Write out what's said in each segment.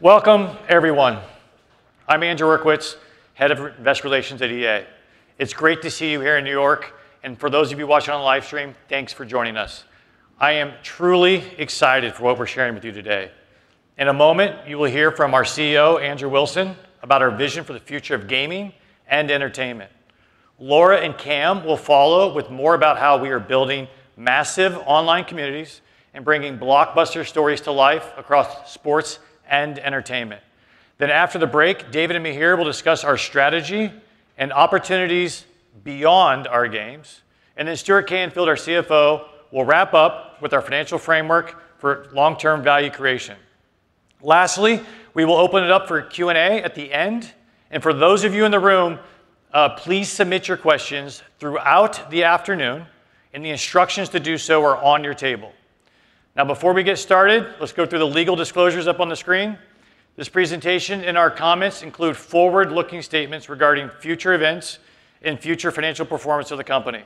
Welcome, everyone. I'm Andrew Uerkwitz, Head of Investor Relations at EA. It's great to see you here in New York, and for those of you watching on the live stream, thanks for joining us. I am truly excited for what we're sharing with you today. In a moment, you will hear from our CEO, Andrew Wilson, about our vision for the future of gaming and entertainment. Laura and Cam will follow with more about how we are building massive online communities and bringing blockbuster stories to life across sports and entertainment. Then after the break, David and Mihir will discuss our strategy and opportunities beyond our games, and then Stuart Canfield, our CFO, will wrap up with our financial framework for long-term value creation. Lastly, we will open it up for Q&A at the end, and for those of you in the room, please submit your questions throughout the afternoon, and the instructions to do so are on your table. Now, before we get started, let's go through the legal disclosures up on the screen. This presentation and our comments include forward-looking statements regarding future events and future financial performance of the company.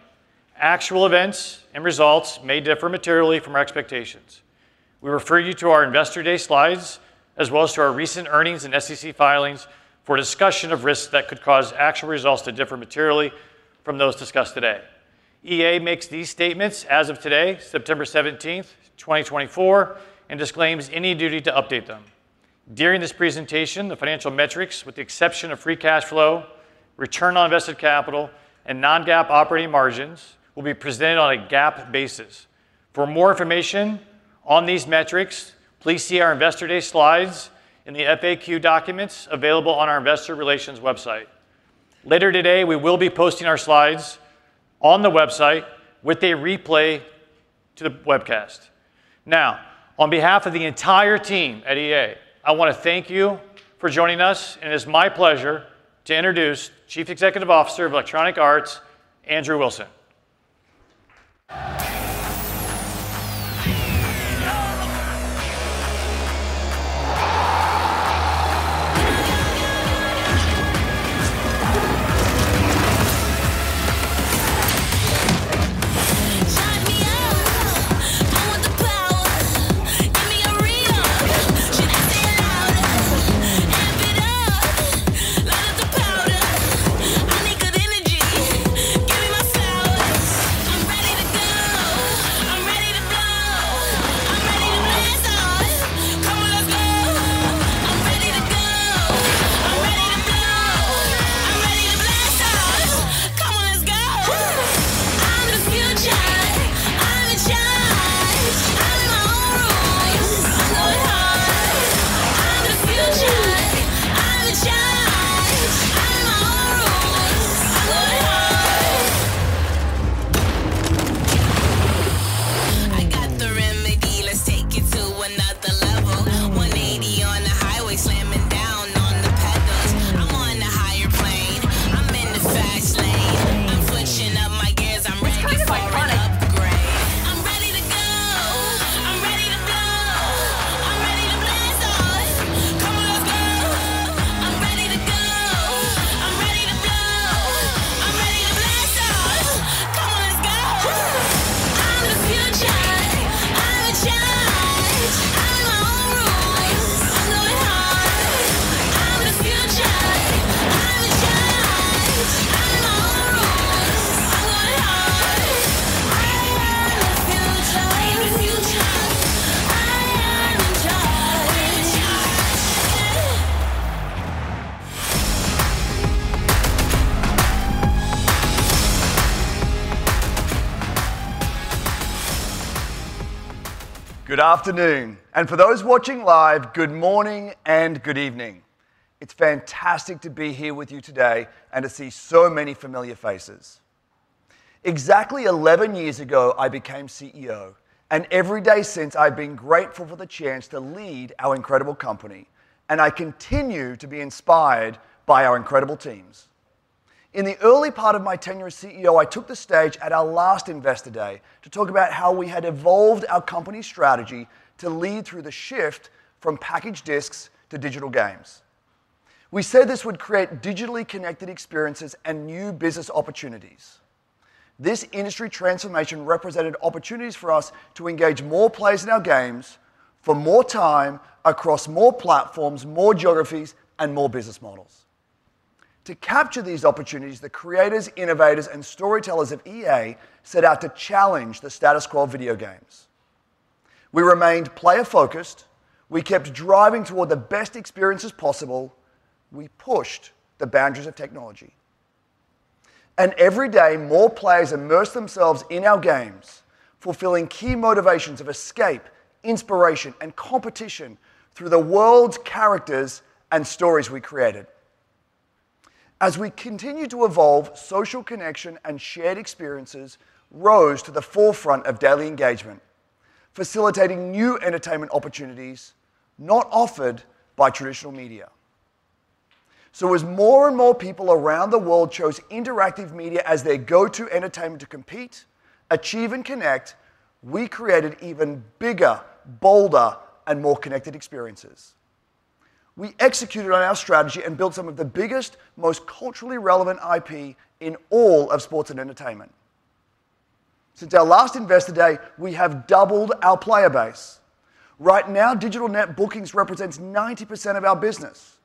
Actual events and results may differ materially from our expectations. We refer you to our Investor Day slides, as well as to our recent earnings and SEC filings for a discussion of risks that could cause actual results to differ materially from those discussed today. EA makes these statements as of today, September 17th, 2024, and disclaims any duty to update them. During this presentation, the financial metrics, with the exception of free cash flow, return on invested capital, and non-GAAP operating margins, will be presented on a GAAP basis. For more information on these metrics, please see our Investor Day slides and the FAQ documents available on our investor relations website. Later today, we will be posting our slides on the website with a replay to the webcast. Now, on behalf of the entire team at EA, I want to thank you for joining us, and it's my pleasure to introduce Chief Executive Officer of Electronic Arts, Andrew Wilson. Good afternoon, and for those watching live, good morning and good evening. It's fantastic to be here with you today and to see so many familiar faces. Exactly eleven years ago, I became CEO, and every day since, I've been grateful for the chance to lead our incredible company, and I continue to be inspired by our incredible teams. In the early part of my tenure as CEO, I took the stage at our last Investor Day to talk about how we had evolved our company's strategy to lead through the shift from packaged discs to digital games. We said this would create digitally connected experiences and new business opportunities. This industry transformation represented opportunities for us to engage more players in our games for more time across more platforms, more geographies, and more business models. To capture these opportunities, the creators, innovators, and storytellers of EA set out to challenge the status quo of video games. We remained player-focused. We kept driving toward the best experiences possible. We pushed the boundaries of technology, and every day, more players immerse themselves in our games, fulfilling key motivations of escape, inspiration, and competition through the worlds, characters, and stories we created. As we continued to evolve, social connection and shared experiences rose to the forefront of daily engagement, facilitating new entertainment opportunities not offered by traditional media, so as more and more people around the world chose interactive media as their go-to entertainment to compete, achieve, and connect, we created even bigger, bolder, and more connected experiences. We executed on our strategy and built some of the biggest, most culturally relevant IP in all of sports and entertainment... Since our last Investor Day, we have doubled our player base. Right now, digital net bookings represents 90% of our business.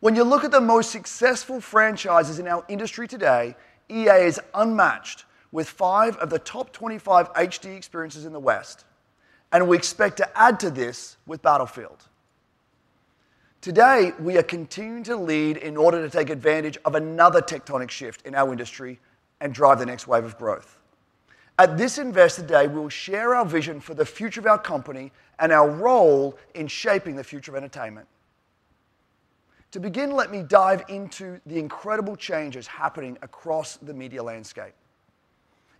When you look at the most successful franchises in our industry today, EA is unmatched, with five of the top 25 HD experiences in the West, and we expect to add to this with Battlefield. Today, we are continuing to lead in order to take advantage of another tectonic shift in our industry and drive the next wave of growth. At this Investor Day, we will share our vision for the future of our company and our role in shaping the future of entertainment. To begin, let me dive into the incredible changes happening across the media landscape.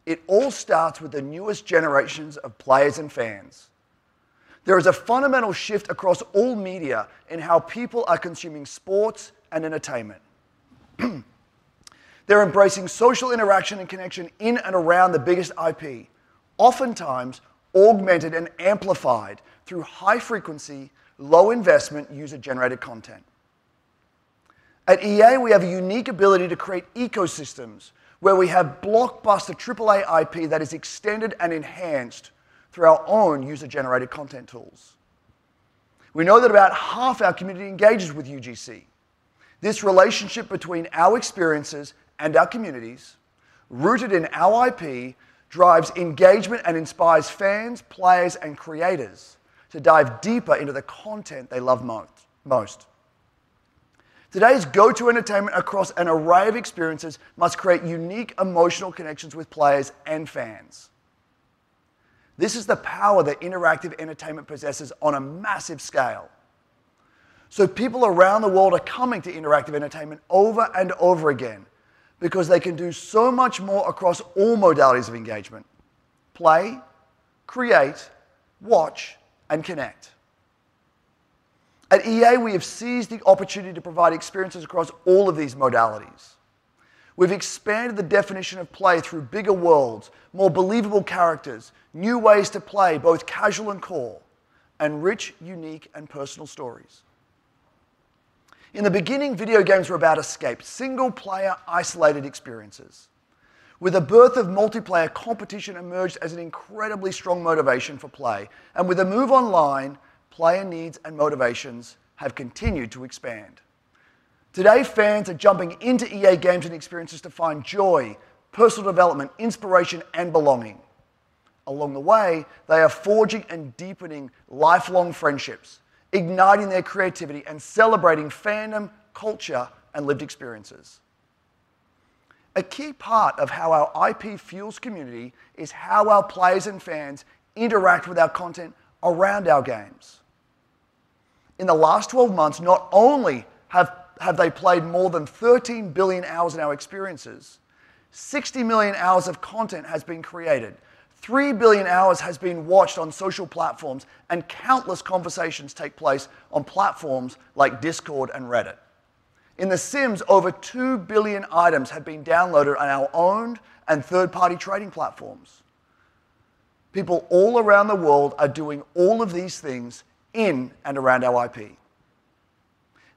It all starts with the newest generations of players and fans. There is a fundamental shift across all media in how people are consuming sports and entertainment. They're embracing social interaction and connection in and around the biggest IP, oftentimes augmented and amplified through high-frequency, low-investment, user-generated content. At EA, we have a unique ability to create ecosystems where we have blockbuster AAA IP that is extended and enhanced through our own user-generated content tools. We know that about half our community engages with UGC. This relationship between our experiences and our communities, rooted in our IP, drives engagement and inspires fans, players, and creators to dive deeper into the content they love most. Today's go-to entertainment across an array of experiences must create unique emotional connections with players and fans. This is the power that interactive entertainment possesses on a massive scale. So people around the world are coming to interactive entertainment over and over again because they can do so much more across all modalities of engagement: play, create, watch, and connect. At EA, we have seized the opportunity to provide experiences across all of these modalities. We've expanded the definition of play through bigger worlds, more believable characters, new ways to play, both casual and core, and rich, unique, and personal stories. In the beginning, video games were about escape, single-player, isolated experiences. With the birth of multiplayer, competition emerged as an incredibly strong motivation for play, and with the move online, player needs and motivations have continued to expand. Today, fans are jumping into EA Games and experiences to find joy, personal development, inspiration, and belonging. Along the way, they are forging and deepening lifelong friendships, igniting their creativity, and celebrating fandom, culture, and lived experiences. A key part of how our IP fuels community is how our players and fans interact with our content around our games. In the last 12 months, not only have they played more than 13 billion hours in our experiences, 60 million hours of content has been created, three billion hours has been watched on social platforms, and countless conversations take place on platforms like Discord and Reddit. In The Sims, over two billion items have been downloaded on our owned and third-party trading platforms. People all around the world are doing all of these things in and around our IP.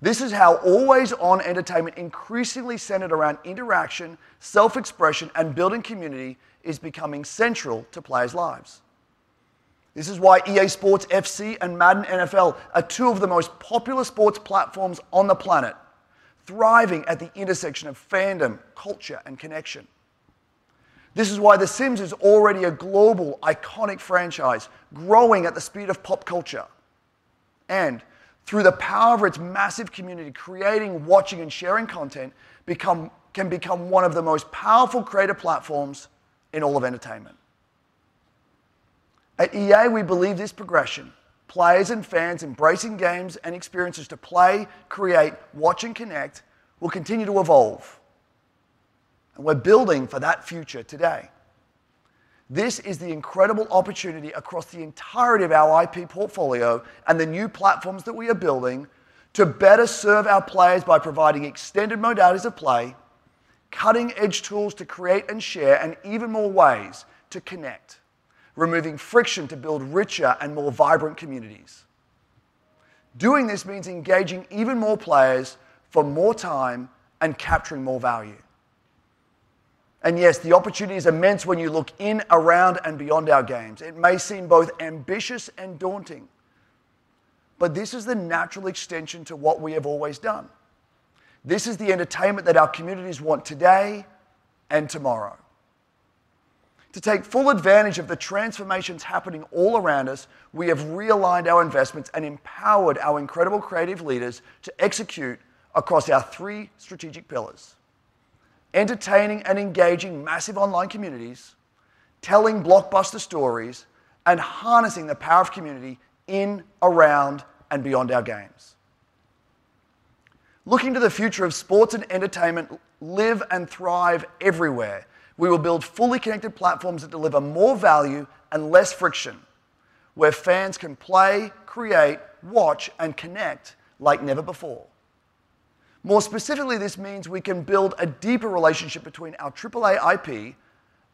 This is how always-on entertainment, increasingly centered around interaction, self-expression, and building community, is becoming central to players' lives. This is why EA Sports FC and Madden NFL are two of the most popular sports platforms on the planet, thriving at the intersection of fandom, culture, and connection. This is why The Sims is already a global, iconic franchise, growing at the speed of pop culture and, through the power of its massive community, creating, watching, and sharing content, can become one of the most powerful creative platforms in all of entertainment. At EA, we believe this progression, players and fans embracing games and experiences to play, create, watch, and connect, will continue to evolve, and we're building for that future today. This is the incredible opportunity across the entirety of our IP portfolio and the new platforms that we are building to better serve our players by providing extended modalities of play, cutting-edge tools to create and share, and even more ways to connect, removing friction to build richer and more vibrant communities. Doing this means engaging even more players for more time and capturing more value. And yes, the opportunity is immense when you look in, around, and beyond our games. It may seem both ambitious and daunting, but this is the natural extension to what we have always done. This is the entertainment that our communities want today and tomorrow. To take full advantage of the transformations happening all around us, we have realigned our investments and empowered our incredible creative leaders to execute across our three strategic pillars: entertaining and engaging massive online communities, telling blockbuster stories, and harnessing the power of community in, around, and beyond our games. Looking to the future of sports and entertainment, live and thrive everywhere, we will build fully connected platforms that deliver more value and less friction, where fans can play, create, watch, and connect like never before. More specifically, this means we can build a deeper relationship between our AAA IP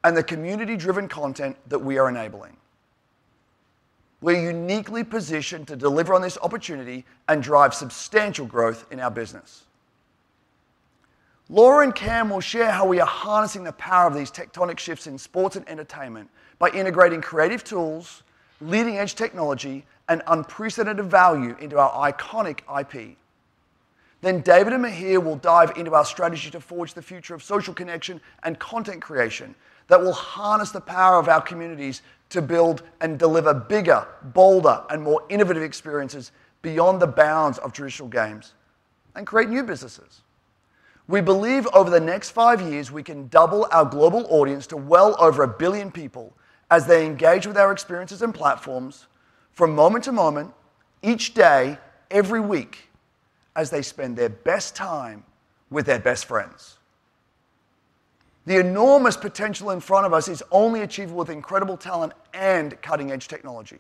and the community-driven content that we are enabling. We're uniquely positioned to deliver on this opportunity and drive substantial growth in our business. Laura and Cam will share how we are harnessing the power of these tectonic shifts in sports and entertainment by integrating creative tools, leading-edge technology, and unprecedented value into our iconic IP. Then David and Mihir will dive into our strategy to forge the future of social connection and content creation that will harness the power of our communities to build and deliver bigger, bolder, and more innovative experiences beyond the bounds of traditional games, and create new businesses. We believe over the next five years, we can double our global audience to well over a billion people as they engage with our experiences and platforms from moment to moment, each day, every week, as they spend their best time with their best friends. The enormous potential in front of us is only achievable with incredible talent and cutting-edge technology.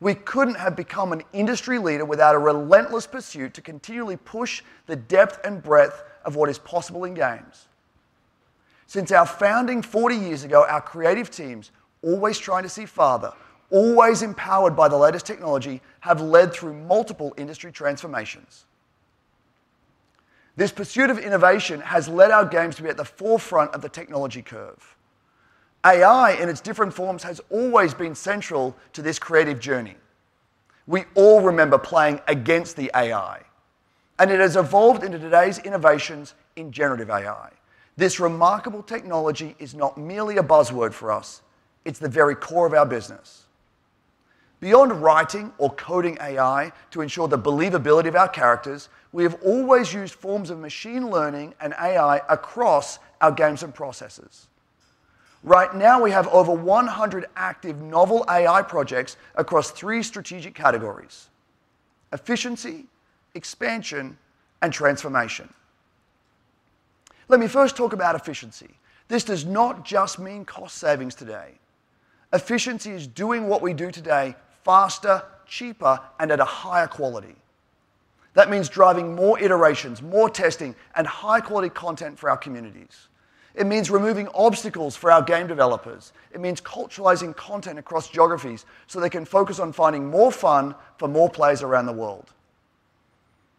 We couldn't have become an industry leader without a relentless pursuit to continually push the depth and breadth of what is possible in games. Since our founding 40 years ago, our creative teams, always trying to see farther, always empowered by the latest technology, have led through multiple industry transformations. This pursuit of innovation has led our games to be at the forefront of the technology curve. AI, in its different forms, has always been central to this creative journey. We all remember playing against the AI, and it has evolved into today's innovations in generative AI. This remarkable technology is not merely a buzzword for us; it's the very core of our business. Beyond writing or coding AI to ensure the believability of our characters, we have always used forms of machine learning and AI across our games and processes. Right now, we have over 100 active novel AI projects across three strategic categories: efficiency, expansion, and transformation. Let me first talk about efficiency. This does not just mean cost savings today. Efficiency is doing what we do today faster, cheaper, and at a higher quality. That means driving more iterations, more testing, and high-quality content for our communities. It means removing obstacles for our game developers. It means culturalizing content across geographies so they can focus on finding more fun for more players around the world.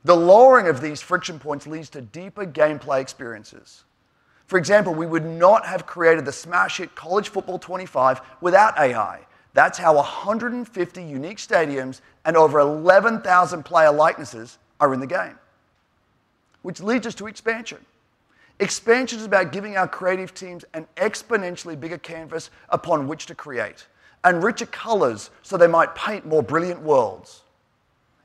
The lowering of these friction points leads to deeper gameplay experiences. For example, we would not have created the smash hit College Football 25 without AI. That's how 150 unique stadiums and over 11,000 player likenesses are in the game. Which leads us to expansion. Expansion is about giving our creative teams an exponentially bigger canvas upon which to create, and richer colors so they might paint more brilliant worlds.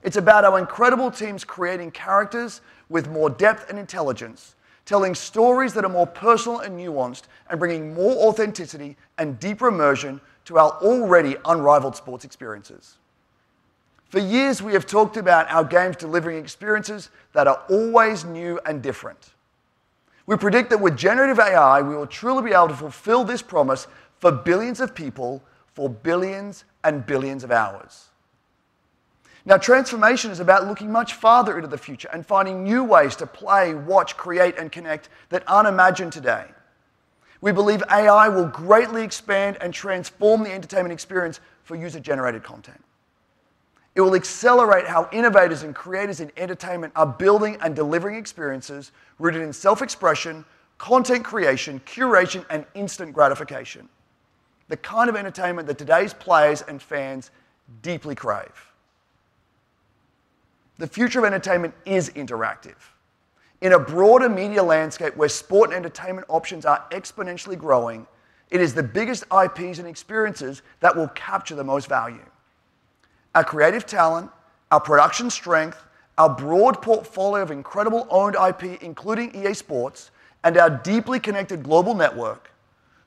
It's about our incredible teams creating characters with more depth and intelligence, telling stories that are more personal and nuanced, and bringing more authenticity and deeper immersion to our already unrivaled sports experiences. For years, we have talked about our games delivering experiences that are always new and different. We predict that with generative AI, we will truly be able to fulfill this promise for billions of people, for billions and billions of hours. Now, transformation is about looking much farther into the future and finding new ways to play, watch, create, and connect that aren't imagined today. We believe AI will greatly expand and transform the entertainment experience for user-generated content. It will accelerate how innovators and creators in entertainment are building and delivering experiences rooted in self-expression, content creation, curation, and instant gratification, the kind of entertainment that today's players and fans deeply crave. The future of entertainment is interactive. In a broader media landscape where sport and entertainment options are exponentially growing, it is the biggest IPs and experiences that will capture the most value. Our creative talent, our production strength, our broad portfolio of incredible owned IP, including EA Sports, and our deeply connected global network,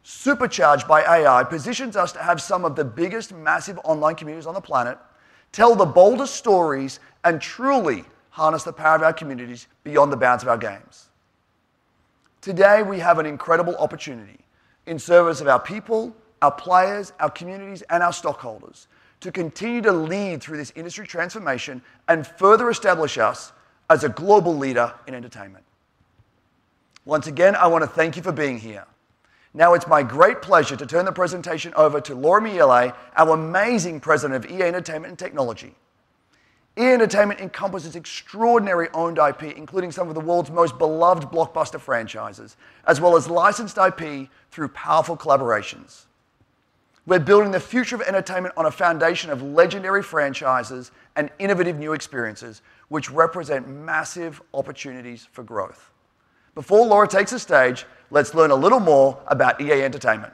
supercharged by AI, positions us to have some of the biggest massive online communities on the planet, tell the boldest stories, and truly harness the power of our communities beyond the bounds of our games. Today, we have an incredible opportunity in service of our people, our players, our communities, and our stockholders, to continue to lead through this industry transformation and further establish us as a global leader in entertainment. Once again, I want to thank you for being here. Now it's my great pleasure to turn the presentation over to Laura Miele, our amazing President of EA Entertainment and Technology. EA Entertainment encompasses extraordinary owned IP, including some of the world's most beloved blockbuster franchises, as well as licensed IP through powerful collaborations. We're building the future of entertainment on a foundation of legendary franchises and innovative new experiences, which represent massive opportunities for growth. Before Laura takes the stage, let's learn a little more about EA Entertainment.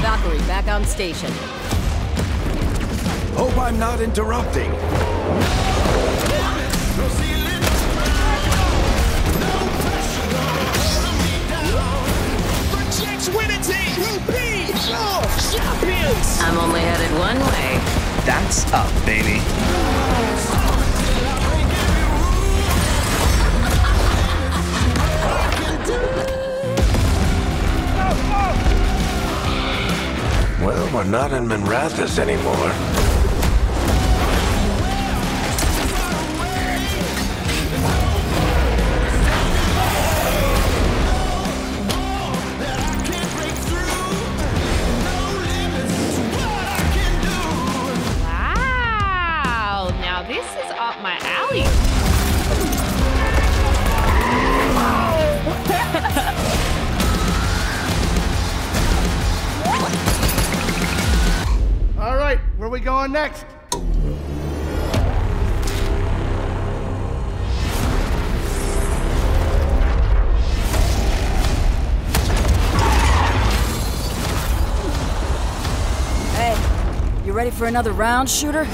Valkyrie, back on station. Hope I'm not interrupting. No limit, no ceiling but the sky. No pressure gonna wear me down. The Jacks Winnetees will be your champions! I'm only headed one way. That's up, baby. I break every rule. I can do... Go, go! We're not in Monrasis anymore. ...No wall that I can't break through, and no limits to what I can do! Wow, now this is up my alley. Wow! Woo! All right, where we going next? Hey, you ready for another round, shooter?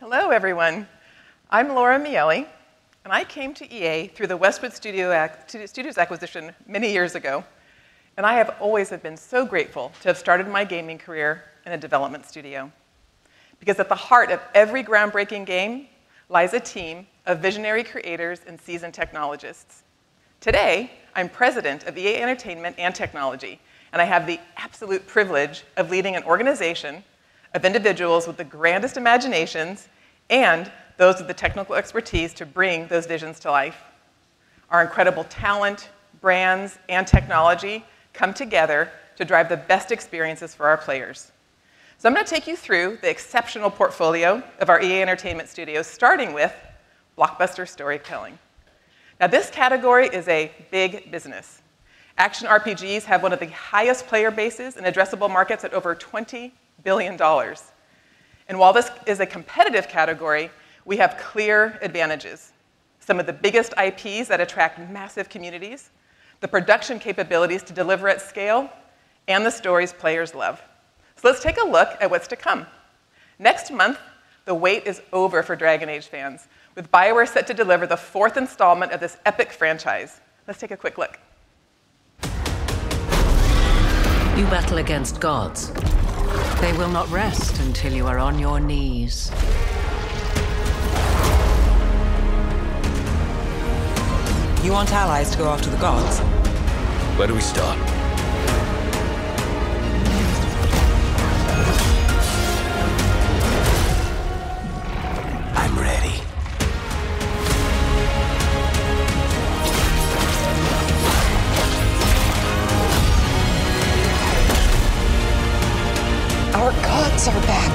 Hello, everyone. I'm Laura Miele, and I came to EA through the Westwood Studios acquisition many years ago, and I have always been so grateful to have started my gaming career in a development studio. Because at the heart of every groundbreaking game lies a team of visionary creators and seasoned technologists. Today, I'm President of EA Entertainment and Technology, and I have the absolute privilege of leading an organization of individuals with the grandest imaginations and those with the technical expertise to bring those visions to life. Our incredible talent, brands, and technology come together to drive the best experiences for our players. I'm going to take you through the exceptional portfolio of our EA entertainment studios, starting with blockbuster storytelling. Now, this category is a big business. Action RPGs have one of the highest player bases and addressable markets at over $20 billion, and while this is a competitive category, we have clear advantages: some of the biggest IPs that attract massive communities, the production capabilities to deliver at scale, and the stories players love, so let's take a look at what's to come. Next month, the wait is over for Dragon Age fans, with BioWare set to deliver the fourth installment of this epic franchise. Let's take a quick look. You battle against gods. They will not rest until you are on your knees. You want allies to go after the gods? Where do we start? I'm ready. Our Gods are back.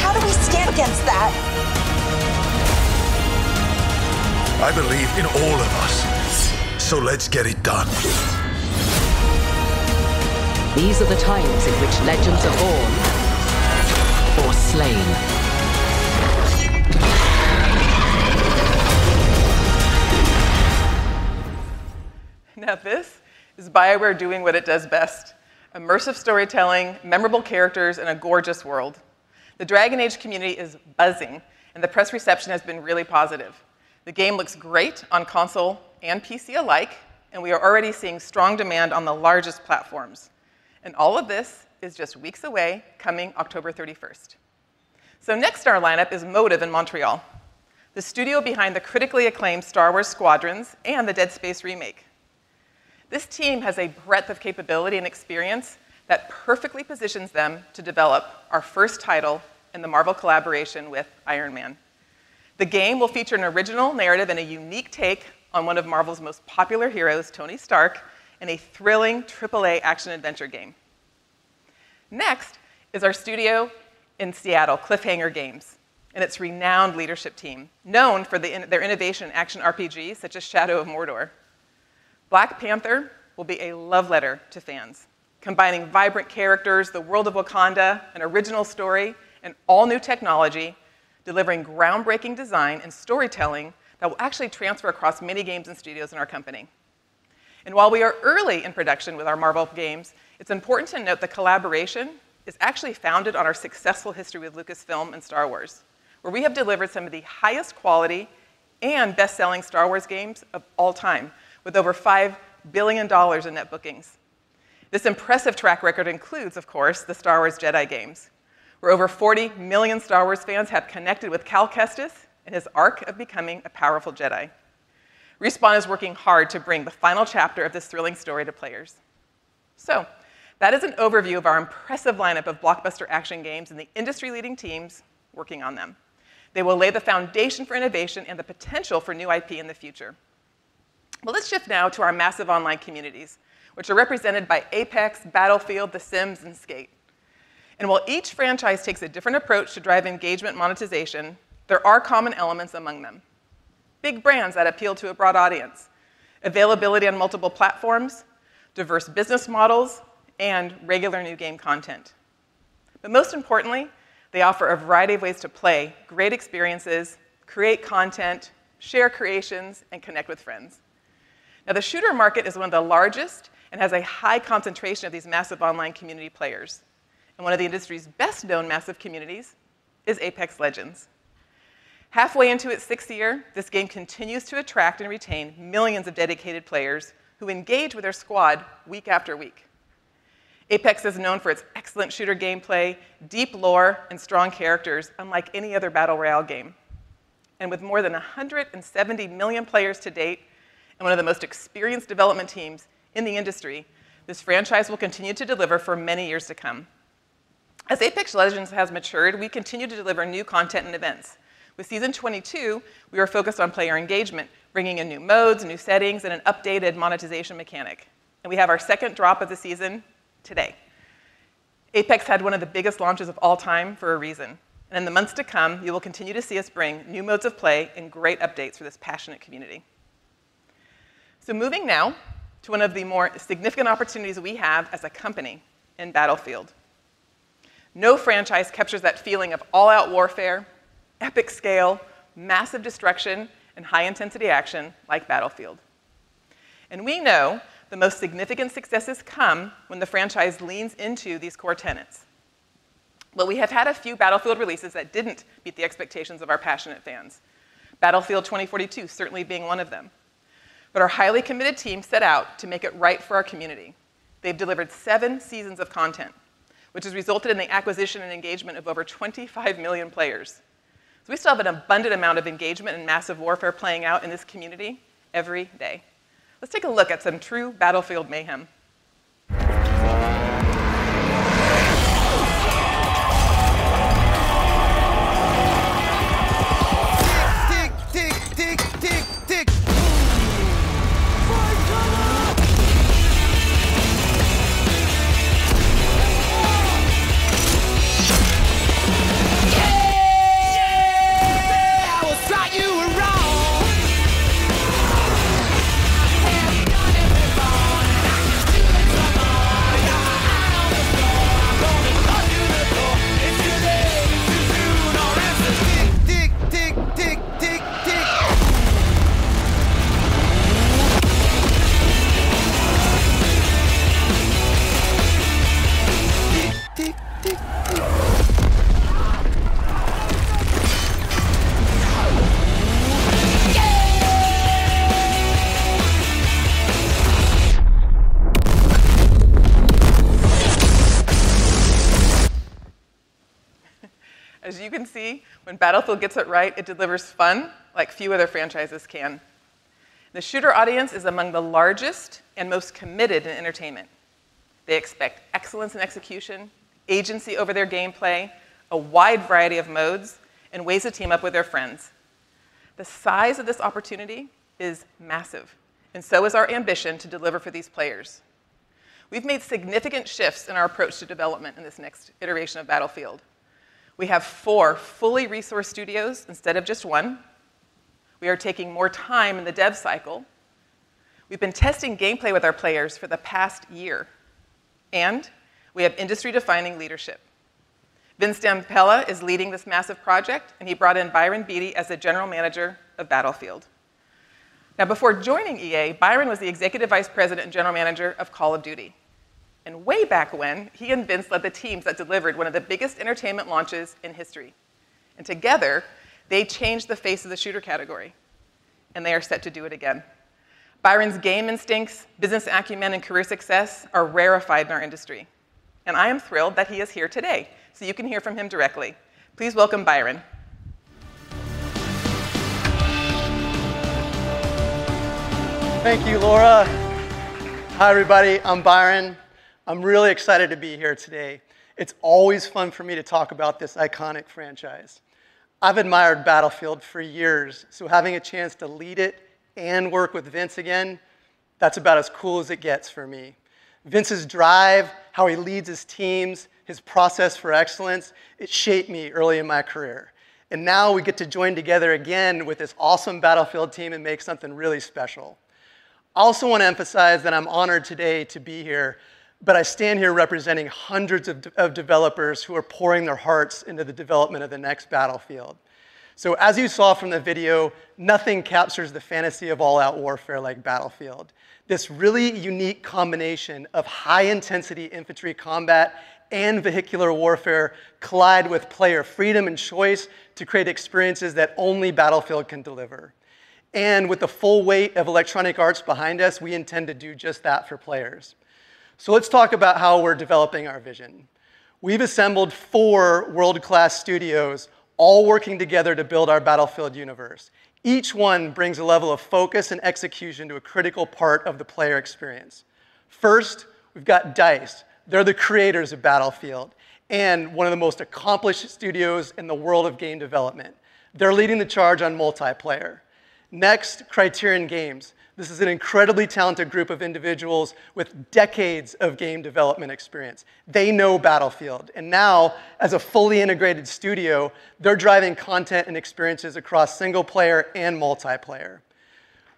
How do we stand against that? I believe in all of us, so let's get it done. These are the times in which legends are born or slain. Now, this is BioWare doing what it does best: immersive storytelling, memorable characters, and a gorgeous world. The Dragon Age community is buzzing, and the press reception has been really positive. The game looks great on console and PC alike, and we are already seeing strong demand on the largest platforms. And all of this is just weeks away, coming October thirty-first. So next in our lineup is Motive in Montreal, the studio behind the critically acclaimed Star Wars: Squadrons and the Dead Space remake. This team has a breadth of capability and experience that perfectly positions them to develop our first title in the Marvel collaboration with Iron Man. The game will feature an original narrative and a unique take on one of Marvel's most popular heroes, Tony Stark, in a thrilling AAA action-adventure game. Next is our studio in Seattle, Cliffhanger Games, and its renowned leadership team, known for their innovation in action RPGs, such as Shadow of Mordor. Black Panther will be a love letter to fans, combining vibrant characters, the world of Wakanda, an original story, and all-new technology, delivering groundbreaking design and storytelling that will actually transfer across many games and studios in our company. While we are early in production with our Marvel games, it's important to note the collaboration is actually founded on our successful history with Lucasfilm and Star Wars, where we have delivered some of the highest quality and best-selling Star Wars games of all time, with over $5 billion in net bookings. This impressive track record includes, of course, the Star Wars Jedi games, where over forty million Star Wars fans have connected with Cal Kestis and his arc of becoming a powerful Jedi. Respawn is working hard to bring the final chapter of this thrilling story to players. That is an overview of our impressive lineup of blockbuster action games and the industry-leading teams working on them. They will lay the foundation for innovation and the potential for new IP in the future. Let's shift now to our massive online communities, which are represented by Apex, Battlefield, The Sims, and Skate. While each franchise takes a different approach to drive engagement monetization, there are common elements among them: big brands that appeal to a broad audience, availability on multiple platforms, diverse business models, and regular new game content. Most importantly, they offer a variety of ways to play, great experiences, create content, share creations, and connect with friends. Now, the shooter market is one of the largest and has a high concentration of these massive online community players, and one of the industry's best-known massive communities is Apex Legends. Halfway into its sixth year, this game continues to attract and retain millions of dedicated players who engage with their squad week after week. Apex is known for its excellent shooter gameplay, deep lore, and strong characters, unlike any other battle royale game. With more than 170 million players to date, and one of the most experienced development teams in the industry, this franchise will continue to deliver for many years to come. As Apex Legends has matured, we continue to deliver new content and events. With Season 22, we are focused on player engagement, bringing in new modes, new settings, and an updated monetization mechanic, and we have our second drop of the season today. Apex had one of the biggest launches of all time for a reason, and in the months to come, you will continue to see us bring new modes of play and great updates for this passionate community, so moving now to one of the more significant opportunities we have as a company in Battlefield. No franchise captures that feeling of all-out warfare, epic scale, massive destruction, and high-intensity action like Battlefield, and we know the most significant successes come when the franchise leans into these core tenets, but we have had a few Battlefield releases that didn't meet the expectations of our passionate fans, Battlefield 2042 certainly being one of them. But our highly committed team set out to make it right for our community. They've delivered seven seasons of content, which has resulted in the acquisition and engagement of over 25 million players. So we still have an abundant amount of engagement and massive warfare playing out in this community every day. Let's take a look at some true Battlefield mayhem. Tick, tick, tick, tick, tick, tick. Yeah! Yeah, I was right, you were wrong. Had a gun in my phone, and I can shoot it some more. Got my eye on the score. I'm gonna blow through the door. It's too late, it's too soon, or is it? Tick, tick, tick, tick, tick, tick. Tick, tick, tick, tick. Yeah! As you can see, when Battlefield gets it right, it delivers fun like few other franchises can. The shooter audience is among the largest and most committed in entertainment. They expect excellence in execution, agency over their gameplay, a wide variety of modes, and ways to team up with their friends. The size of this opportunity is massive, and so is our ambition to deliver for these players. We've made significant shifts in our approach to development in this next iteration of Battlefield. We have four fully resourced studios instead of just one. We are taking more time in the dev cycle. We've been testing gameplay with our players for the past year, and we have industry-defining leadership. Vince Zampella is leading this massive project, and he brought in Byron Beede as the general manager of Battlefield. Now, before joining EA, Byron was the Executive Vice President and General Manager of Call of Duty, and way back when, he and Vince led the teams that delivered one of the biggest entertainment launches in history, and together, they changed the face of the shooter category, and they are set to do it again. Byron's game instincts, business acumen, and career success are rarefied in our industry, and I am thrilled that he is here today, so you can hear from him directly. Please welcome Byron. Thank you, Laura. Hi, everybody. I'm Byron. I'm really excited to be here today. It's always fun for me to talk about this iconic franchise. I've admired Battlefield for years, so having a chance to lead it and work with Vince again, that's about as cool as it gets for me. Vince's drive, how he leads his teams, his process for excellence, it shaped me early in my career, and now we get to join together again with this awesome Battlefield team and make something really special. I also want to emphasize that I'm honored today to be here, but I stand here representing hundreds of developers who are pouring their hearts into the development of the next Battlefield. So as you saw from the video, nothing captures the fantasy of all-out warfare like Battlefield. This really unique combination of high-intensity infantry combat and vehicular warfare collide with player freedom and choice to create experiences that only Battlefield can deliver, and with the full weight of Electronic Arts behind us, we intend to do just that for players, so let's talk about how we're developing our vision. We've assembled four world-class studios, all working together to build our Battlefield universe. Each one brings a level of focus and execution to a critical part of the player experience. First, we've got DICE. They're the creators of Battlefield and one of the most accomplished studios in the world of game development. They're leading the charge on multiplayer. Next, Criterion Games. This is an incredibly talented group of individuals with decades of game development experience. They know Battlefield, and now, as a fully integrated studio, they're driving content and experiences across single player and multiplayer.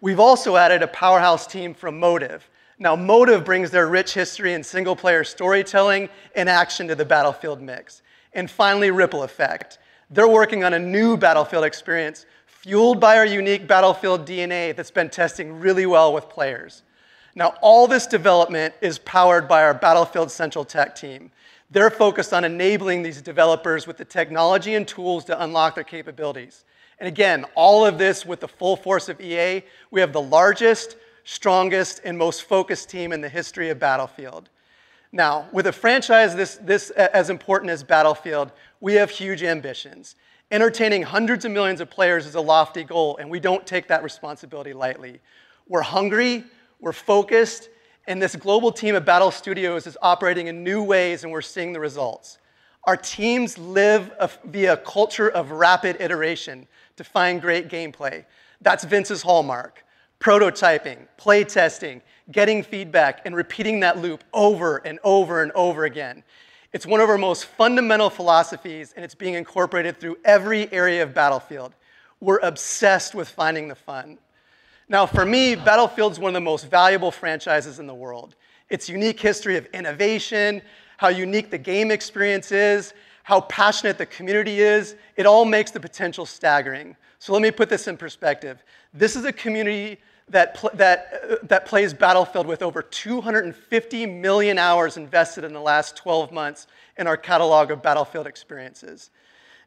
We've also added a powerhouse team from Motive. Now, Motive brings their rich history in single-player storytelling and action to the Battlefield mix. And finally, Ripple Effect. They're working on a new Battlefield experience, fueled by our unique Battlefield DNA that's been testing really well with players. Now, all this development is powered by our Battlefield central tech team. They're focused on enabling these developers with the technology and tools to unlock their capabilities. And again, all of this with the full force of EA, we have the largest, strongest, and most focused team in the history of Battlefield. Now, with a franchise this as important as Battlefield, we have huge ambitions. Entertaining hundreds of millions of players is a lofty goal, and we don't take that responsibility lightly. We're hungry, we're focused... And this global team of Battlefield Studios is operating in new ways, and we're seeing the results. Our teams live via a culture of rapid iteration to find great gameplay. That's Vince's hallmark, prototyping, play testing, getting feedback, and repeating that loop over, and over, and over again. It's one of our most fundamental philosophies, and it's being incorporated through every area of Battlefield. We're obsessed with finding the fun. Now, for me, Battlefield's one of the most valuable franchises in the world. Its unique history of innovation, how unique the game experience is, how passionate the community is, it all makes the potential staggering. So let me put this in perspective. This is a community that plays Battlefield with over 250 million hours invested in the last 12 months in our catalog of Battlefield experiences.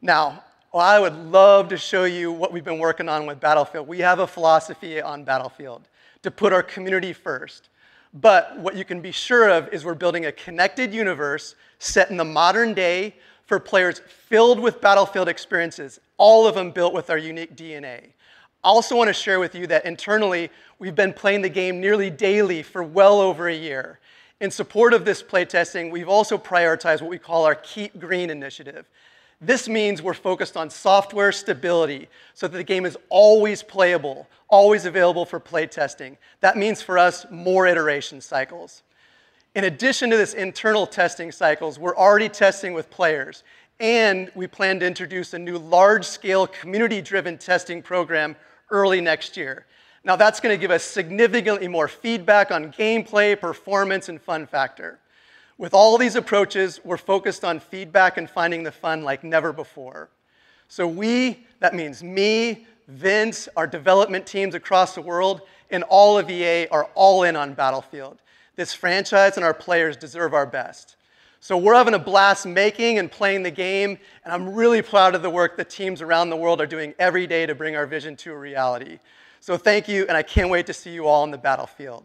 Now, while I would love to show you what we've been working on with Battlefield, we have a philosophy on Battlefield, to put our community first. But what you can be sure of is we're building a connected universe set in the modern day for players, filled with Battlefield experiences, all of them built with our unique DNA. I also want to share with you that internally, we've been playing the game nearly daily for well over a year. In support of this play testing, we've also prioritized what we call our Keep Green initiative. This means we're focused on software stability so that the game is always playable, always available for play testing. That means, for us, more iteration cycles. In addition to this internal testing cycles, we're already testing with players, and we plan to introduce a new large-scale, community-driven testing program early next year. Now, that's gonna give us significantly more feedback on gameplay, performance, and fun factor. With all these approaches, we're focused on feedback and finding the fun like never before. So we, that means me, Vince, our development teams across the world, and all of EA, are all in on Battlefield. This franchise and our players deserve our best. So we're having a blast making and playing the game, and I'm really proud of the work the teams around the world are doing every day to bring our vision to a reality. So thank you, and I can't wait to see you all on the Battlefield.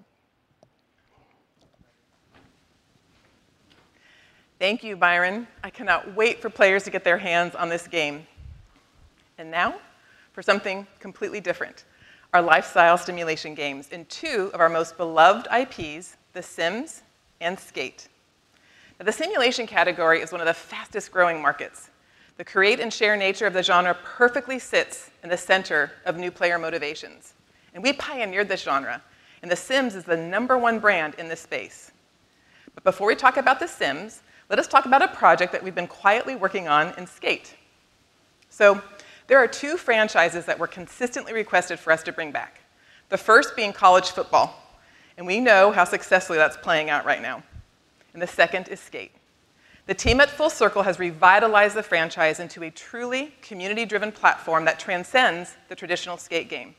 Thank you, Byron. I cannot wait for players to get their hands on this game. And now, for something completely different, our lifestyle simulation games in two of our most beloved IPs, The Sims and Skate. Now, the simulation category is one of the fastest growing markets. The create and share nature of the genre perfectly sits in the center of new player motivations, and we pioneered this genre, and The Sims is the number one brand in this space. But before we talk about The Sims, let us talk about a project that we've been quietly working on in Skate. So there are two franchises that were consistently requested for us to bring back, the first being College Football, and we know how successfully that's playing out right now, and the second is Skate. The team at Full Circle has revitalized the franchise into a truly community-driven platform that transcends the traditional Skate game,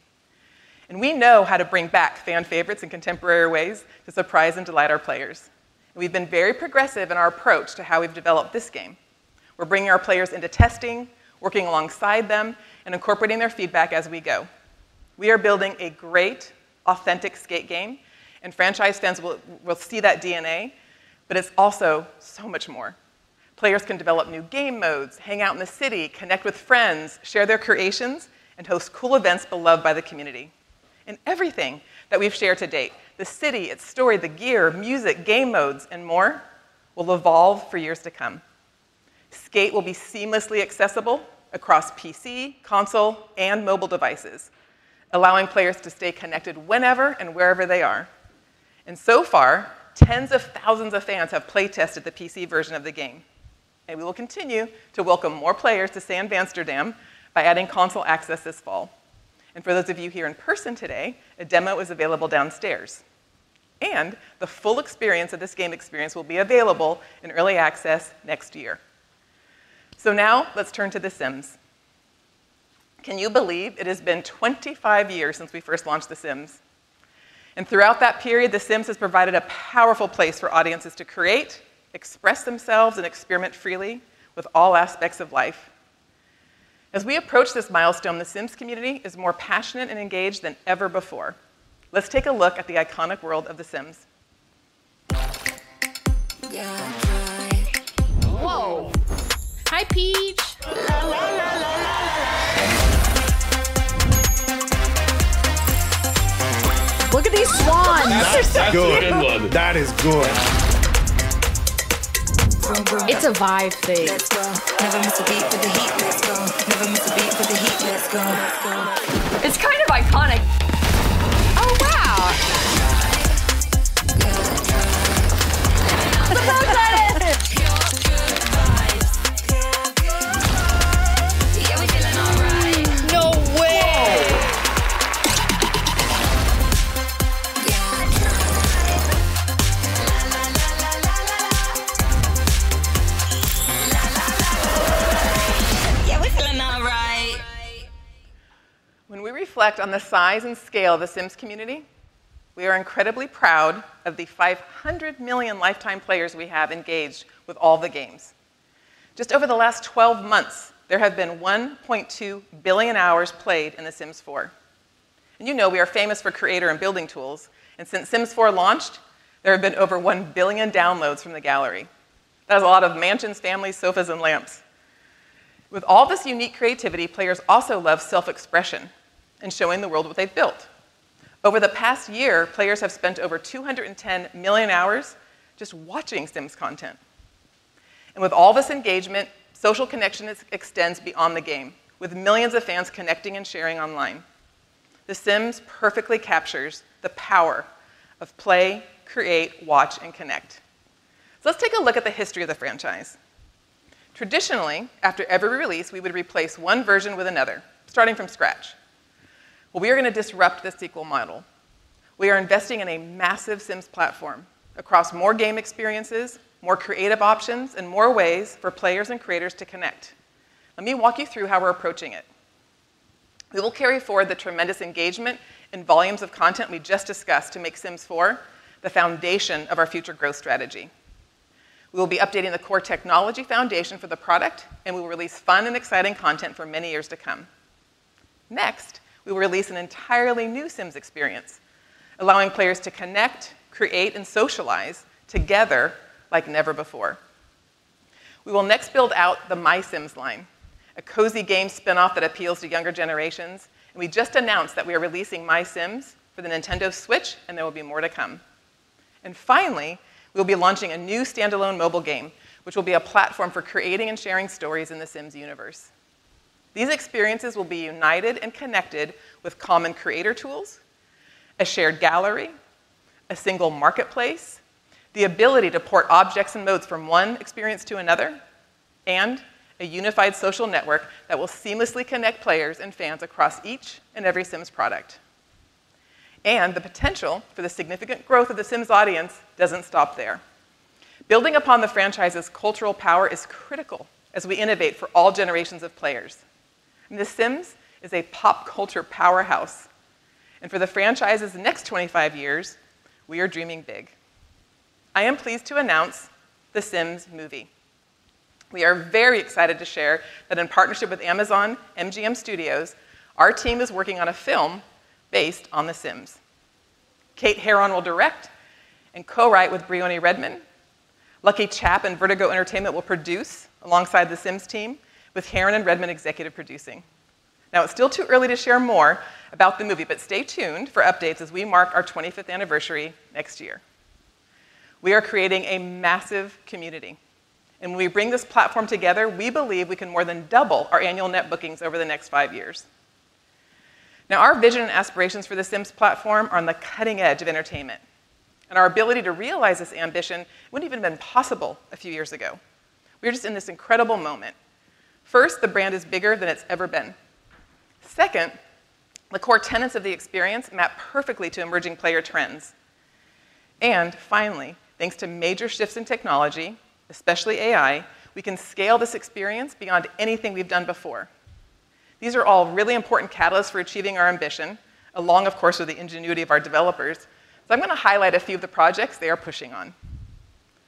and we know how to bring back fan favorites in contemporary ways to surprise and delight our players. We've been very progressive in our approach to how we've developed this game. We're bringing our players into testing, working alongside them, and incorporating their feedback as we go. We are building a great, authentic Skate game, and franchise fans will see that DNA, but it's also so much more. Players can develop new game modes, hang out in the city, connect with friends, share their creations, and host cool events beloved by the community. And everything that we've shared to date, the city, its story, the gear, music, game modes, and more, will evolve for years to come. Skate will be seamlessly accessible across PC, console, and mobile devices, allowing players to stay connected whenever and wherever they are, and so far, tens of thousands of fans have play tested the PC version of the game, and we will continue to welcome more players to San Vansterdam by adding console access this fall, and for those of you here in person today, a demo is available downstairs, and the full experience of this game will be available in early access next year. So now, let's turn to The Sims. Can you believe it has been 25 years since we first launched The Sims? And throughout that period, The Sims has provided a powerful place for audiences to create, express themselves, and experiment freely with all aspects of life. As we approach this milestone, The Sims community is more passionate and engaged than ever before. Let's take a look at the iconic world of The Sims. Whoa! Hi, Peach. Look at these swans. That's a good one. That is good. It's a vibe thing. Never miss a beat for the heat. Let's go. Never miss a beat for the heat. Let's go, let's go. It's kind of iconic. Oh, wow! The both of us. Yeah, we feeling all right. No way! Whoa! Yeah, drive. La, la, la, la, la, la, la. La, la, la. Yeah, we're feeling all right. When we reflect on the size and scale of The Sims community, we are incredibly proud of the 500 million lifetime players we have engaged with all the games. Just over the last 12 months, there have been 1.2 billion hours played in The Sims 4. And you know we are famous for creator and building tools, and since The Sims 4 launched, there have been over 1 billion downloads from the gallery. That is a lot of mansions, families, sofas, and lamps... With all this unique creativity, players also love self-expression and showing the world what they've built. Over the past year, players have spent over 210 million hours just watching Sims content. And with all this engagement, social connection extends beyond the game, with millions of fans connecting and sharing online. The Sims perfectly captures the power of play, create, watch, and connect. So let's take a look at the history of the franchise. Traditionally, after every release, we would replace one version with another, starting from scratch. Well, we are going to disrupt the sequel model. We are investing in a massive Sims platform across more game experiences, more creative options, and more ways for players and creators to connect. Let me walk you through how we're approaching it. We will carry forward the tremendous engagement and volumes of content we just discussed to make Sims 4 the foundation of our future growth strategy. We will be updating the core technology foundation for the product, and we will release fun and exciting content for many years to come. Next, we will release an entirely new Sims experience, allowing players to connect, create, and socialize together like never before. We will next build out the MySims line, a cozy game spin-off that appeals to younger generations, and we just announced that we are releasing MySims for the Nintendo Switch, and there will be more to come, and finally, we'll be launching a new standalone mobile game, which will be a platform for creating and sharing stories in The Sims universe. These experiences will be united and connected with common creator tools, a shared gallery, a single marketplace, the ability to port objects and modes from one experience to another, and a unified social network that will seamlessly connect players and fans across each and every Sims product, and the potential for the significant growth of The Sims audience doesn't stop there. Building upon the franchise's cultural power is critical as we innovate for all generations of players, and The Sims is a pop culture powerhouse, and for the franchise's next twenty-five years, we are dreaming big. I am pleased to announce The Sims Movie. We are very excited to share that in partnership with Amazon MGM Studios, our team is working on a film based on The Sims. Kate Herron will direct and co-write with Briony Redman. LuckyChap and Vertigo Entertainment will produce, alongside The Sims team, with Herron and Redman executive producing. Now, it's still too early to share more about the movie, but stay tuned for updates as we mark our twenty-fifth anniversary next year. We are creating a massive community, and when we bring this platform together, we believe we can more than double our annual net bookings over the next five years. Now, our vision and aspirations for The Sims platform are on the cutting edge of entertainment, and our ability to realize this ambition wouldn't even been possible a few years ago. We are just in this incredible moment. First, the brand is bigger than it's ever been. Second, the core tenets of the experience map perfectly to emerging player trends. And finally, thanks to major shifts in technology, especially AI, we can scale this experience beyond anything we've done before. These are all really important catalysts for achieving our ambition, along, of course, with the ingenuity of our developers. So I'm gonna highlight a few of the projects they are pushing on.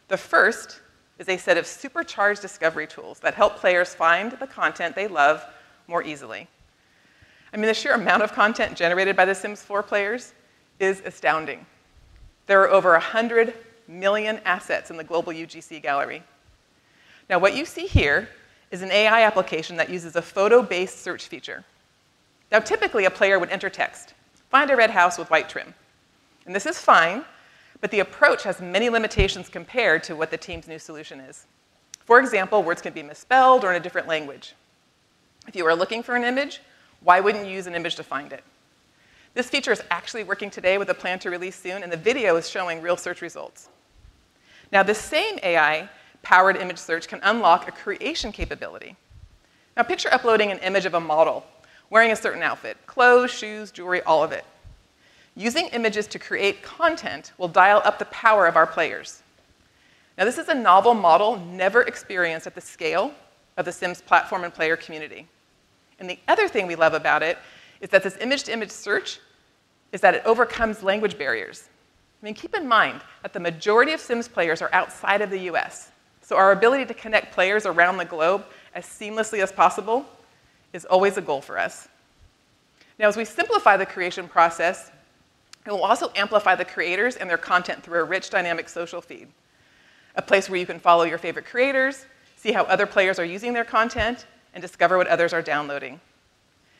The first is a set of supercharged Discovery tools that help players find the content they love more easily. I mean, the sheer amount of content generated by The Sims 4 players is astounding. There are over a hundred million assets in the global UGC gallery. Now, what you see here is an AI application that uses a photo-based search feature. Now, typically, a player would enter text, "Find a red house with white trim," and this is fine, but the approach has many limitations compared to what the team's new solution is. For example, words can be misspelled or in a different language. If you are looking for an image, why wouldn't you use an image to find it? This feature is actually working today with a plan to release soon, and the video is showing real search results. Now, the same AI-powered image search can unlock a creation capability. Now, picture uploading an image of a model wearing a certain outfit, clothes, shoes, jewelry, all of it. Using images to create content will dial up the power of our players. Now, this is a novel model never experienced at the scale of The Sims platform and player community, and the other thing we love about it is that this image-to-image search overcomes language barriers. I mean, keep in mind that the majority of Sims players are outside of the U.S., so our ability to connect players around the globe as seamlessly as possible is always a goal for us. Now, as we simplify the creation process, it will also amplify the creators and their content through a rich, dynamic social feed, a place where you can follow your favorite creators, see how other players are using their content, and discover what others are downloading.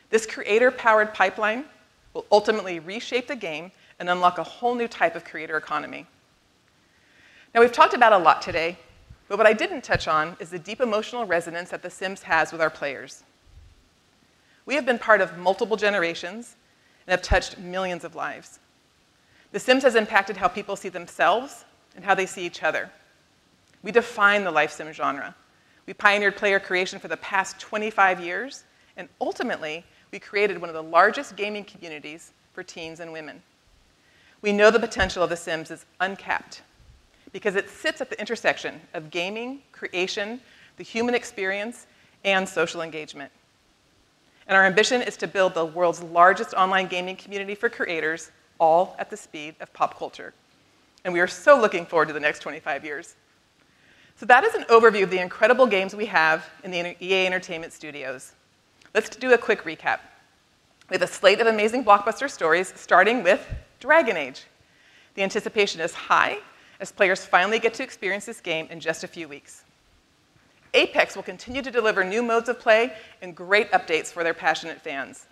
This creator-powered pipeline will ultimately reshape the game and unlock a whole new type of creator economy. Now, we've talked about a lot today, but what I didn't touch on is the deep emotional resonance that The Sims has with our players. We have been part of multiple generations and have touched millions of lives. The Sims has impacted how people see themselves and how they see each other. We define the life sim genre. We pioneered player creation for the past twenty-five years, and ultimately, we created one of the largest gaming communities for teens and women. We know the potential of The Sims is uncapped because it sits at the intersection of gaming, creation, the human experience, and social engagement, and our ambition is to build the world's largest online gaming community for creators, all at the speed of pop culture, and we are so looking forward to the next twenty-five years. So that is an overview of the incredible games we have in the EA Entertainment Studios. Let's do a quick recap... with a slate of amazing blockbuster stories, starting with Dragon Age. The anticipation is high as players finally get to experience this game in just a few weeks. Apex will continue to deliver new modes of play and great updates for their passionate fans.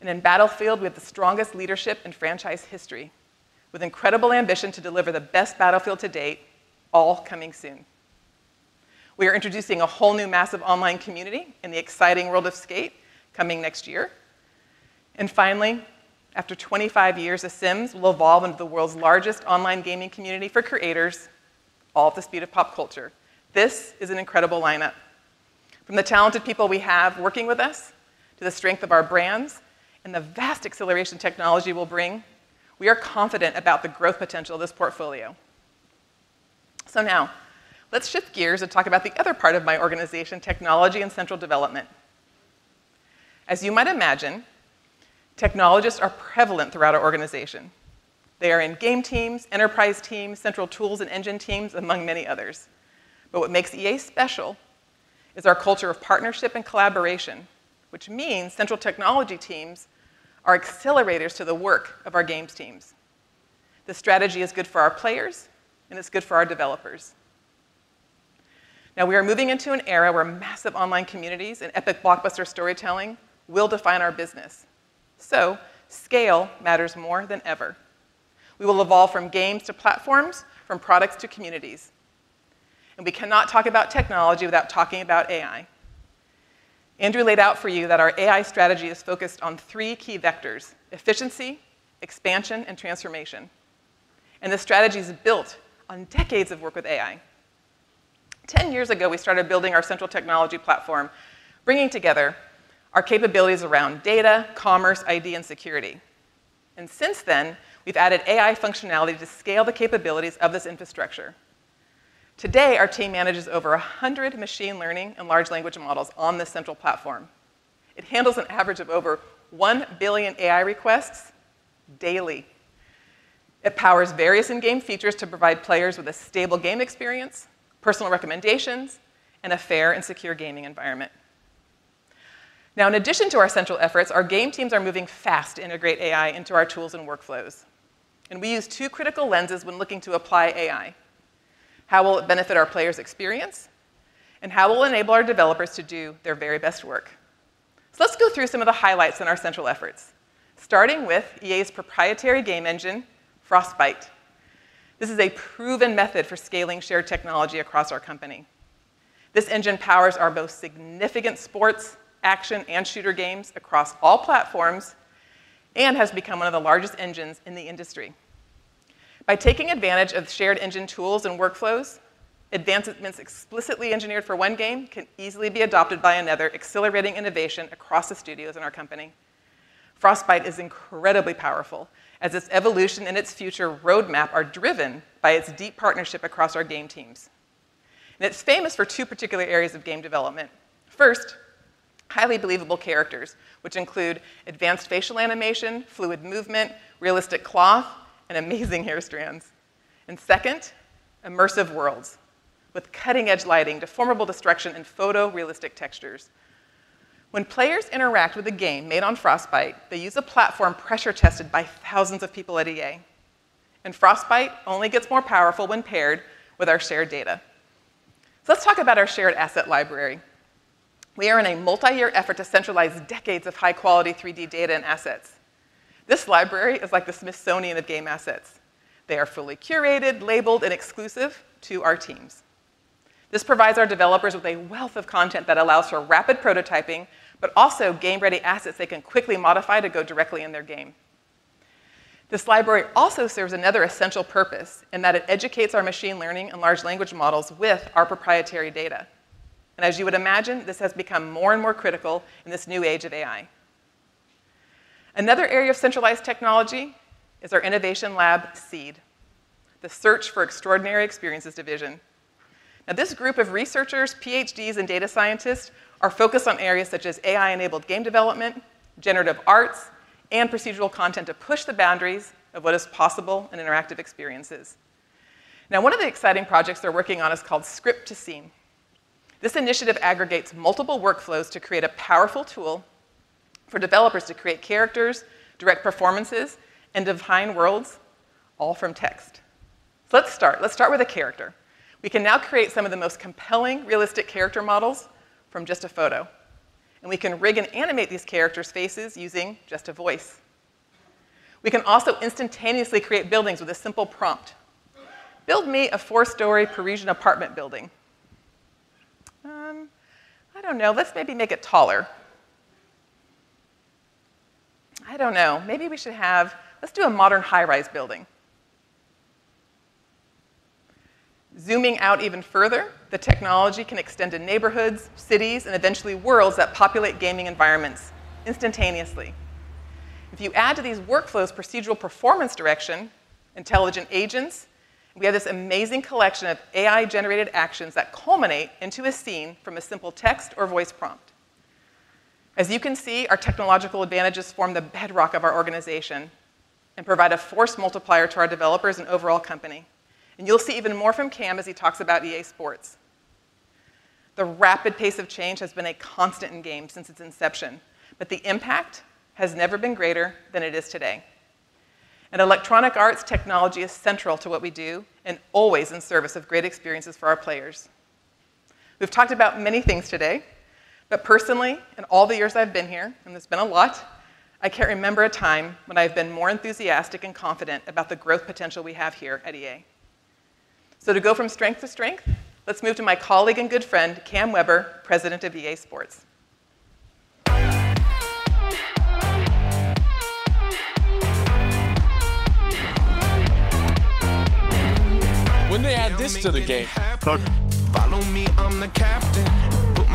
And in Battlefield, we have the strongest leadership in franchise history, with incredible ambition to deliver the best Battlefield to date, all coming soon. We are introducing a whole new massive online community in the exciting world of Skate, coming next year. And finally, after twenty-five years, The Sims will evolve into the world's largest online gaming community for creators, all at the speed of pop culture. This is an incredible lineup. From the talented people we have working with us, to the strength of our brands, and the vast acceleration technology will bring, we are confident about the growth potential of this portfolio. So now, let's shift gears and talk about the other part of my organization, technology and central development. As you might imagine, technologists are prevalent throughout our organization. They are in game teams, enterprise teams, central tools and engine teams, among many others. But what makes EA special is our culture of partnership and collaboration, which means central technology teams are accelerators to the work of our games teams. This strategy is good for our players, and it's good for our developers. Now, we are moving into an era where massive online communities and epic blockbuster storytelling will define our business, so scale matters more than ever. We will evolve from games to platforms, from products to communities, and we cannot talk about technology without talking about AI. Andrew laid out for you that our AI strategy is focused on three key vectors: efficiency, expansion, and transformation. And this strategy is built on decades of work with AI. Ten years ago, we started building our central technology platform, bringing together our capabilities around data, commerce, ID, and security. And since then, we've added AI functionality to scale the capabilities of this infrastructure. Today, our team manages over a hundred machine learning and large language models on this central platform. It handles an average of over one billion AI requests daily. It powers various in-game features to provide players with a stable game experience, personal recommendations, and a fair and secure gaming environment. Now, in addition to our central efforts, our game teams are moving fast to integrate AI into our tools and workflows, and we use two critical lenses when looking to apply AI: how will it benefit our players' experience, and how will it enable our developers to do their very best work? So let's go through some of the highlights in our central efforts, starting with EA's proprietary game engine, Frostbite. This is a proven method for scaling shared technology across our company. This engine powers our most significant sports, action, and shooter games across all platforms and has become one of the largest engines in the industry. By taking advantage of shared engine tools and workflows, advancements explicitly engineered for one game can easily be adopted by another, accelerating innovation across the studios in our company. Frostbite is incredibly powerful, as its evolution and its future roadmap are driven by its deep partnership across our game teams, and it's famous for two particular areas of game development. First, highly believable characters, which include advanced facial animation, fluid movement, realistic cloth, and amazing hair strands, and second, immersive worlds, with cutting-edge lighting, deformable destruction, and photorealistic textures. When players interact with a game made on Frostbite, they use a platform pressure-tested by thousands of people at EA, and Frostbite only gets more powerful when paired with our shared data, so let's talk about our shared asset library. We are in a multi-year effort to centralize decades of high-quality 3D data and assets. This library is like the Smithsonian of game assets. They are fully curated, labeled, and exclusive to our teams. This provides our developers with a wealth of content that allows for rapid prototyping, but also game-ready assets they can quickly modify to go directly in their game. This library also serves another essential purpose, in that it educates our machine learning and large language models with our proprietary data. And as you would imagine, this has become more and more critical in this new age of AI. Another area of centralized technology is our innovation lab, SEED, the Search for Extraordinary Experiences Division. Now, this group of researchers, PhDs, and data scientists are focused on areas such as AI-enabled game development, generative arts, and procedural content to push the boundaries of what is possible in interactive experiences. Now, one of the exciting projects they're working on is called Script to Scene. This initiative aggregates multiple workflows to create a powerful tool for developers to create characters, direct performances, and design worlds, all from text. So let's start. Let's start with a character. We can now create some of the most compelling, realistic character models from just a photo, and we can rig and animate these characters' faces using just a voice. We can also instantaneously create buildings with a simple prompt: "Build me a four-story Parisian apartment building." I don't know. Let's maybe make it taller. I don't know. Maybe we should have... Let's do a modern high-rise building. Zooming out even further, the technology can extend to neighborhoods, cities, and eventually worlds that populate gaming environments instantaneously. If you add to these workflows procedural performance direction, intelligent agents, we have this amazing collection of AI-generated actions that culminate into a scene from a simple text or voice prompt. As you can see, our technological advantages form the bedrock of our organization and provide a force multiplier to our developers and overall company, and you'll see even more from Cam as he talks about EA Sports. The rapid pace of change has been a constant in games since its inception, but the impact has never been greater than it is today. At Electronic Arts, technology is central to what we do, and always in service of great experiences for our players. We've talked about many things today, but personally, in all the years I've been here, and it's been a lot, I can't remember a time when I've been more enthusiastic and confident about the growth potential we have here at EA, so to go from strength to strength, let's move to my colleague and good friend, Cam Weber, President of EA Sports. When did they add this to the game? Follow me, I'm the captain.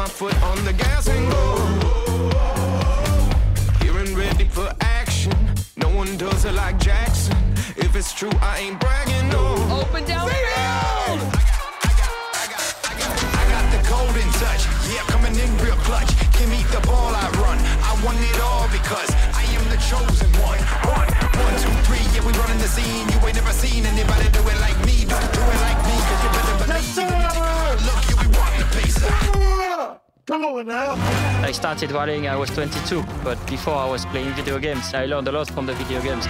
Put my foot on the gas and go. Oh, oh, oh. Here and ready for action. No one does it like Jackson. If it's true, I ain't bragging, no. Open down the middle! CDM! I got, I got, I got, I got... I got the golden touch. Yeah, coming in real clutch. Give me the ball, I run. I want it all because I am the chosen one. One, one, two, three, yeah, we running the scene. You ain't ever seen anybody do it like me. Don't do it like me, 'cause you better believe- Let's go! Yeah, we walking the pace. Come on, now. I started volleying. I was 22, but before I was playing video games. I learned a lot from the video games.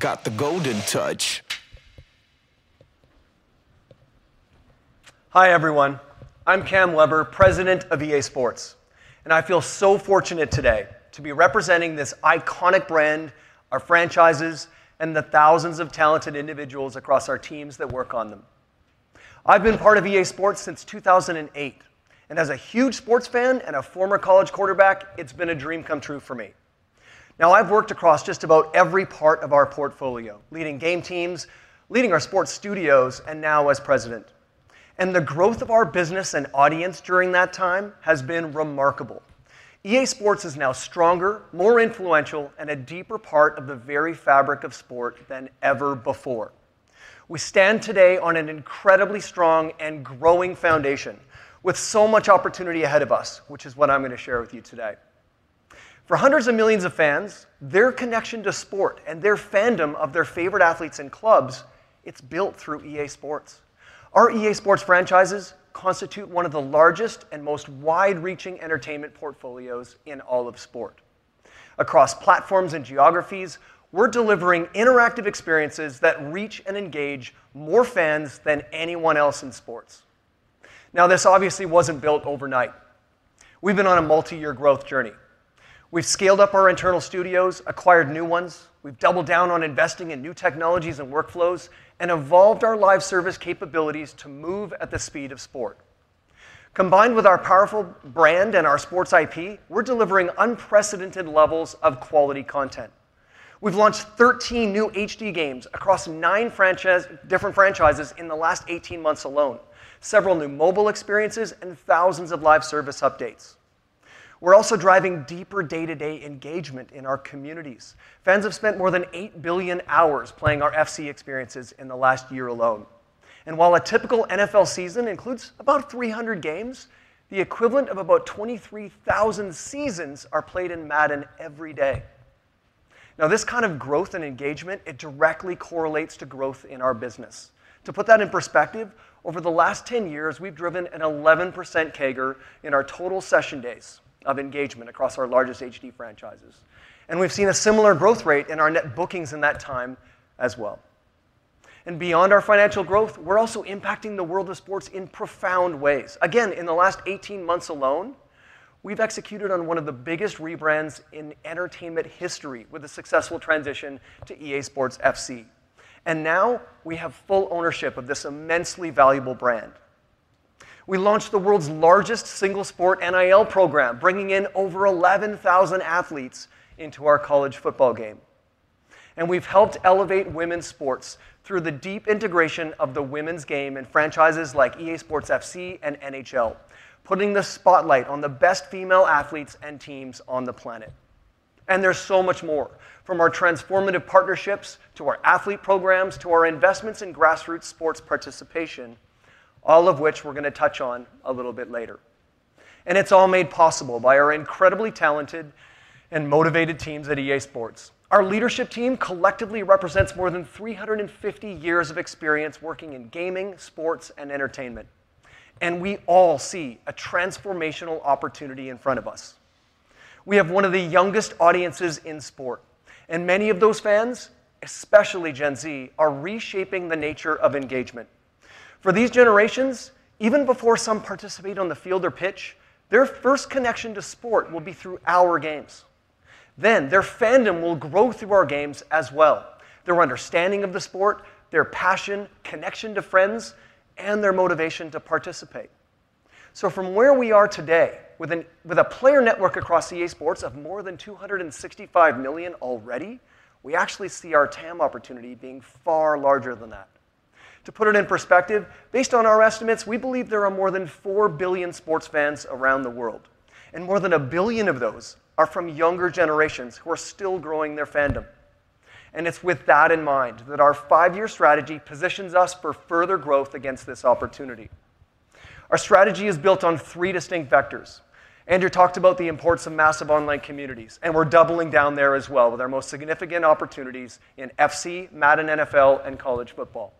Got the golden touch. Hi, everyone. I'm Cam Weber, President of EA Sports, and I feel so fortunate today to be representing this iconic brand, our franchises, and the thousands of talented individuals across our teams that work on them. I've been part of EA Sports since 2008, and as a huge sports fan and a former college quarterback, it's been a dream come true for me. Now, I've worked across just about every part of our portfolio, leading game teams, leading our sports studios, and now as president. And the growth of our business and audience during that time has been remarkable. EA Sports is now stronger, more influential, and a deeper part of the very fabric of sport than ever before. We stand today on an incredibly strong and growing foundation, with so much opportunity ahead of us, which is what I'm going to share with you today. For hundreds of millions of fans, their connection to sport and their fandom of their favorite athletes and clubs, it's built through EA Sports. Our EA Sports franchises constitute one of the largest and most wide-reaching entertainment portfolios in all of sport. Across platforms and geographies, we're delivering interactive experiences that reach and engage more fans than anyone else in sports. Now, this obviously wasn't built overnight. We've been on a multi-year growth journey. We've scaled up our internal studios, acquired new ones. We've doubled down on investing in new technologies and workflows, and evolved our live service capabilities to move at the speed of sport. Combined with our powerful brand and our sports IP, we're delivering unprecedented levels of quality content. We've launched 13 new HD games across 9 different franchises in the last 18 months alone, several new mobile experiences, and thousands of live service updates. We're also driving deeper day-to-day engagement in our communities. Fans have spent more than eight billion hours playing our FC experiences in the last year alone. While a typical NFL season includes about 300 games, the equivalent of about 23,000 seasons are played in Madden every day. Now, this kind of growth and engagement, it directly correlates to growth in our business. To put that in perspective, over the last 10 years, we've driven an 11% CAGR in our total session days of engagement across our largest live franchises, and we've seen a similar growth rate in our net bookings in that time as well. Beyond our financial growth, we're also impacting the world of sports in profound ways. Again, in the last 18 months alone, we've executed on one of the biggest rebrands in entertainment history with a successful transition to EA Sports FC, and now we have full ownership of this immensely valuable brand. We launched the world's largest single sport NIL program, bringing in over 11,000 athletes into our college football game, and we've helped elevate women's sports through the deep integration of the women's game in franchises like EA Sports FC and NHL, putting the spotlight on the best female athletes and teams on the planet, and there's so much more, from our transformative partnerships, to our athlete programs, to our investments in grassroots sports participation, all of which we're going to touch on a little bit later, and it's all made possible by our incredibly talented and motivated teams at EA Sports. Our leadership team collectively represents more than three hundred and fifty years of experience working in gaming, sports, and entertainment, and we all see a transformational opportunity in front of us. We have one of the youngest audiences in sport, and many of those fans, especially Gen Z, are reshaping the nature of engagement. For these generations, even before some participate on the field or pitch, their first connection to sport will be through our games. Then, their fandom will grow through our games as well: their understanding of the sport, their passion, connection to friends, and their motivation to participate. So from where we are today, with a player network across EA Sports of more than two hundred and 65 million already, we actually see our TAM opportunity being far larger than that. To put it in perspective, based on our estimates, we believe there are more than four billion sports fans around the world, and more than a billion of those are from younger generations who are still growing their fandom, and it's with that in mind that our five-year strategy positions us for further growth against this opportunity. Our strategy is built on three distinct vectors. Andrew talked about the importance of massive online communities, and we're doubling down there as well, with our most significant opportunities in FC, Madden NFL, and College Football.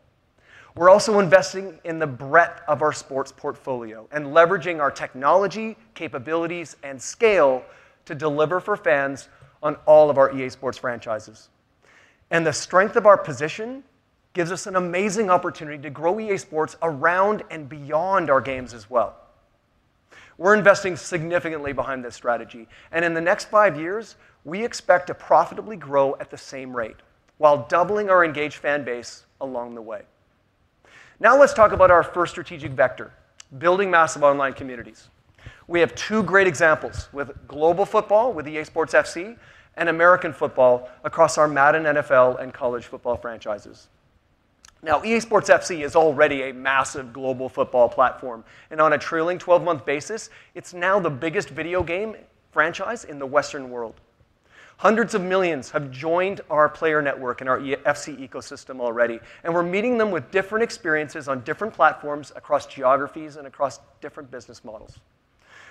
We're also investing in the breadth of our sports portfolio and leveraging our technology, capabilities, and scale to deliver for fans on all of our EA Sports franchises, and the strength of our position gives us an amazing opportunity to grow EA Sports around and beyond our games as well. We're investing significantly behind this strategy, and in the next five years, we expect to profitably grow at the same rate, while doubling our engaged fan base along the way. Now, let's talk about our first strategic vector: building massive online communities. We have two great examples, with global football, with EA Sports FC, and American football across our Madden NFL and College Football franchises. Now, EA Sports FC is already a massive global football platform, and on a trailing 12-month basis, it's now the biggest video game franchise in the Western world. Hundreds of millions have joined our player network and our EA FC ecosystem already, and we're meeting them with different experiences on different platforms across geographies and across different business models.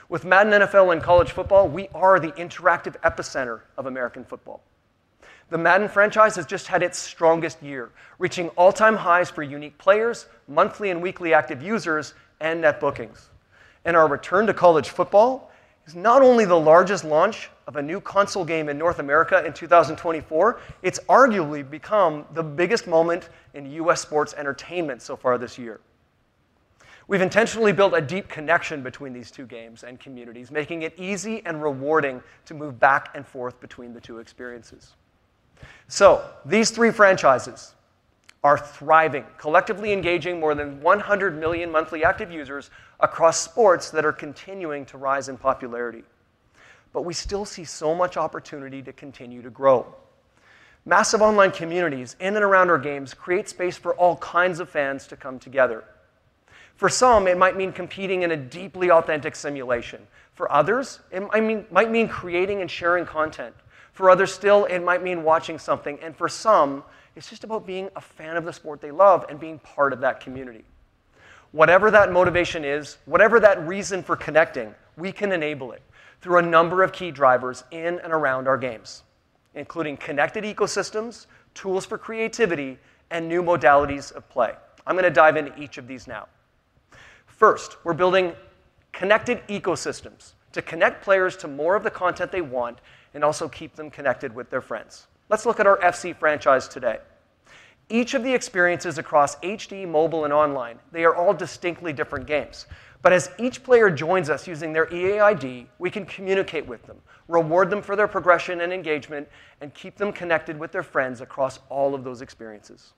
With Madden NFL and College Football, we are the interactive epicenter of American football. The Madden franchise has just had its strongest year, reaching all-time highs for unique players, monthly and weekly active users, and net bookings. And our return to College Football is not only the largest launch of a new console game in North America in 2024, it's arguably become the biggest moment in U.S. sports entertainment so far this year. We've intentionally built a deep connection between these two games and communities, making it easy and rewarding to move back and forth between the two experiences. So these three franchises are thriving, collectively engaging more than 100 million monthly active users across sports that are continuing to rise in popularity. But we still see so much opportunity to continue to grow. Massive online communities in and around our games create space for all kinds of fans to come together. For some, it might mean competing in a deeply authentic simulation. For others, it, I mean, might mean creating and sharing content. For others still, it might mean watching something, and for some, it's just about being a fan of the sport they love and being part of that community. Whatever that motivation is, whatever that reason for connecting, we can enable it through a number of key drivers in and around our games, including connected ecosystems, tools for creativity, and new modalities of play. I'm gonna dive into each of these now. First, we're building connected ecosystems to connect players to more of the content they want and also keep them connected with their friends. Let's look at our FC franchise today. Each of the experiences across HD, mobile, and online, they are all distinctly different games. But as each player joins us using their EA ID, we can communicate with them, reward them for their progression and engagement, and keep them connected with their friends across all of those experiences.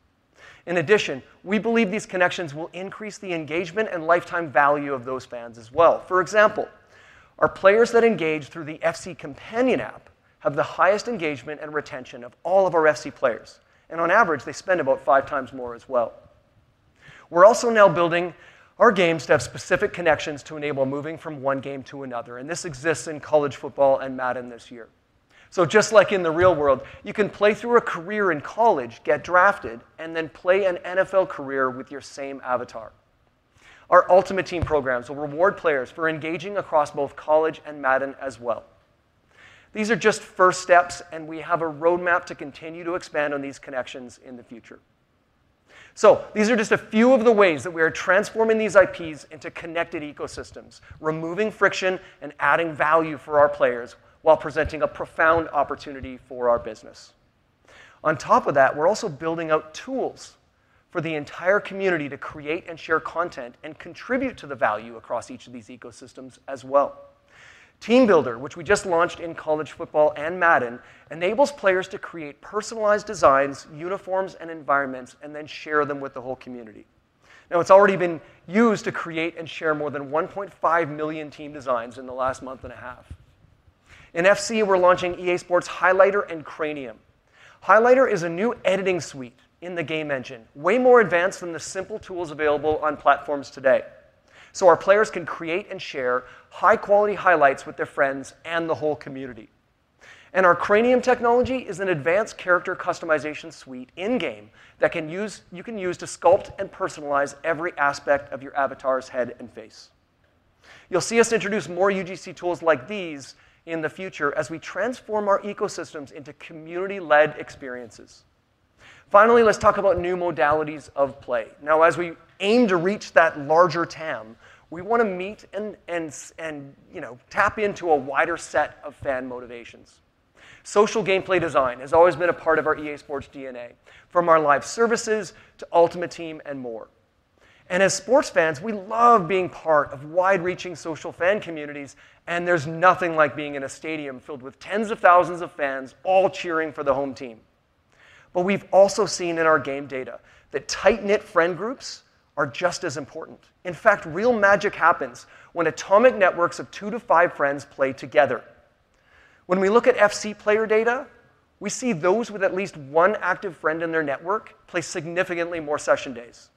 In addition, we believe these connections will increase the engagement and lifetime value of those fans as well. For example, our players that engage through the FC companion app have the highest engagement and retention of all of our FC players, and on average, they spend about five times more as well. We're also now building our games to have specific connections to enable moving from one game to another, and this exists in College Football and Madden this year. So just like in the real world, you can play through a career in college, get drafted, and then play an NFL career with your same avatar. Our Ultimate Team programs will reward players for engaging across both College and Madden as well. These are just first steps, and we have a roadmap to continue to expand on these connections in the future. So these are just a few of the ways that we are transforming these IPs into connected ecosystems, removing friction and adding value for our players, while presenting a profound opportunity for our business. On top of that, we're also building out tools for the entire community to create and share content and contribute to the value across each of these ecosystems as well. Team Builder, which we just launched in College Football and Madden, enables players to create personalized designs, uniforms, and environments, and then share them with the whole community. Now, it's already been used to create and share more than 1.5 million team designs in the last month and a half. In FC, we're launching EA Sports Highlighter and Cranium. Highlighter is a new editing suite in the game engine, way more advanced than the simple tools available on platforms today. So our players can create and share high-quality highlights with their friends and the whole community. And our Cranium technology is an advanced character customization suite in-game, that you can use to sculpt and personalize every aspect of your avatar's head and face. You'll see us introduce more UGC tools like these in the future as we transform our ecosystems into community-led experiences. Finally, let's talk about new modalities of play. Now, as we aim to reach that larger TAM, we wanna meet and, you know, tap into a wider set of fan motivations. Social gameplay design has always been a part of our EA Sports DNA, from our live services to Ultimate Team and more. And as sports fans, we love being part of wide-reaching social fan communities, and there's nothing like being in a stadium filled with tens of thousands of fans, all cheering for the home team. But we've also seen in our game data that tight-knit friend groups are just as important. In fact, real magic happens when atomic networks of two to five friends play together. When we look at FC player data, we see those with at least one active friend in their network play significantly more session days.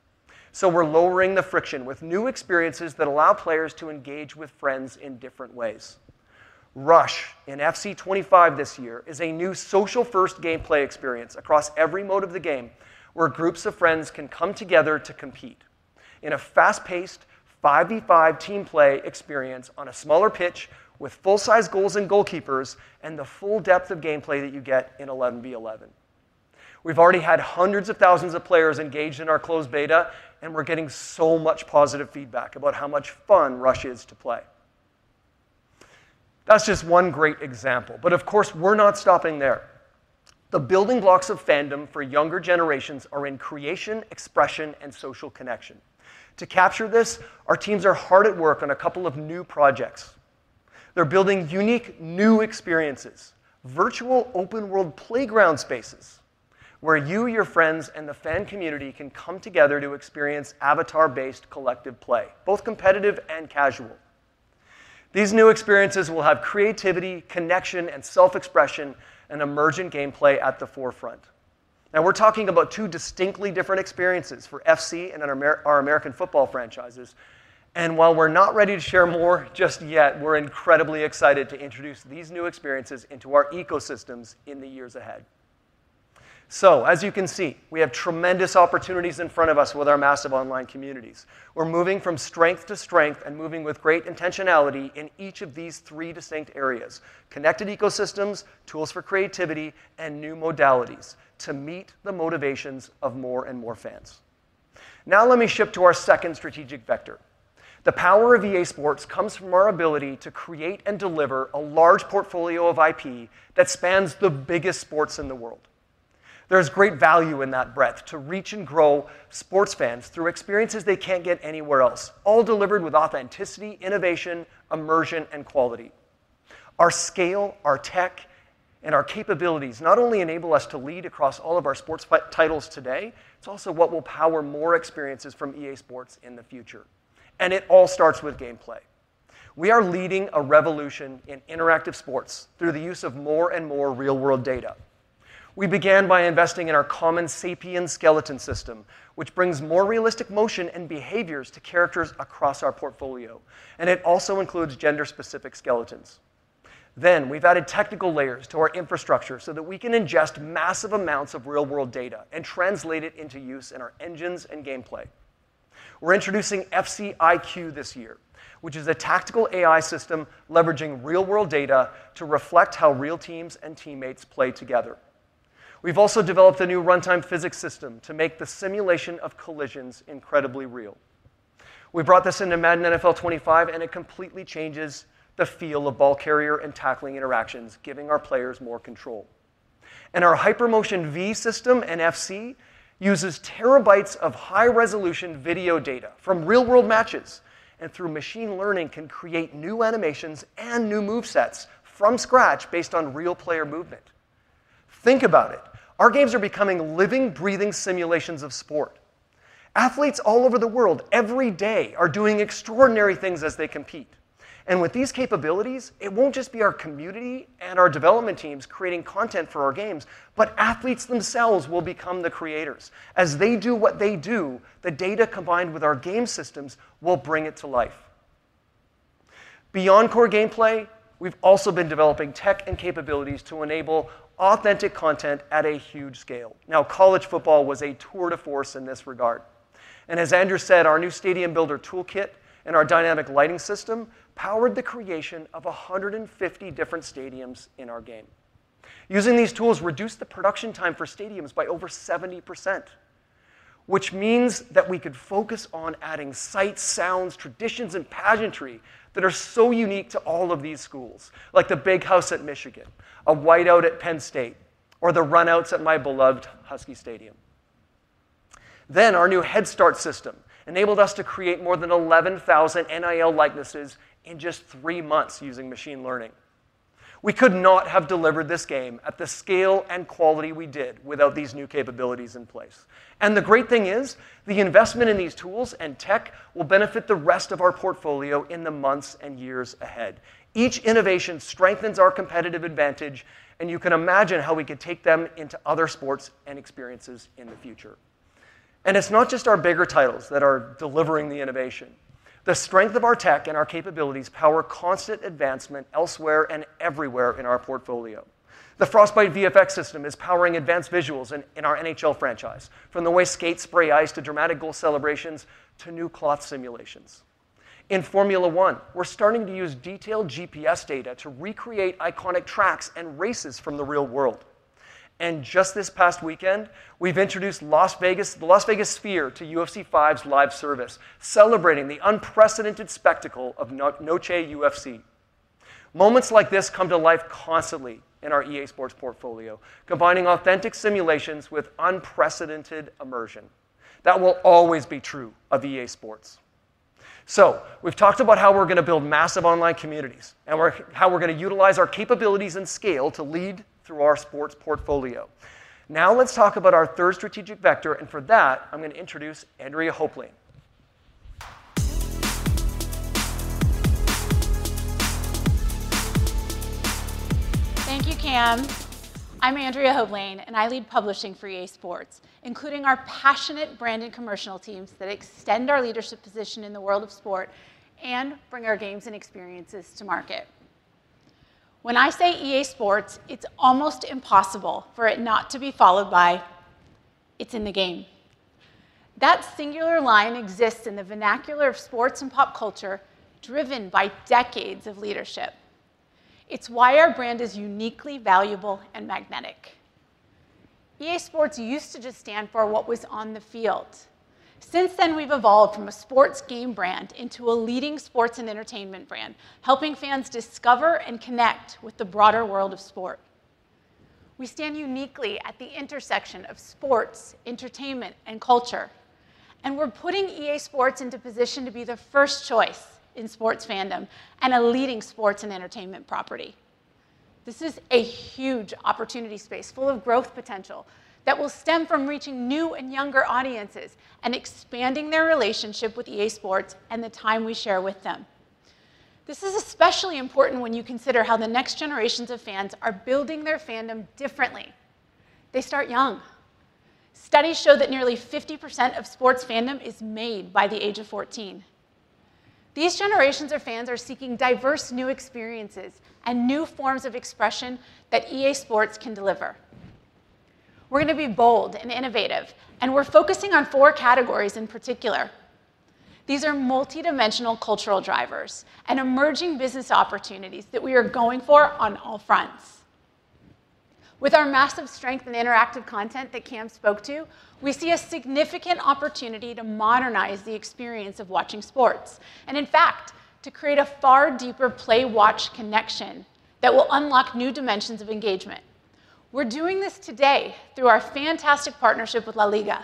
So we're lowering the friction with new experiences that allow players to engage with friends in different ways... Rush in FC 25 this year is a new social-first gameplay experience across every mode of the game, where groups of friends can come together to compete in a fast-paced, 5v5 team play experience on a smaller pitch, with full-size goals and goalkeepers, and the full depth of gameplay that you get in 11v11. We've already had hundreds of thousands of players engaged in our closed beta, and we're getting so much positive feedback about how much fun Rush is to play. That's just one great example, but of course, we're not stopping there. The building blocks of fandom for younger generations are in creation, expression, and social connection. To capture this, our teams are hard at work on a couple of new projects. They're building unique, new experiences, virtual open world playground spaces, where you, your friends, and the fan community can come together to experience avatar-based collective play, both competitive and casual. These new experiences will have creativity, connection, and self-expression, and emergent gameplay at the forefront. Now, we're talking about two distinctly different experiences for FC and in our American football franchises. And while we're not ready to share more just yet, we're incredibly excited to introduce these new experiences into our ecosystems in the years ahead. So, as you can see, we have tremendous opportunities in front of us with our massive online communities. We're moving from strength to strength, and moving with great intentionality in each of these three distinct areas: connected ecosystems, tools for creativity, and new modalities, to meet the motivations of more and more fans. Now, let me shift to our second strategic vector. The power of EA Sports comes from our ability to create and deliver a large portfolio of IP that spans the biggest sports in the world. There is great value in that breadth, to reach and grow sports fans through experiences they can't get anywhere else, all delivered with authenticity, innovation, immersion, and quality. Our scale, our tech, and our capabilities not only enable us to lead across all of our sports titles today, it's also what will power more experiences from EA Sports in the future, and it all starts with gameplay. We are leading a revolution in interactive sports through the use of more and more real-world data. We began by investing in our common Sapien skeleton system, which brings more realistic motion and behaviors to characters across our portfolio, and it also includes gender-specific skeletons. Then, we've added technical layers to our infrastructure, so that we can ingest massive amounts of real-world data and translate it into use in our engines and gameplay. We're introducing FC IQ this year, which is a tactical AI system leveraging real-world data to reflect how real teams and teammates play together. We've also developed a new runtime physics system to make the simulation of collisions incredibly real. We brought this into Madden NFL 25, and it completely changes the feel of ball carrier and tackling interactions, giving our players more control. And our HyperMotionV system in FC uses terabytes of high-resolution video data from real-world matches, and through machine learning, can create new animations and new move sets from scratch based on real player movement. Think about it. Our games are becoming living, breathing simulations of sport. Athletes all over the world, every day, are doing extraordinary things as they compete, and with these capabilities, it won't just be our community and our development teams creating content for our games, but athletes themselves will become the creators. As they do what they do, the data, combined with our game systems, will bring it to life. Beyond core gameplay, we've also been developing tech and capabilities to enable authentic content at a huge scale. Now, College Football was a tour de force in this regard, and as Andrew said, our new stadium builder toolkit and our dynamic lighting system powered the creation of 150 different stadiums in our game. Using these tools reduced the production time for stadiums by over 70%, which means that we could focus on adding sights, sounds, traditions, and pageantry that are so unique to all of these schools, like the Big House at Michigan, a White Out at Penn State, or the runouts at my beloved Husky Stadium, then our new Head Start system enabled us to create more than 11,000 NIL likenesses in just three months using machine learning. We could not have delivered this game at the scale and quality we did without these new capabilities in place, and the great thing is, the investment in these tools and tech will benefit the rest of our portfolio in the months and years ahead. Each innovation strengthens our competitive advantage, and you can imagine how we could take them into other sports and experiences in the future. And it's not just our bigger titles that are delivering the innovation. The strength of our tech and our capabilities power constant advancement elsewhere and everywhere in our portfolio. The Frostbite VFX system is powering advanced visuals in our NHL franchise, from the way skates spray ice, to dramatic goal celebrations, to new cloth simulations. In Formula 1, we're starting to use detailed GPS data to recreate iconic tracks and races from the real world. And just this past weekend, we've introduced the Las Vegas Sphere to UFC 5's live service, celebrating the unprecedented spectacle of Noche UFC. Moments like this come to life constantly in our EA Sports portfolio, combining authentic simulations with unprecedented immersion. That will always be true of EA Sports. So we've talked about how we're gonna build massive online communities, and we're... how we're gonna utilize our capabilities and scale to lead through our sports portfolio. Now, let's talk about our third strategic vector, and for that, I'm gonna introduce Andrea Hopelain. Thank you, Cam. I'm Andrea Hopelain, and I lead publishing for EA Sports, including our passionate brand and commercial teams that extend our leadership position in the world of sport and bring our games and experiences to market. When I say EA Sports, it's almost impossible for it not to be followed by, "It's in the game." That singular line exists in the vernacular of sports and pop culture, driven by decades of leadership. It's why our brand is uniquely valuable and magnetic. EA Sports used to just stand for what was on the field. Since then, we've evolved from a sports game brand into a leading sports and entertainment brand, helping fans discover and connect with the broader world of sport. We stand uniquely at the intersection of sports, entertainment, and culture, and we're putting EA Sports into position to be the first choice in sports fandom and a leading sports and entertainment property. This is a huge opportunity space, full of growth potential, that will stem from reaching new and younger audiences and expanding their relationship with EA Sports and the time we share with them. This is especially important when you consider how the next generations of fans are building their fandom differently. They start young. Studies show that nearly 50% of sports fandom is made by the age of 14. These generations of fans are seeking diverse new experiences and new forms of expression that EA Sports can deliver. We're gonna be bold and innovative, and we're focusing on four categories in particular. These are multidimensional cultural drivers and emerging business opportunities that we are going for on all fronts. With our massive strength in interactive content that Cam spoke to, we see a significant opportunity to modernize the experience of watching sports, and in fact, to create a far deeper play-watch connection that will unlock new dimensions of engagement. We're doing this today through our fantastic partnership with LaLiga.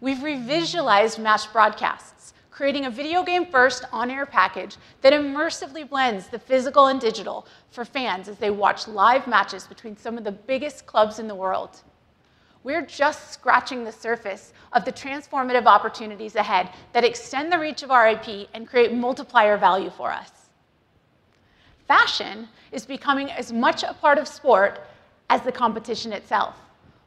We've revisualized mass broadcasts, creating a video game first on-air package that immersively blends the physical and digital for fans as they watch live matches between some of the biggest clubs in the world. We're just scratching the surface of the transformative opportunities ahead that extend the reach of our IP and create multiplier value for us. Fashion is becoming as much a part of sport as the competition itself.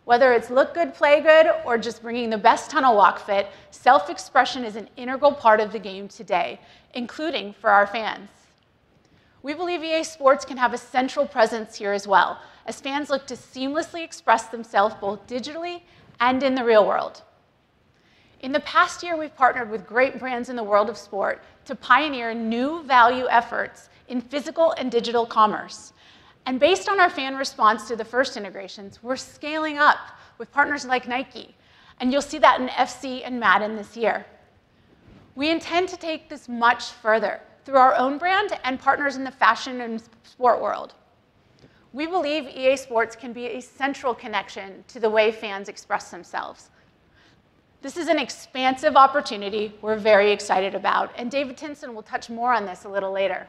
Whether it's look good, play good, or just bringing the best tunnel walk fit, self-expression is an integral part of the game today, including for our fans. We believe EA Sports can have a central presence here as well, as fans look to seamlessly express themselves both digitally and in the real world. In the past year, we've partnered with great brands in the world of sport to pioneer new value efforts in physical and digital commerce, and based on our fan response to the first integrations, we're scaling up with partners like Nike, and you'll see that in FC and Madden this year. We intend to take this much further through our own brand and partners in the fashion and sport world. We believe EA Sports can be a central connection to the way fans express themselves. This is an expansive opportunity we're very excited about, and David Tinson will touch more on this a little later.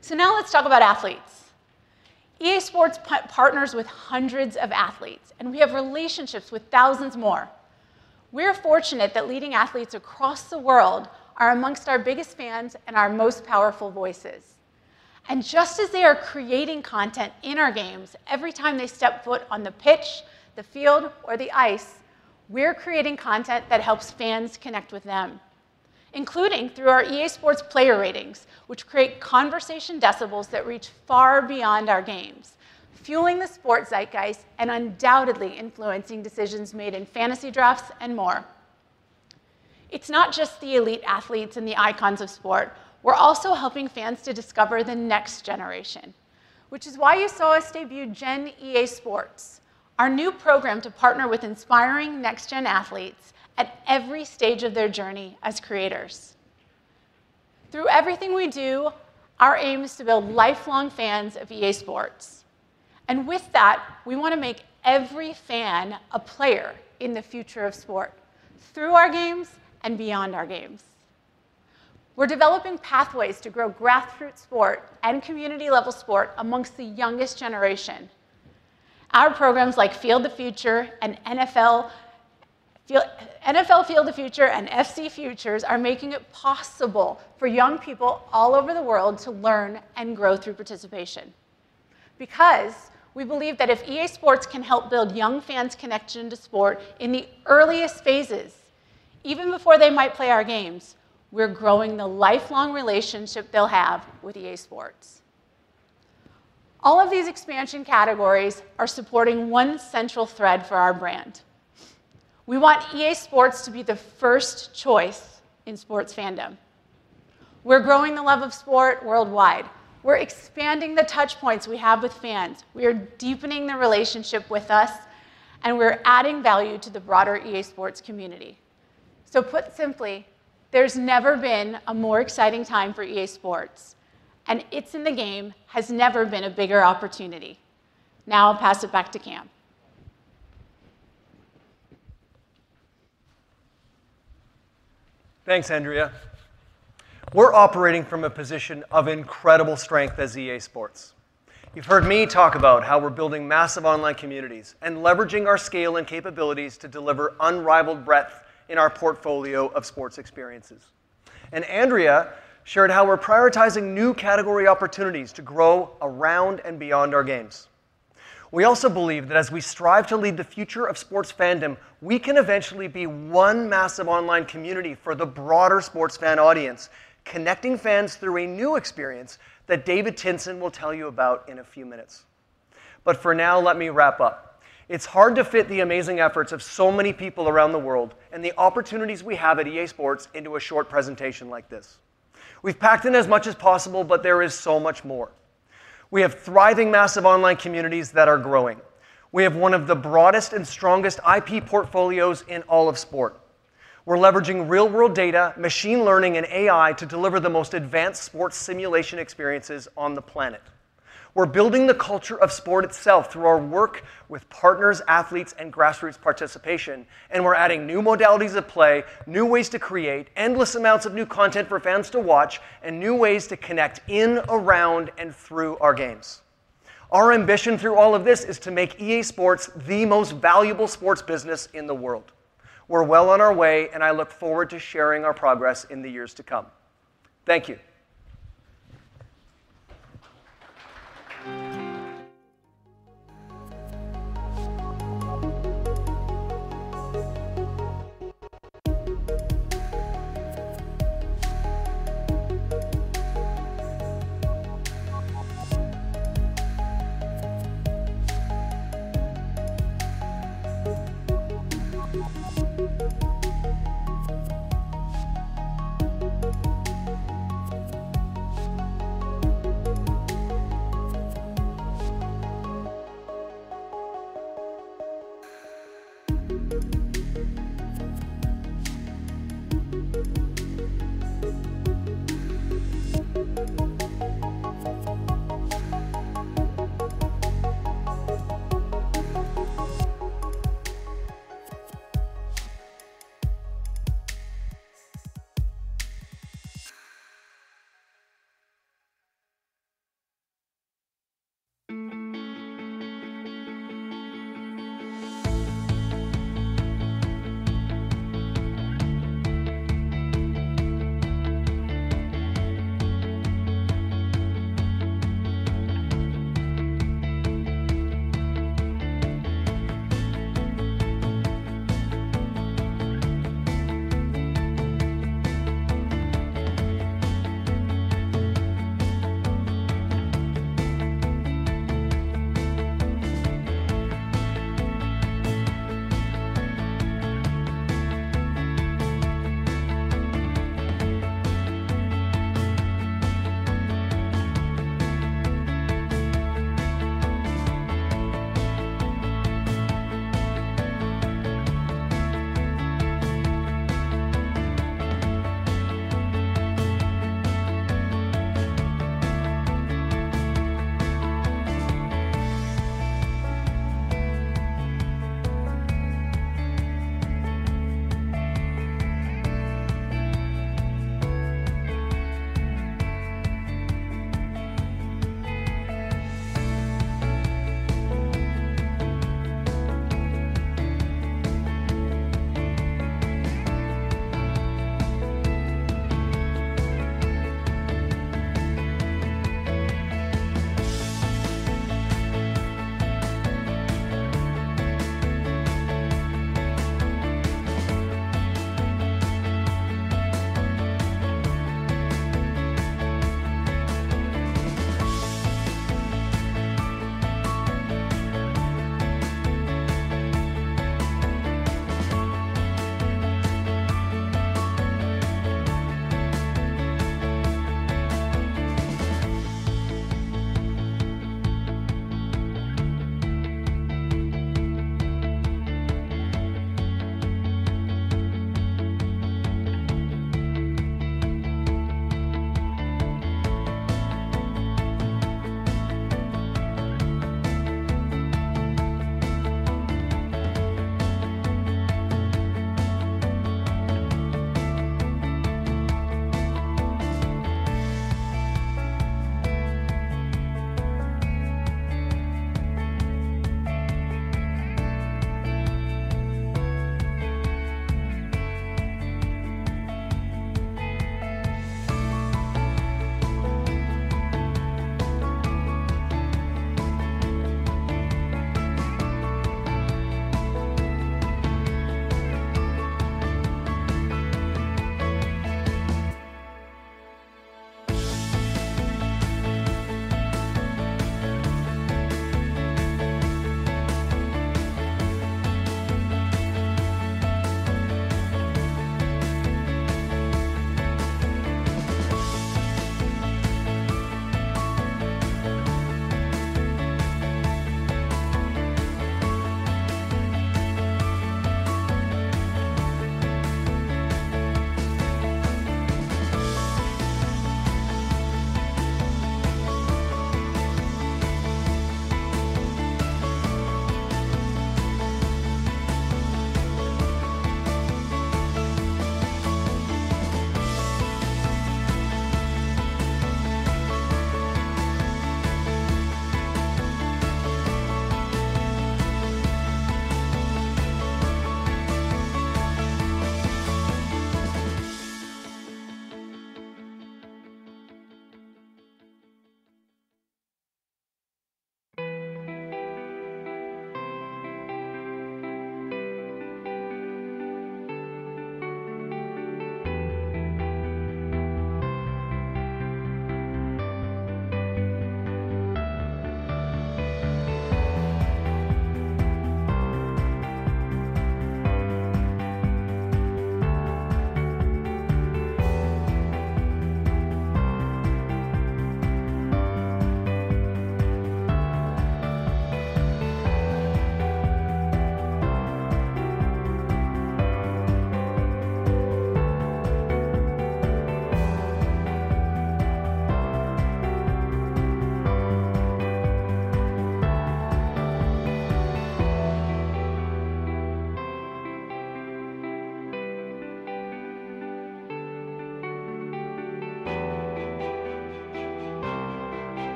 So now let's talk about athletes. EA Sports partners with hundreds of athletes, and we have relationships with thousands more. We're fortunate that leading athletes across the world are amongst our biggest fans and our most powerful voices, and just as they are creating content in our games, every time they step foot on the pitch, the field, or the ice, we're creating content that helps fans connect with them, including through our EA Sports player ratings, which create conversation decibels that reach far beyond our games, fueling the sport zeitgeist and undoubtedly influencing decisions made in fantasy drafts and more. It's not just the elite athletes and the icons of sport. We're also helping fans to discover the next generation, which is why you saw us debut Gen EA Sports, our new program to partner with inspiring next-gen athletes at every stage of their journey as creators. Through everything we do, our aim is to build lifelong fans of EA Sports, and with that, we wanna make every fan a player in the future of sport, through our games and beyond our games. We're developing pathways to grow grassroots sport and community-level sport amongst the youngest generation. Our programs, like Field of the Future and NFL Field of the Future and FC Futures, are making it possible for young people all over the world to learn and grow through participation. Because we believe that if EA Sports can help build young fans' connection to sport in the earliest phases, even before they might play our games, we're growing the lifelong relationship they'll have with EA Sports. All of these expansion categories are supporting one central thread for our brand. We want EA Sports to be the first choice in sports fandom. We're growing the love of sport worldwide. We're expanding the touchpoints we have with fans. We are deepening the relationship with us, and we're adding value to the broader EA Sports community. So put simply, there's never been a more exciting time for EA Sports, and It's in the Game has never been a bigger opportunity. Now I'll pass it back to Cam. Thanks, Andrea. We're operating from a position of incredible strength as EA Sports. You've heard me talk about how we're building massive online communities and leveraging our scale and capabilities to deliver unrivaled breadth in our portfolio of sports experiences, and Andrea shared how we're prioritizing new category opportunities to grow around and beyond our games. We also believe that as we strive to lead the future of sports fandom, we can eventually be one massive online community for the broader sports fan audience, connecting fans through a new experience that David Tinson will tell you about in a few minutes. But for now, let me wrap up. It's hard to fit the amazing efforts of so many people around the world, and the opportunities we have at EA Sports, into a short presentation like this. We've packed in as much as possible, but there is so much more. We have thriving, massive online communities that are growing. We have one of the broadest and strongest IP portfolios in all of sport. We're leveraging real-world data, machine learning, and AI to deliver the most advanced sports simulation experiences on the planet. We're building the culture of sport itself through our work with partners, athletes, and grassroots participation, and we're adding new modalities of play, new ways to create, endless amounts of new content for fans to watch, and new ways to connect in, around, and through our games. Our ambition through all of this is to make EA Sports the most valuable sports business in the world. We're well on our way, and I look forward to sharing our progress in the years to come. Thank you.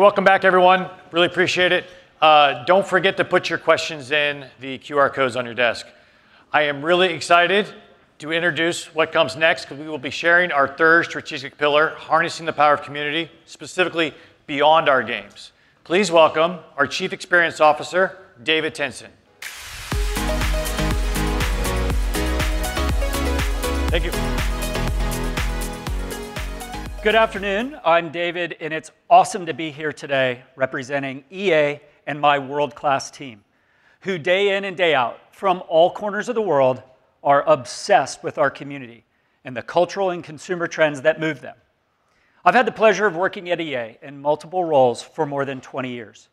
Hey, welcome back, everyone. Really appreciate it. Don't forget to put your questions in the QR codes on your desk. I am really excited to introduce what comes next, because we will be sharing our third strategic pillar, harnessing the power of community, specifically beyond our games. Please welcome our Chief Experience Officer, David Tinson. Thank you. Good afternoon. I'm David, and it's awesome to be here today representing EA and my world-class team, who day in and day out, from all corners of the world, are obsessed with our community and the cultural and consumer trends that move them. I've had the pleasure of working at EA in multiple roles for more than twenty years.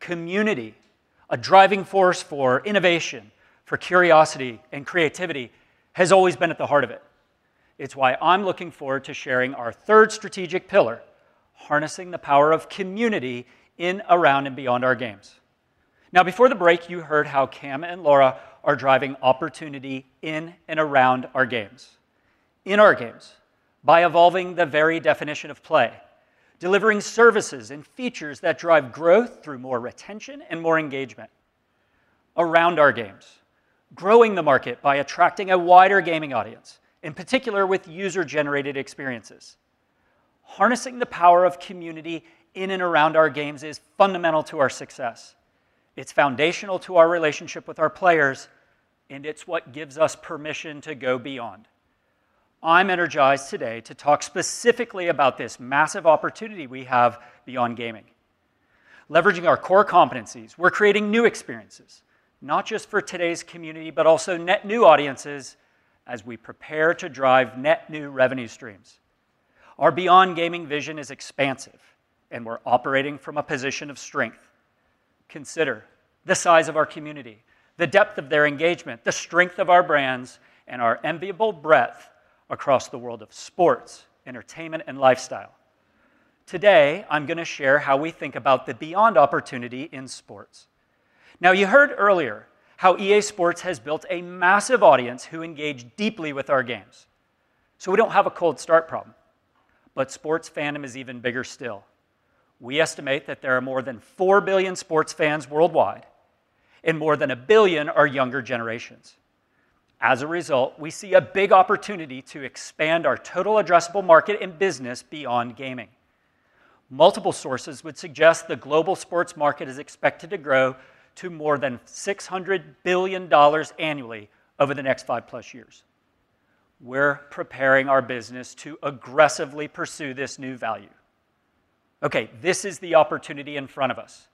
Community, a driving force for innovation, for curiosity, and creativity, has always been at the heart of it. It's why I'm looking forward to sharing our third strategic pillar: harnessing the power of community in, around, and beyond our games. Now, before the break, you heard how Cam and Laura are driving opportunity in and around our games. In our games, by evolving the very definition of play, delivering services and features that drive growth through more retention and more engagement. Around our games, growing the market by attracting a wider gaming audience, in particular, with user-generated experiences. Harnessing the power of community in and around our games is fundamental to our success. It's foundational to our relationship with our players, and it's what gives us permission to go beyond. I'm energized today to talk specifically about this massive opportunity we have beyond gaming. Leveraging our core competencies, we're creating new experiences, not just for today's community, but also net new audiences as we prepare to drive net new revenue streams. Our beyond gaming vision is expansive, and we're operating from a position of strength. Consider the size of our community, the depth of their engagement, the strength of our brands, and our enviable breadth across the world of sports, entertainment, and lifestyle. Today, I'm gonna share how we think about the beyond opportunity in sports. Now, you heard earlier how EA Sports has built a massive audience who engage deeply with our games, so we don't have a cold start problem. But sports fandom is even bigger still. We estimate that there are more than four billion sports fans worldwide, and more than a billion are younger generations. As a result, we see a big opportunity to expand our total addressable market and business beyond gaming. Multiple sources would suggest the global sports market is expected to grow to more than $600 billion annually over the next five-plus years. We're preparing our business to aggressively pursue this new value.... Okay, this is the opportunity in front of us: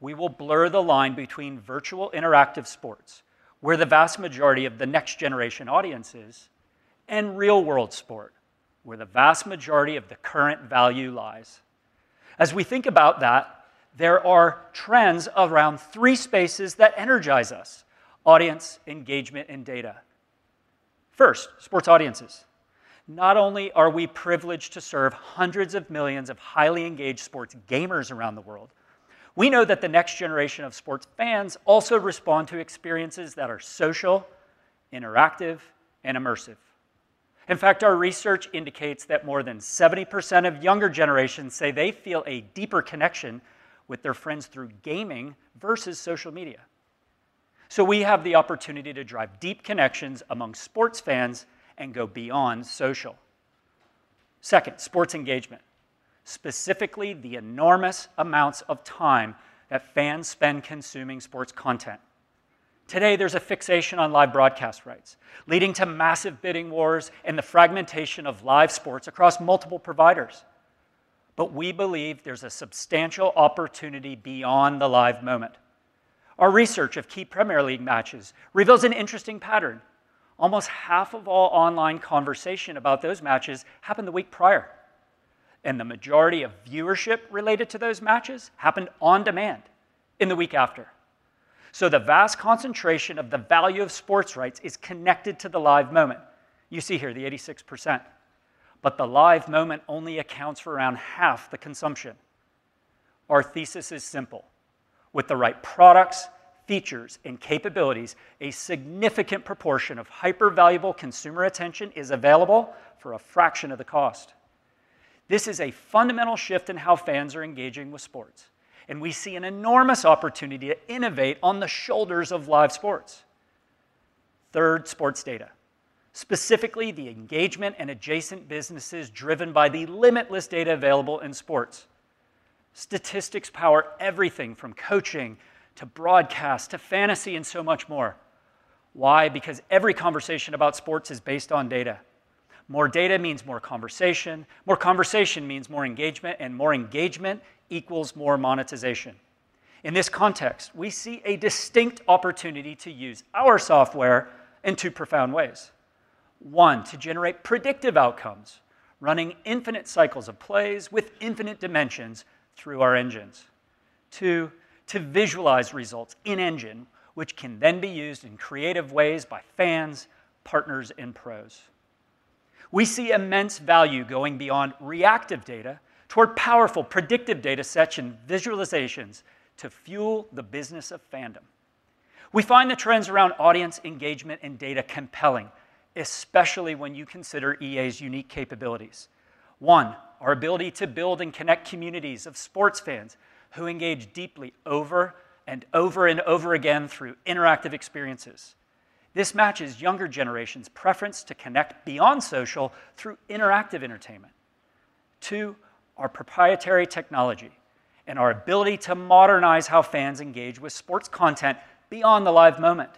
we will blur the line between virtual interactive sports, where the vast majority of the next-generation audience is, and real-world sport, where the vast majority of the current value lies. As we think about that, there are trends around three spaces that energize us: audience, engagement, and data. First, sports audiences. Not only are we privileged to serve hundreds of millions of highly engaged sports gamers around the world, we know that the next generation of sports fans also respond to experiences that are social, interactive, and immersive. In fact, our research indicates that more than 70% of younger generations say they feel a deeper connection with their friends through gaming versus social media. So we have the opportunity to drive deep connections among sports fans and go beyond social. Second, sports engagement, specifically the enormous amounts of time that fans spend consuming sports content. Today, there's a fixation on live broadcast rights, leading to massive bidding wars and the fragmentation of live sports across multiple providers. But we believe there's a substantial opportunity beyond the live moment. Our research of key Premier League matches reveals an interesting pattern: almost half of all online conversation about those matches happened the week prior, and the majority of viewership related to those matches happened on demand in the week after. So the vast concentration of the value of sports rights is connected to the live moment, you see here, the 86%, but the live moment only accounts for around half the consumption. Our thesis is simple: with the right products, features, and capabilities, a significant proportion of hyper-valuable consumer attention is available for a fraction of the cost. This is a fundamental shift in how fans are engaging with sports, and we see an enormous opportunity to innovate on the shoulders of live sports. Third, sports data, specifically the engagement and adjacent businesses driven by the limitless data available in sports. Statistics power everything from coaching, to broadcast, to fantasy, and so much more. Why? Because every conversation about sports is based on data. More data means more conversation, more conversation means more engagement, and more engagement equals more monetization. In this context, we see a distinct opportunity to use our software in two profound ways: one, to generate predictive outcomes, running infinite cycles of plays with infinite dimensions through our engines. Two, to visualize results in-engine, which can then be used in creative ways by fans, partners, and pros. We see immense value going beyond reactive data toward powerful, predictive data sets and visualizations to fuel the business of fandom. We find the trends around audience engagement and data compelling, especially when you consider EA's unique capabilities. One, our ability to build and connect communities of sports fans who engage deeply over, and over, and over again through interactive experiences. This matches younger generations' preference to connect beyond social through interactive entertainment. Two, our proprietary technology and our ability to modernize how fans engage with sports content beyond the live moment.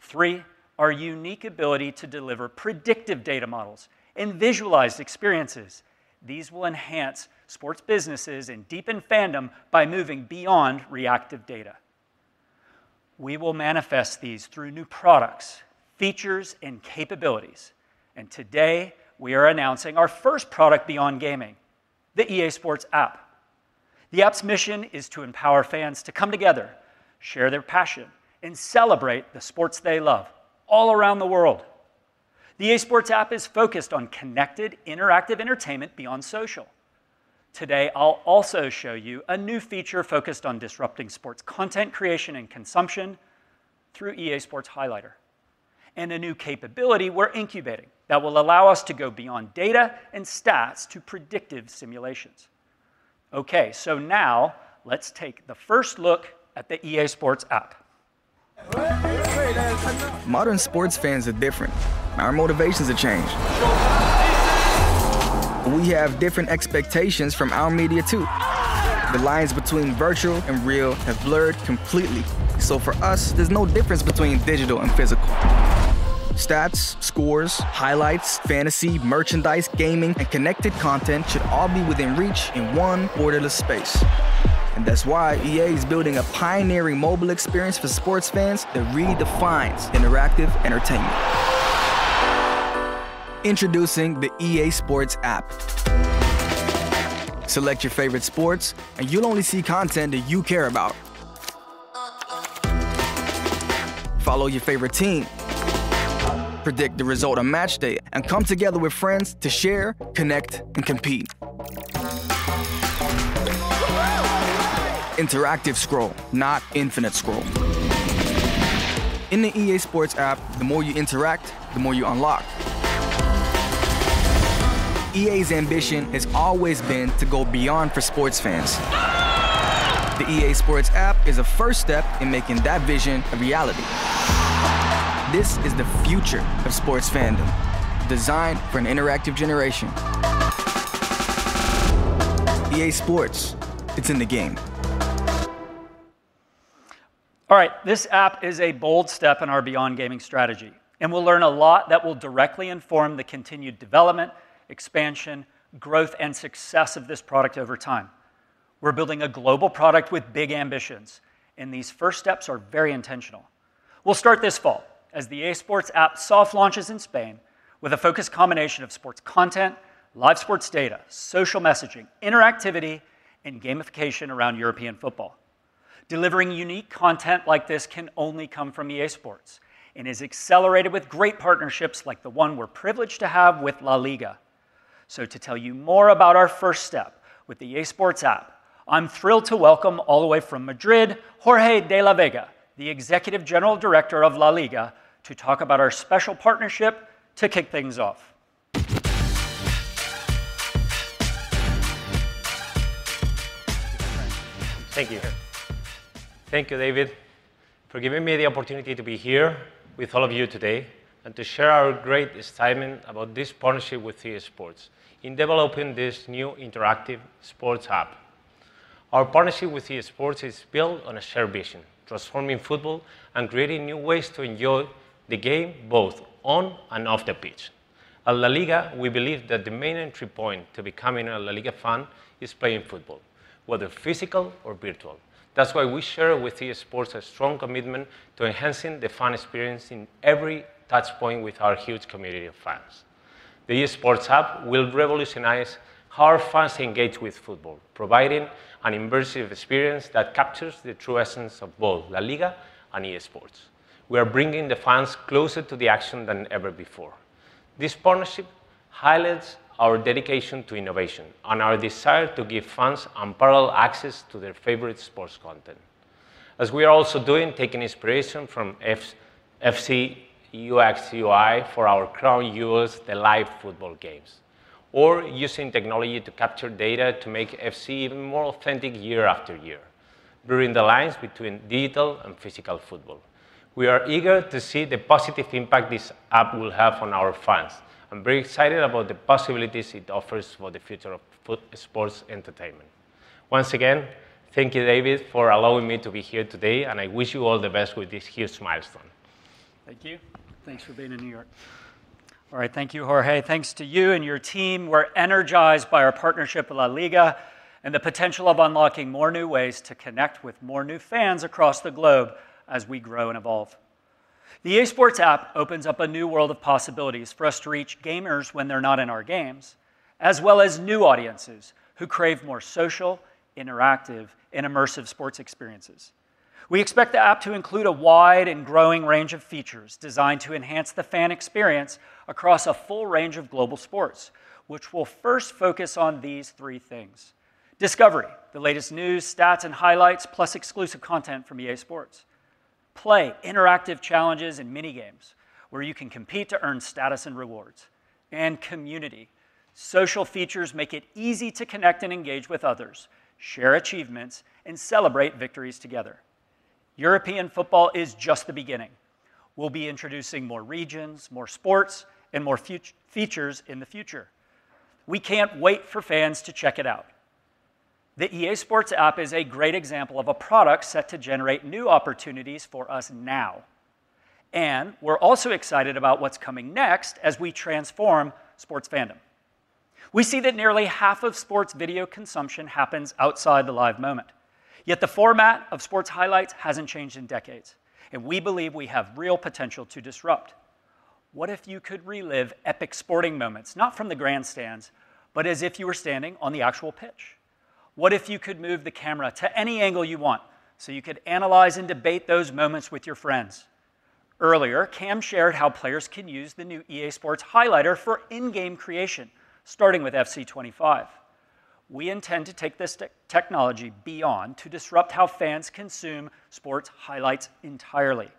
Three, our unique ability to deliver predictive data models and visualized experiences. These will enhance sports businesses and deepen fandom by moving beyond reactive data. We will manifest these through new products, features, and capabilities, and today, we are announcing our first product beyond gaming, the EA Sports App. The app's mission is to empower fans to come together, share their passion, and celebrate the sports they love all around the world. The EA Sports App is focused on connected, interactive entertainment beyond social. Today, I'll also show you a new feature focused on disrupting sports content creation and consumption through EA Sports Highlighter, and a new capability we're incubating that will allow us to go beyond data and stats to predictive simulations. Okay, so now let's take the first look at the EA Sports App. Modern sports fans are different. Our motivations have changed. We have different expectations from our media, too. The lines between virtual and real have blurred completely, so for us, there's no difference between digital and physical. Stats, scores, highlights, fantasy, merchandise, gaming, and connected content should all be within reach in one borderless space, and that's why EA is building a pioneering mobile experience for sports fans that redefines interactive entertainment. Introducing the EA Sports App. Select your favorite sports and you'll only see content that you care about. Follow your favorite team, predict the result on match day, and come together with friends to share, connect, and compete. Interactive scroll, not infinite scroll. In the EA Sports App, the more you interact, the more you unlock. EA's ambition has always been to go beyond for sports fans. The EA Sports App is a first step in making that vision a reality. This is the future of sports fandom, designed for an interactive generation. EA Sports: It's in the game. All right, this app is a bold step in our beyond gaming strategy, and we'll learn a lot that will directly inform the continued development, expansion, growth, and success of this product over time. We're building a global product with big ambitions, and these first steps are very intentional. We'll start this fall, as the EA Sports App soft launches in Spain, with a focused combination of sports content, live sports data, social messaging, interactivity, and gamification around European football. Delivering unique content like this can only come from EA Sports, and is accelerated with great partnerships like the one we're privileged to have with LaLiga. So to tell you more about our first step with the EA Sports App, I'm thrilled to welcome, all the way from Madrid, Jorge de la Vega, the Executive General Director of LaLiga, to talk about our special partnership to kick things off. Thank you. Thank you, David, for giving me the opportunity to be here with all of you today, and to share our great excitement about this partnership with EA Sports in developing this new interactive sports app. Our partnership with EA Sports is built on a shared vision, transforming football and creating new ways to enjoy the game, both on and off the pitch. At LaLiga, we believe that the main entry point to becoming a LaLiga fan is playing football, whether physical or virtual. That's why we share with EA Sports a strong commitment to enhancing the fan experience in every touchpoint with our huge community of fans. The EA Sports App will revolutionize how our fans engage with football, providing an immersive experience that captures the true essence of both LaLiga and EA Sports. We are bringing the fans closer to the action than ever before. This partnership highlights our dedication to innovation and our desire to give fans unparalleled access to their favorite sports content. As we are also doing, taking inspiration from FC UX/UI for our current users, the live football games, or using technology to capture data to make FC even more authentic year after year, blurring the lines between digital and physical football. We are eager to see the positive impact this app will have on our fans. I'm very excited about the possibilities it offers for the future of sports entertainment. Once again, thank you, David, for allowing me to be here today, and I wish you all the best with this huge milestone. Thank you. Thanks for being in New York. All right, thank you, Jorge. Thanks to you and your team. We're energized by our partnership with LaLiga, and the potential of unlocking more new ways to connect with more new fans across the globe as we grow and evolve. The EA Sports App opens up a new world of possibilities for us to reach gamers when they're not in our games, as well as new audiences, who crave more social, interactive, and immersive sports experiences. We expect the app to include a wide and growing range of features designed to enhance the fan experience across a full range of global sports, which will first focus on these three things: Discovery, the latest news, stats, and highlights, plus exclusive content from EA Sports. Play, interactive challenges and mini games, where you can compete to earn status and rewards. Community, social features make it easy to connect and engage with others, share achievements, and celebrate victories together. European football is just the beginning. We'll be introducing more regions, more sports, and more features in the future. We can't wait for fans to check it out. The EA Sports App is a great example of a product set to generate new opportunities for us now, and we're also excited about what's coming next as we transform sports fandom. We see that nearly half of sports video consumption happens outside the live moment, yet the format of sports highlights hasn't changed in decades, and we believe we have real potential to disrupt. What if you could relive epic sporting moments, not from the grandstands, but as if you were standing on the actual pitch? What if you could move the camera to any angle you want, so you could analyze and debate those moments with your friends? Earlier, Cam shared how players can use the new EA Sports Highlighter for in-game creation, starting with FC 25. We intend to take this technology beyond, to disrupt how fans consume sports highlights entirely.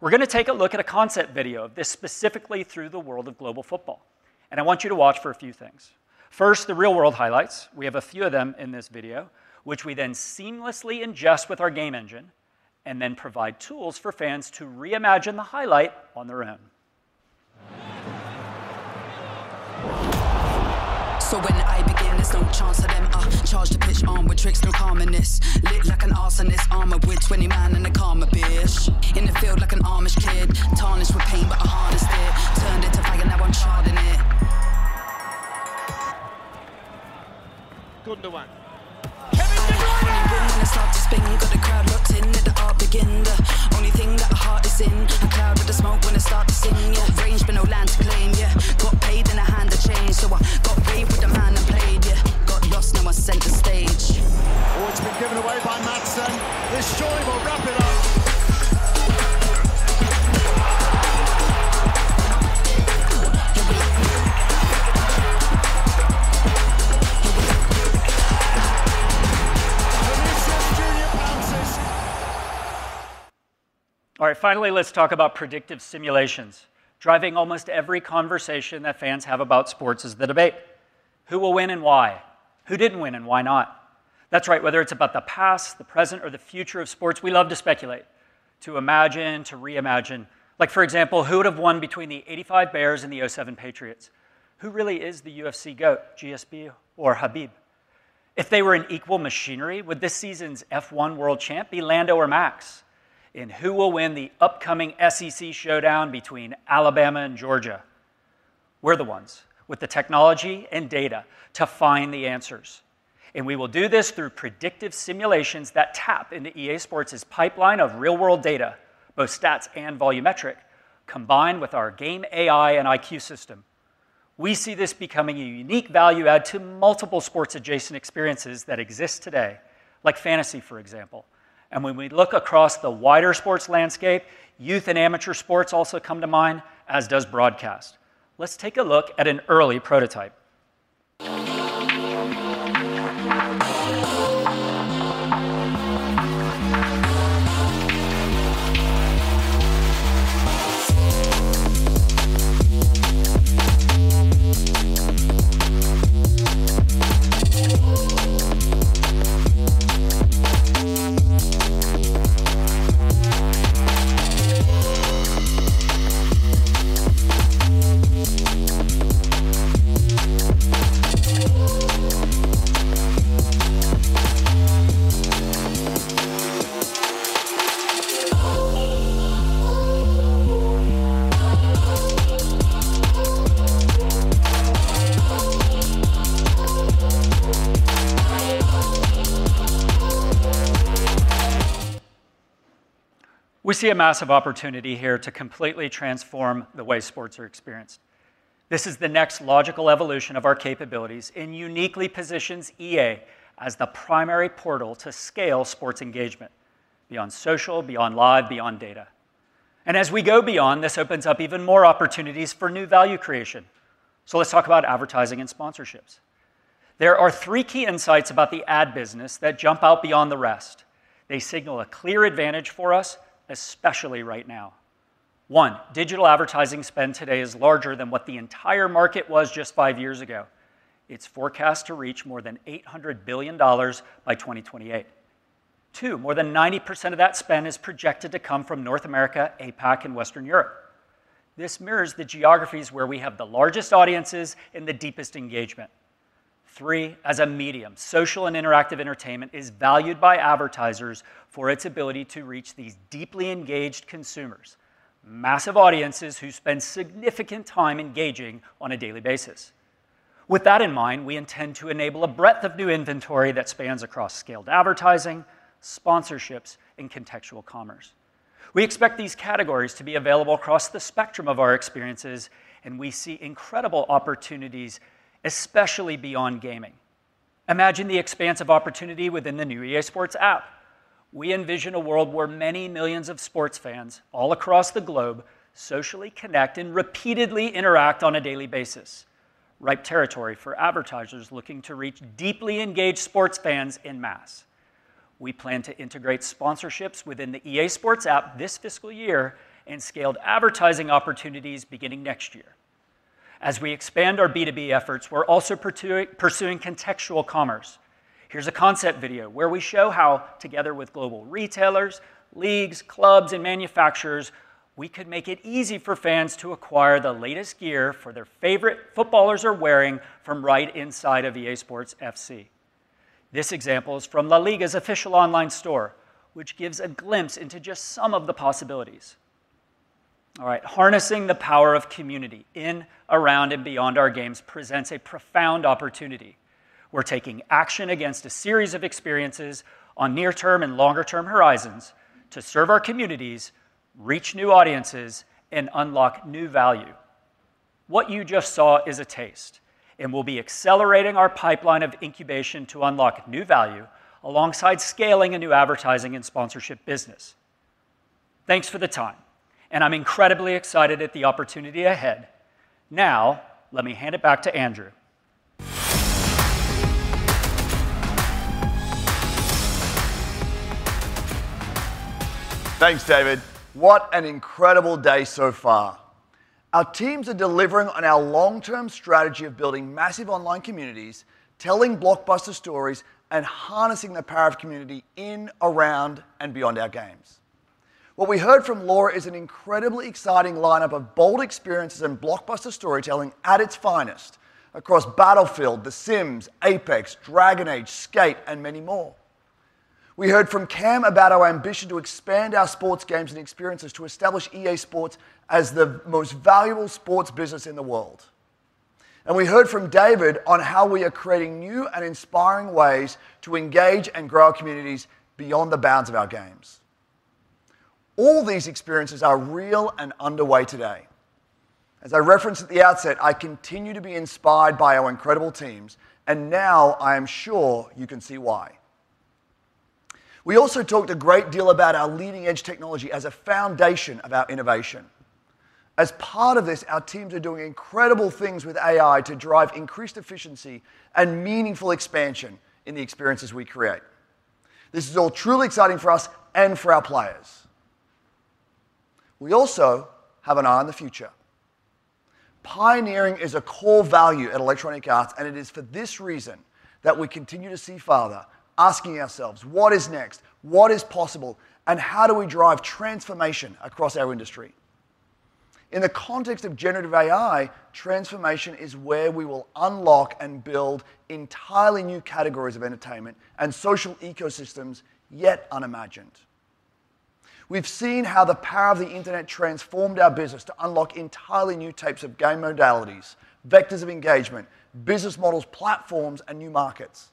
We're gonna take a look at a concept video of this, specifically through the world of global football, and I want you to watch for a few things. First, the real-world highlights. We have a few of them in this video, which we then seamlessly ingest with our game engine, and then provide tools for fans to reimagine the highlight on their own. So when I begin, there's no chance of them charge the pitch on with tricks, no calmness. Lit like an arsonist, armed with twenty man and a karma, bitch. In the field like an Amish kid. Tarnished with pain, but I harnessed it. Turned into fire, now I'm charring it. Good one. Kevin De Bruyne! Only win when I start to spin, got the crowd locked in, let the art begin, yeah. Only thing that my heart is in, a cloud with the smoke when I start to sing, yeah. Range, but no land to claim, yeah. Got paid and a hand to change, so I got paid with the man and played, yeah. Got lost, now I'm center stage. Oh, it's been given away by Maatsen. This joy will wrap it up. Vinícius Júnior pounces. All right. Finally, let's talk about predictive simulations. Driving almost every conversation that fans have about sports is the debate: Who will win and why? Who didn't win, and why not? That's right, whether it's about the past, the present, or the future of sports, we love to speculate, to imagine, to reimagine. Like, for example, who would have won between the '85 Bears and the '07 Patriots? Who really is the UFC GOAT, GSP or Khabib? If they were in equal machinery, would this season's F1 world champ be Lando or Max? And who will win the upcoming SEC showdown between Alabama and Georgia? We're the ones with the technology and data to find the answers, and we will do this through predictive simulations that tap into EA Sports' pipeline of real-world data, both stats and volumetric, combined with our game AI and IQ system. We see this becoming a unique value add to multiple sports-adjacent experiences that exist today, like fantasy, for example, and when we look across the wider sports landscape, youth and amateur sports also come to mind, as does broadcast. Let's take a look at an early prototype. We see a massive opportunity here to completely transform the way sports are experienced. This is the next logical evolution of our capabilities and uniquely positions EA as the primary portal to scale sports engagement beyond social, beyond live, beyond data, and as we go beyond, this opens up even more opportunities for new value creation, so let's talk about advertising and sponsorships. There are three key insights about the ad business that jump out beyond the rest. They signal a clear advantage for us, especially right now. One, digital advertising spend today is larger than what the entire market was just five years ago. It's forecast to reach more than $800 billion by 2028. Two, more than 90% of that spend is projected to come from North America, APAC, and Western Europe. This mirrors the geographies where we have the largest audiences and the deepest engagement. Three, as a medium, social and interactive entertainment is valued by advertisers for its ability to reach these deeply engaged consumers, massive audiences who spend significant time engaging on a daily basis. With that in mind, we intend to enable a breadth of new inventory that spans across scaled advertising, sponsorships, and contextual commerce. We expect these categories to be available across the spectrum of our experiences, and we see incredible opportunities, especially beyond gaming. Imagine the expanse of opportunity within the new EA Sports App. We envision a world where many millions of sports fans all across the globe socially connect and repeatedly interact on a daily basis, ripe territory for advertisers looking to reach deeply engaged sports fans en masse. We plan to integrate sponsorships within the EA Sports App this fiscal year and scaled advertising opportunities beginning next year. As we expand our B2B efforts, we're also pursuing contextual commerce. Here's a concept video where we show how, together with global retailers, leagues, clubs, and manufacturers, we could make it easy for fans to acquire the latest gear for their favorite footballers are wearing from right inside of EA Sports FC. This example is from LaLiga's official online store, which gives a glimpse into just some of the possibilities. All right, harnessing the power of community in, around, and beyond our games presents a profound opportunity. We're taking action across a series of experiences on near-term and longer-term horizons to serve our communities, reach new audiences, and unlock new value. What you just saw is a taste, and we'll be accelerating our pipeline of incubation to unlock new value alongside scaling a new advertising and sponsorship business. Thanks for the time, and I'm incredibly excited at the opportunity ahead. Now, let me hand it back to Andrew. Thanks, David. What an incredible day so far. Our teams are delivering on our long-term strategy of building massive online communities, telling blockbuster stories, and harnessing the power of community in, around, and beyond our games. What we heard from Laura is an incredibly exciting lineup of bold experiences and blockbuster storytelling at its finest across Battlefield, The Sims, Apex, Dragon Age, Skate, and many more. We heard from Cam about our ambition to expand our sports games and experiences to establish EA Sports as the most valuable sports business in the world. And we heard from David on how we are creating new and inspiring ways to engage and grow our communities beyond the bounds of our games. All these experiences are real and underway today. As I referenced at the outset, I continue to be inspired by our incredible teams, and now I am sure you can see why. We also talked a great deal about our leading-edge technology as a foundation of our innovation. As part of this, our teams are doing incredible things with AI to drive increased efficiency and meaningful expansion in the experiences we create. This is all truly exciting for us and for our players. We also have an eye on the future. Pioneering is a core value at Electronic Arts, and it is for this reason that we continue to see farther, asking ourselves: What is next? What is possible? And how do we drive transformation across our industry? In the context of generative AI, transformation is where we will unlock and build entirely new categories of entertainment and social ecosystems yet unimagined. We've seen how the power of the internet transformed our business to unlock entirely new types of game modalities, vectors of engagement, business models, platforms, and new markets.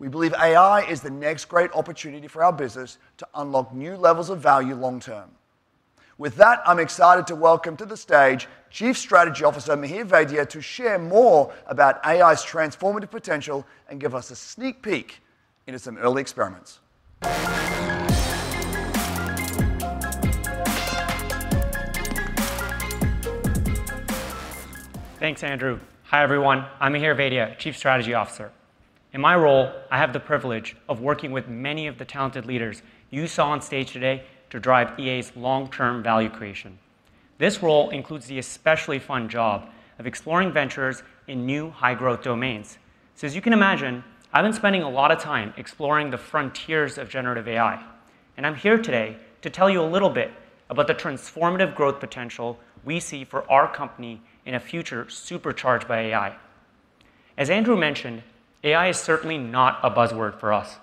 We believe AI is the next great opportunity for our business to unlock new levels of value long-term. With that, I'm excited to welcome to the stage Chief Strategy Officer, Mihir Vaidya, to share more about AI's transformative potential and give us a sneak peek into some early experiments. Thanks, Andrew. Hi, everyone. I'm Mihir Vaidya, Chief Strategy Officer. In my role, I have the privilege of working with many of the talented leaders you saw on stage today to drive EA's long-term value creation. This role includes the especially fun job of exploring ventures in new, high-growth domains. So as you can imagine, I've been spending a lot of time exploring the frontiers of generative AI, and I'm here today to tell you a little bit about the transformative growth potential we see for our company in a future supercharged by AI. As Andrew mentioned, AI is certainly not a buzzword for us.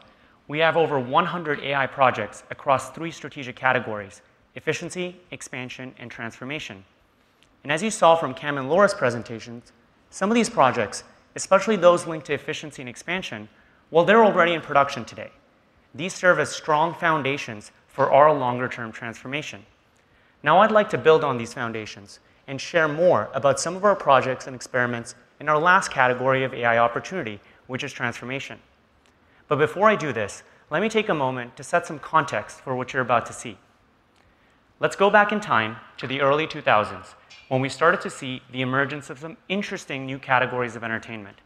We have over 100 AI projects across three strategic categories: efficiency, expansion, and transformation. And as you saw from Cam and Laura's presentations, some of these projects, especially those linked to efficiency and expansion, well, they're already in production today. These serve as strong foundations for our longer-term transformation. Now, I'd like to build on these foundations and share more about some of our projects and experiments in our last category of AI opportunity, which is transformation. But before I do this, let me take a moment to set some context for what you're about to see. Let's go back in time to the early 2000s, when we started to see the emergence of some interesting new categories of entertainment,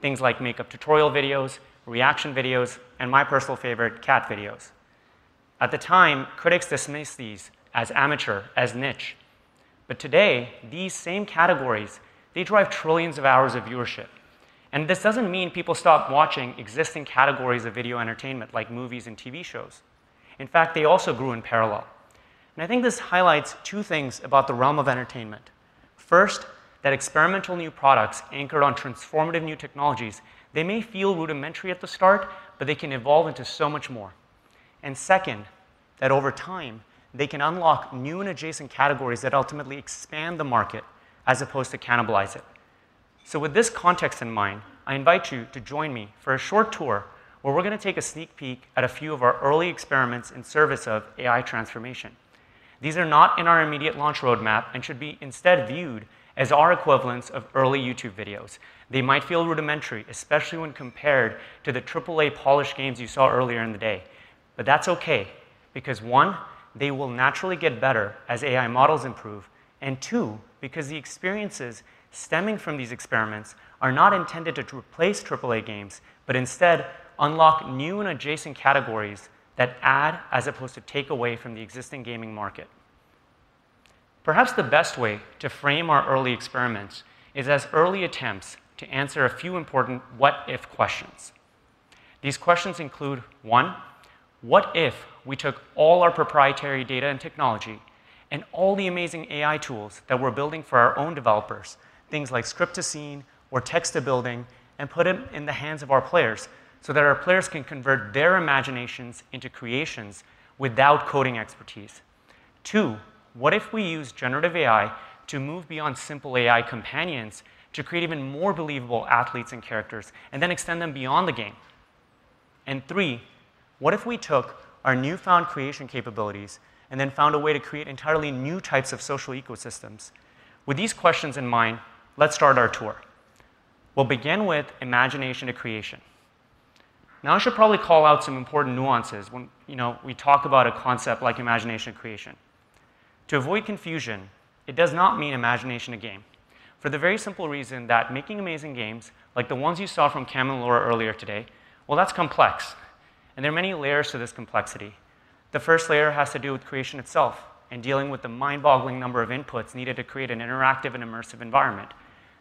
things like makeup tutorial videos, reaction videos, and my personal favorite, cat videos. At the time, critics dismissed these as amateur, as niche. But today, these same categories, they drive trillions of hours of viewership. And this doesn't mean people stop watching existing categories of video entertainment, like movies and TV shows. In fact, they also grew in parallel. I think this highlights two things about the realm of entertainment: first, that experimental new products anchored on transformative new technologies, they may feel rudimentary at the start, but they can evolve into so much more, and second, that over time, they can unlock new and adjacent categories that ultimately expand the market as opposed to cannibalize it. With this context in mind, I invite you to join me for a short tour, where we're going to take a sneak peek at a few of our early experiments in service of AI transformation. These are not in our immediate launch roadmap and should be instead viewed as our equivalents of early YouTube videos. They might feel rudimentary, especially when compared to the triple A polished games you saw earlier in the day. But that's okay, because, one, they will naturally get better as AI models improve, and two, because the experiences stemming from these experiments are not intended to replace triple-A games, but instead unlock new and adjacent categories that add as opposed to take away from the existing gaming market. Perhaps the best way to frame our early experiments is as early attempts to answer a few important what-if questions. These questions include, one, what if we took all our proprietary data and technology and all the amazing AI tools that we're building for our own developers, things like Script to Scene or Text to Building, and put it in the hands of our players, so that our players can convert their imaginations into creations without coding expertise? Two, what if we use generative AI to move beyond simple AI companions to create even more believable athletes and characters and then extend them beyond the game? And three, what if we took our newfound creation capabilities and then found a way to create entirely new types of social ecosystems? With these questions in mind, let's start our tour. We'll begin with imagination to creation. Now, I should probably call out some important nuances when, you know, we talk about a concept like imagination to creation. To avoid confusion, it does not mean imagination to game, for the very simple reason that making amazing games, like the ones you saw from Cam and Laura earlier today, well, that's complex, and there are many layers to this complexity. The first layer has to do with creation itself and dealing with the mind-boggling number of inputs needed to create an interactive and immersive environment.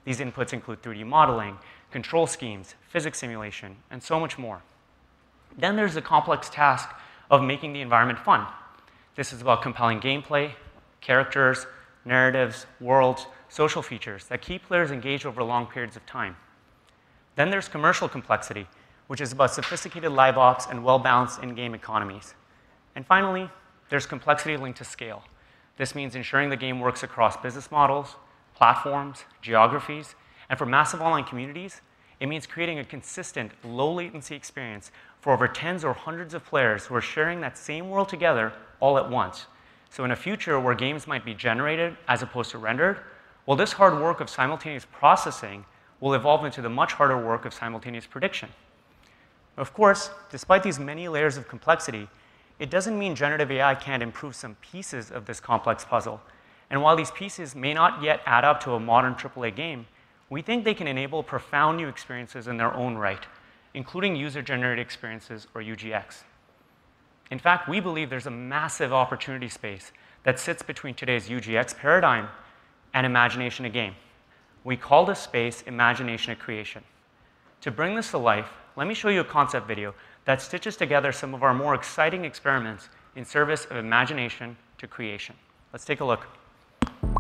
These inputs include 3D modeling, control schemes, physics simulation, and so much more. Then there's the complex task of making the environment fun. This is about compelling gameplay, characters, narratives, worlds, social features that keep players engaged over long periods of time. Then there's commercial complexity, which is about sophisticated live ops and well-balanced in-game economies. And finally, there's complexity linked to scale. This means ensuring the game works across business models, platforms, geographies, and for massive online communities, it means creating a consistent, low-latency experience for over tens or hundreds of players who are sharing that same world together all at once. In a future where games might be generated as opposed to rendered, well, this hard work of simultaneous processing will evolve into the much harder work of simultaneous prediction. Of course, despite these many layers of complexity, it doesn't mean generative AI can't improve some pieces of this complex puzzle. While these pieces may not yet add up to a modern triple-A game, we think they can enable profound new experiences in their own right, including user-generated experiences, or UGC. In fact, we believe there's a massive opportunity space that sits between today's UGC paradigm and imagination to game. We call this space imagination to creation... To bring this to life, let me show you a concept video that stitches together some of our more exciting experiments in service of imagination to creation. Let's take a look.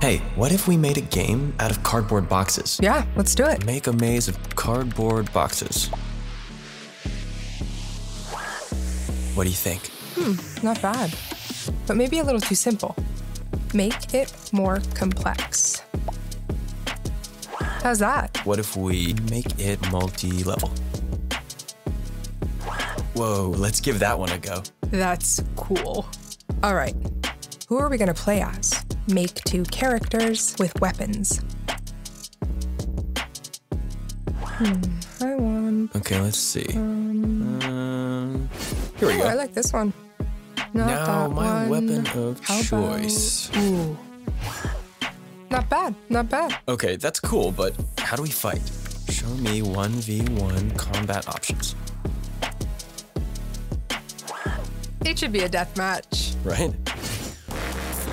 Hey, what if we made a game out of cardboard boxes? Yeah, let's do it. Make a maze of cardboard boxes. What do you think? Hmm, not bad, but maybe a little too simple. Make it more complex. How's that? What if we make it multi-level? Whoa, let's give that one a go. That's cool. All right, who are we gonna play as? Make two characters with weapons. Hmm, I want- Okay, let's see. Um... Here we go. Oh, I like this one. Not that one. Now, my weapon of choice. How about... Ooh, not bad, not bad. Okay, that's cool, but how do we fight? Show me one v one combat options. It should be a death match. Right?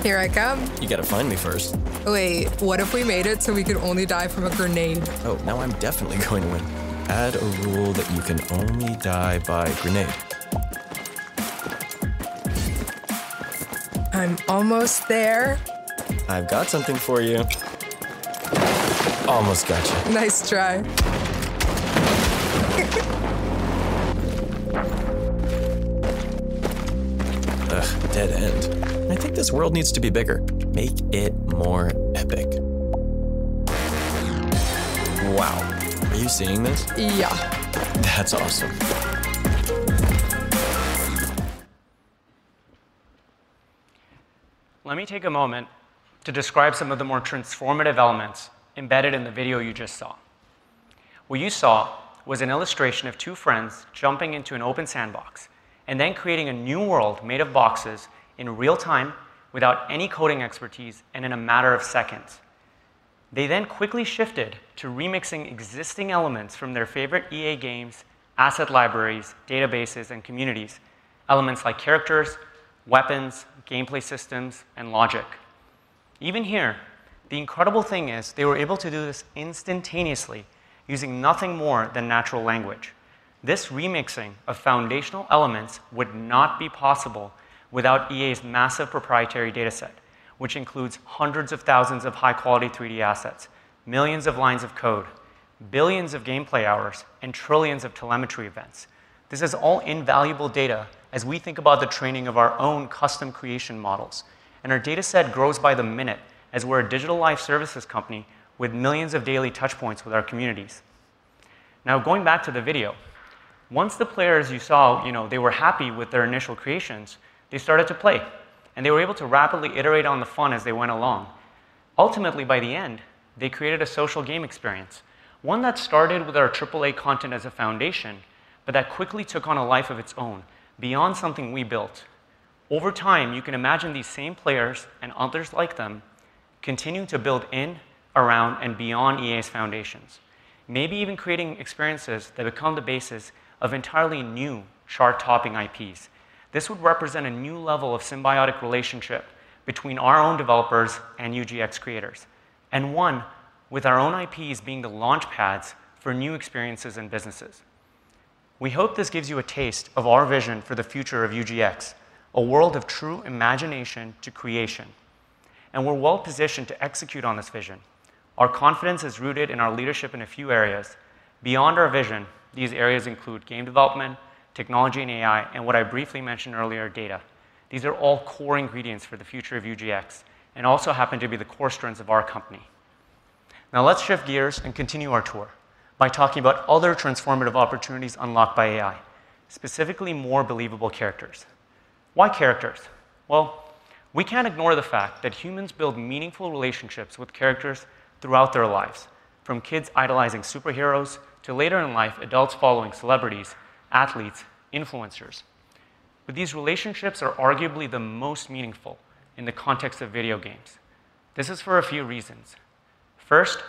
Here I come. You've got to find me first. Wait, what if we made it so we could only die from a grenade? Oh, now I'm definitely going to win. Add a rule that you can only die by grenade. I'm almost there. I've got something for you. Almost got you. Nice try. Ugh, dead end. I think this world needs to be bigger. Make it more epic. Wow, are you seeing this? Yeah. That's awesome. Let me take a moment to describe some of the more transformative elements embedded in the video you just saw. What you saw was an illustration of two friends jumping into an open sandbox and then creating a new world made of boxes in real time, without any coding expertise, and in a matter of seconds. They then quickly shifted to remixing existing elements from their favorite EA games, asset libraries, databases, and communities, elements like characters, weapons, gameplay systems, and logic. Even here, the incredible thing is they were able to do this instantaneously using nothing more than natural language. This remixing of foundational elements would not be possible without EA's massive proprietary data set, which includes hundreds of thousands of high-quality 3D assets, millions of lines of code, billions of gameplay hours, and trillions of telemetry events. This is all invaluable data as we think about the training of our own custom creation models, and our data set grows by the minute, as we're a digital life services company with millions of daily touch points with our communities. Now, going back to the video, once the players you saw, you know, they were happy with their initial creations, they started to play, and they were able to rapidly iterate on the fun as they went along. Ultimately, by the end, they created a social game experience, one that started with our triple-A content as a foundation, but that quickly took on a life of its own, beyond something we built. Over time, you can imagine these same players, and others like them, continuing to build in, around, and beyond EA's foundations, maybe even creating experiences that become the basis of entirely new chart-topping IPs. This would represent a new level of symbiotic relationship between our own developers and UGC creators, and one with our own IPs being the launchpads for new experiences and businesses. We hope this gives you a taste of our vision for the future of UGC, a world of true imagination to creation, and we're well positioned to execute on this vision. Our confidence is rooted in our leadership in a few areas. Beyond our vision, these areas include game development, technology and AI, and what I briefly mentioned earlier, data. These are all core ingredients for the future of UGC and also happen to be the core strengths of our company. Now, let's shift gears and continue our tour by talking about other transformative opportunities unlocked by AI, specifically, more believable characters. Why characters? We can't ignore the fact that humans build meaningful relationships with characters throughout their lives, from kids idolizing superheroes to, later in life, adults following celebrities, athletes, influencers. But these relationships are arguably the most meaningful in the context of video games. This is for a few reasons. First,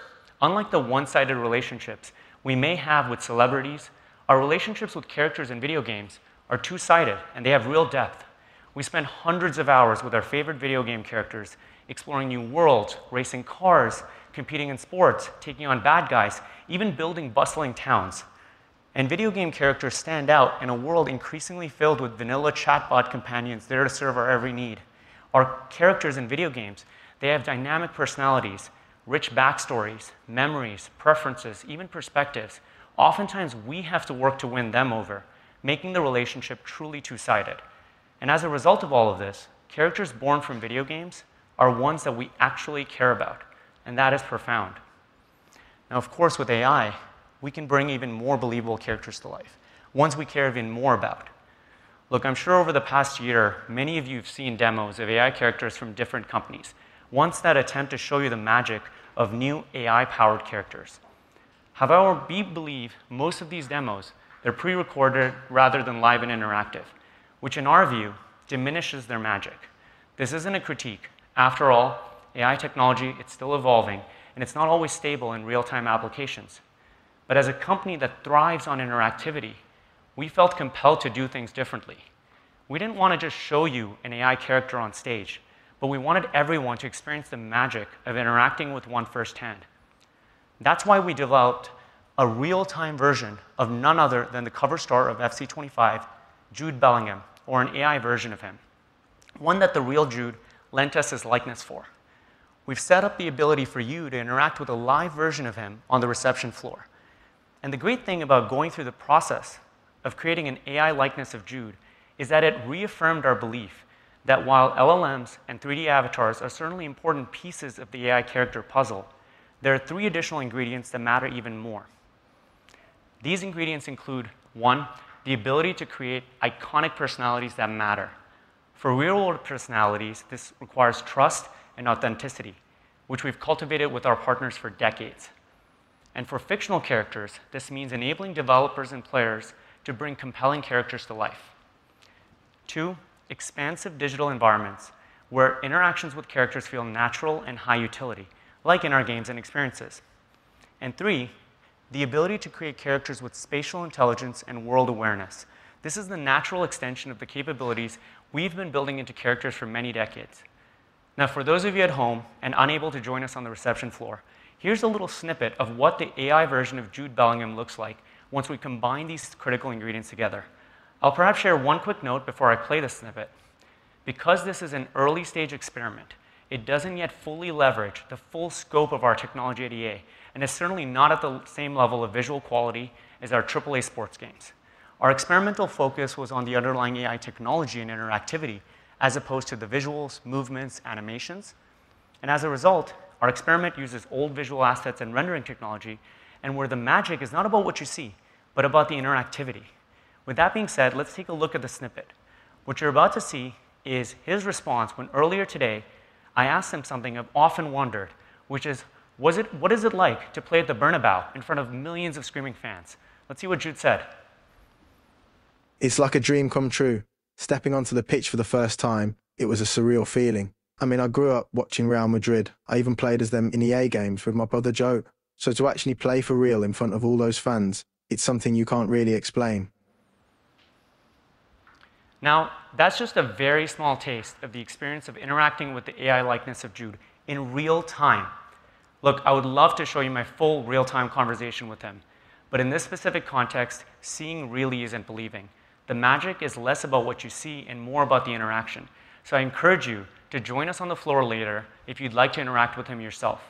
unlike the one-sided relationships we may have with celebrities, our relationships with characters in video games are two-sided, and they have real depth. We spend hundreds of hours with our favorite video game characters, exploring new worlds, racing cars, competing in sports, taking on bad guys, even building bustling towns. And video game characters stand out in a world increasingly filled with vanilla chatbot companions there to serve our every need. Our characters in video games, they have dynamic personalities, rich backstories, memories, preferences, even perspectives. Oftentimes, we have to work to win them over, making the relationship truly two-sided. As a result of all of this, characters born from video games are ones that we actually care about, and that is profound. Now, of course, with AI, we can bring even more believable characters to life, ones we care even more about. Look, I'm sure over the past year, many of you have seen demos of AI characters from different companies, ones that attempt to show you the magic of new AI-powered characters. However, we believe most of these demos, they're pre-recorded rather than live and interactive, which, in our view, diminishes their magic. This isn't a critique. After all, AI technology, it's still evolving, and it's not always stable in real-time applications. As a company that thrives on interactivity, we felt compelled to do things differently. We didn't want to just show you an AI character on stage, but we wanted everyone to experience the magic of interacting with one firsthand. That's why we developed a real-time version of none other than the cover star of FC 25, Jude Bellingham, or an AI version of him, one that the real Jude lent us his likeness for. We've set up the ability for you to interact with a live version of him on the reception floor. And the great thing about going through the process of creating an AI likeness of Jude is that it reaffirmed our belief that while LLMs and 3D avatars are certainly important pieces of the AI character puzzle, there are three additional ingredients that matter even more. These ingredients include, one, the ability to create iconic personalities that matter. For real-world personalities, this requires trust and authenticity, which we've cultivated with our partners for decades, and for fictional characters, this means enabling developers and players to bring compelling characters to life. Two, expansive digital environments, where interactions with characters feel natural and high utility, like in our games and experiences, and three, the ability to create characters with spatial intelligence and world awareness. This is the natural extension of the capabilities we've been building into characters for many decades. Now, for those of you at home and unable to join us on the reception floor, here's a little snippet of what the AI version of Jude Bellingham looks like once we combine these critical ingredients together. I'll perhaps share one quick note before I play this snippet: because this is an early-stage experiment, it doesn't yet fully leverage the full scope of our technology at EA, and is certainly not at the same level of visual quality as our AAA sports games. Our experimental focus was on the underlying AI technology and interactivity, as opposed to the visuals, movements, animations, and as a result, our experiment uses old visual assets and rendering technology, and where the magic is not about what you see, but about the interactivity. With that being said, let's take a look at the snippet. What you're about to see is his response when earlier today, I asked him something I've often wondered, which is, 'Was it-- What is it like to play at the Bernabéu in front of millions of screaming fans?' Let's see what Jude said. It's like a dream come true. Stepping onto the pitch for the first time, it was a surreal feeling. I mean, I grew up watching Real Madrid. I even played as them in EA games with my brother, Joe. So to actually play for real in front of all those fans, it's something you can't really explain. Now, that's just a very small taste of the experience of interacting with the AI likeness of Jude in real time. Look, I would love to show you my full real-time conversation with him, but in this specific context, seeing really isn't believing. The magic is less about what you see and more about the interaction. So I encourage you to join us on the floor later if you'd like to interact with him yourself.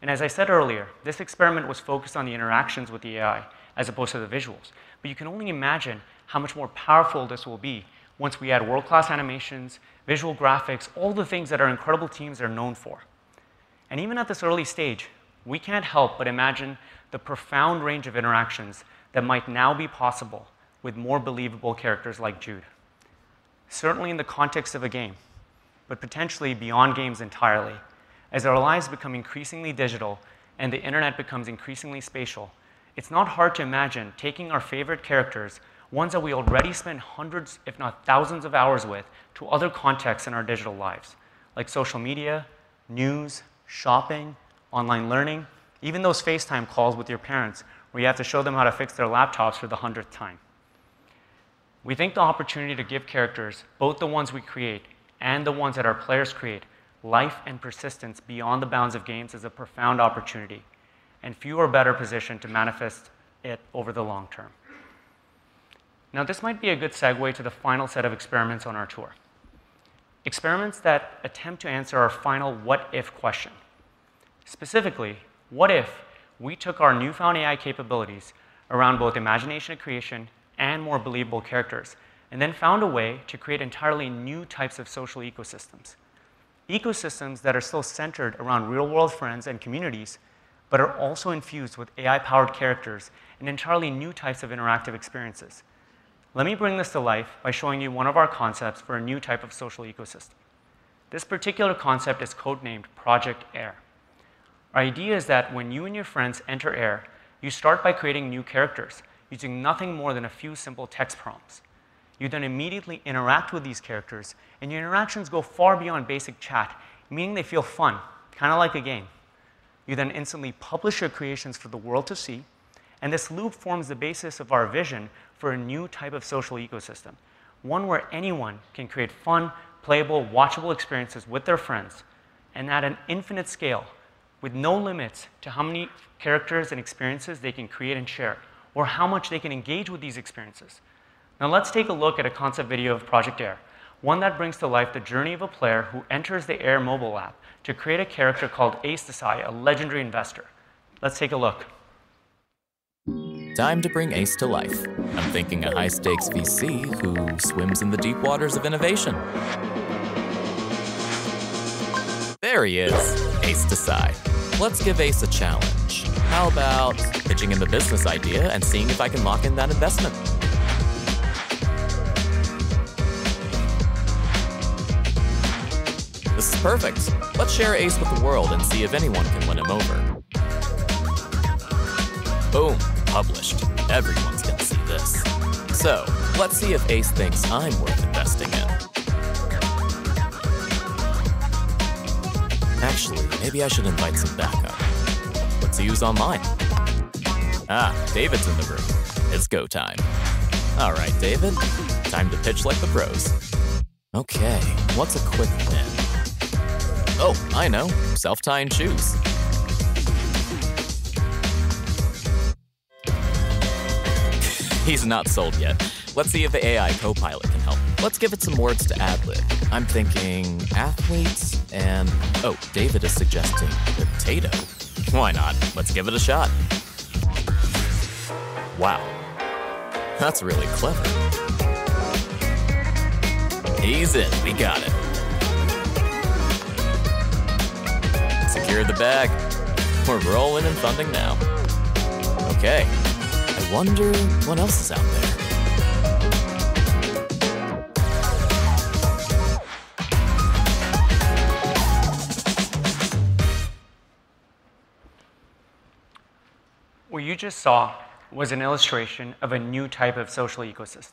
And as I said earlier, this experiment was focused on the interactions with the AI, as opposed to the visuals. But you can only imagine how much more powerful this will be once we add world-class animations, visual graphics, all the things that our incredible teams are known for. Even at this early stage, we can't help but imagine the profound range of interactions that might now be possible with more believable characters like Jude, certainly in the context of a game, but potentially beyond games entirely. As our lives become increasingly digital and the internet becomes increasingly spatial, it's not hard to imagine taking our favorite characters, ones that we already spend hundreds, if not thousands, of hours with, to other contexts in our digital lives, like social media, news, shopping, online learning, even those FaceTime calls with your parents, where you have to show them how to fix their laptops for the hundredth time. We think the opportunity to give characters, both the ones we create and the ones that our players create, life and persistence beyond the bounds of games is a profound opportunity, and few are better positioned to manifest it over the long term. Now, this might be a good segue to the final set of experiments on our tour, experiments that attempt to answer our final what if question. Specifically, what if we took our newfound AI capabilities around both imagination and creation and more believable characters, and then found a way to create entirely new types of social ecosystems? Ecosystems that are still centered around real-world friends and communities, but are also infused with AI-powered characters and entirely new types of interactive experiences. Let me bring this to life by showing you one of our concepts for a new type of social ecosystem. This particular concept is code-named Project Air. Our idea is that when you and your friends enter Air, you start by creating new characters using nothing more than a few simple text prompts. You then immediately interact with these characters, and your interactions go far beyond basic chat, meaning they feel fun, kind of like a game. You then instantly publish your creations for the world to see, and this loop forms the basis of our vision for a new type of social ecosystem, one where anyone can create fun, playable, watchable experiences with their friends and at an infinite scale, with no limits to how many characters and experiences they can create and share, or how much they can engage with these experiences. Now, let's take a look at a concept video of Project Air, one that brings to life the journey of a player who enters the Air mobile app to create a character called Ace Desai, a legendary investor. Let's take a look. Time to bring Ace to life. I'm thinking a high-stakes VC who swims in the deep waters of innovation. There he is, Ace Desai. Let's give Ace a challenge. How about pitching him a business idea and seeing if I can lock in that investment? This is perfect. Let's share Ace with the world and see if anyone can win him over. Boom, published. Everyone's gonna see this. So let's see if Ace thinks I'm worth investing in. Maybe I should invite some backup. Let's see who's online. Ah, David's in the room. It's go time! All right, David, time to pitch like the pros. Okay, what's a quick win? Oh, I know, self-tying shoes. He's not sold yet. Let's see if the AI copilot can help. Let's give it some words to adlib. I'm thinking athletes and. Oh, David is suggesting potato. Why not? Let's give it a shot. Wow, that's really clever. He's in. We got it. Secured the bag. We're rolling in funding now. Okay, I wonder what else is out there? What you just saw was an illustration of a new type of social ecosystem,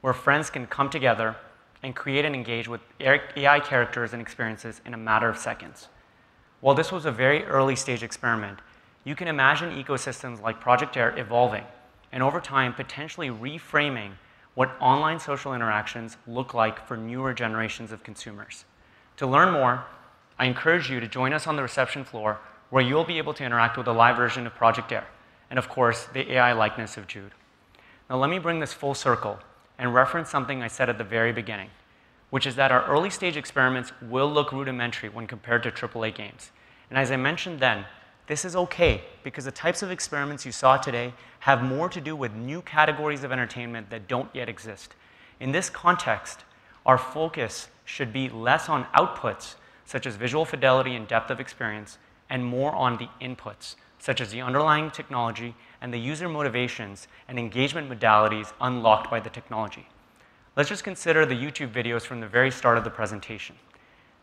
where friends can come together and create and engage with AI characters and experiences in a matter of seconds. While this was a very early-stage experiment, you can imagine ecosystems like Project Air evolving, and over time, potentially reframing what online social interactions look like for newer generations of consumers. To learn more, I encourage you to join us on the reception floor, where you'll be able to interact with a live version of Project Air, and of course, the AI likeness of Jude. Now, let me bring this full circle and reference something I said at the very beginning, which is that our early-stage experiments will look rudimentary when compared to AAA games. And as I mentioned then, this is okay, because the types of experiments you saw today have more to do with new categories of entertainment that don't yet exist. In this context, our focus should be less on outputs, such as visual fidelity and depth of experience, and more on the inputs, such as the underlying technology and the user motivations and engagement modalities unlocked by the technology. Let's just consider the YouTube videos from the very start of the presentation.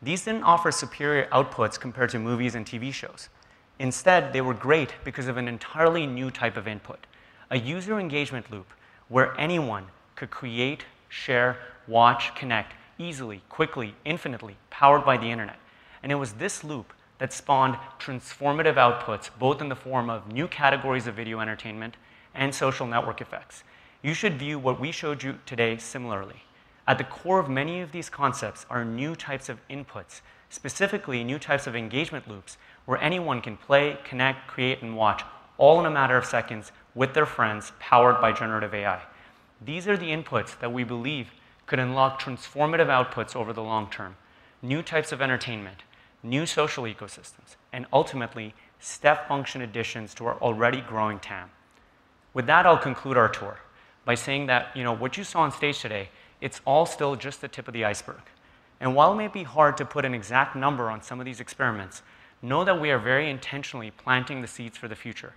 These didn't offer superior outputs compared to movies and TV shows. Instead, they were great because of an entirely new type of input: a user engagement loop where anyone could create, share, watch, connect easily, quickly, infinitely, powered by the internet. And it was this loop that spawned transformative outputs, both in the form of new categories of video entertainment and social network effects. You should view what we showed you today similarly. At the core of many of these concepts are new types of inputs, specifically new types of engagement loops, where anyone can play, connect, create, and watch, all in a matter of seconds with their friends, powered by generative AI. These are the inputs that we believe could unlock transformative outputs over the long term, new types of entertainment, new social ecosystems, and ultimately, step-function additions to our already growing TAM. With that, I'll conclude our tour by saying that, you know, what you saw on stage today, it's all still just the tip of the iceberg, and while it may be hard to put an exact number on some of these experiments, know that we are very intentionally planting the seeds for the future.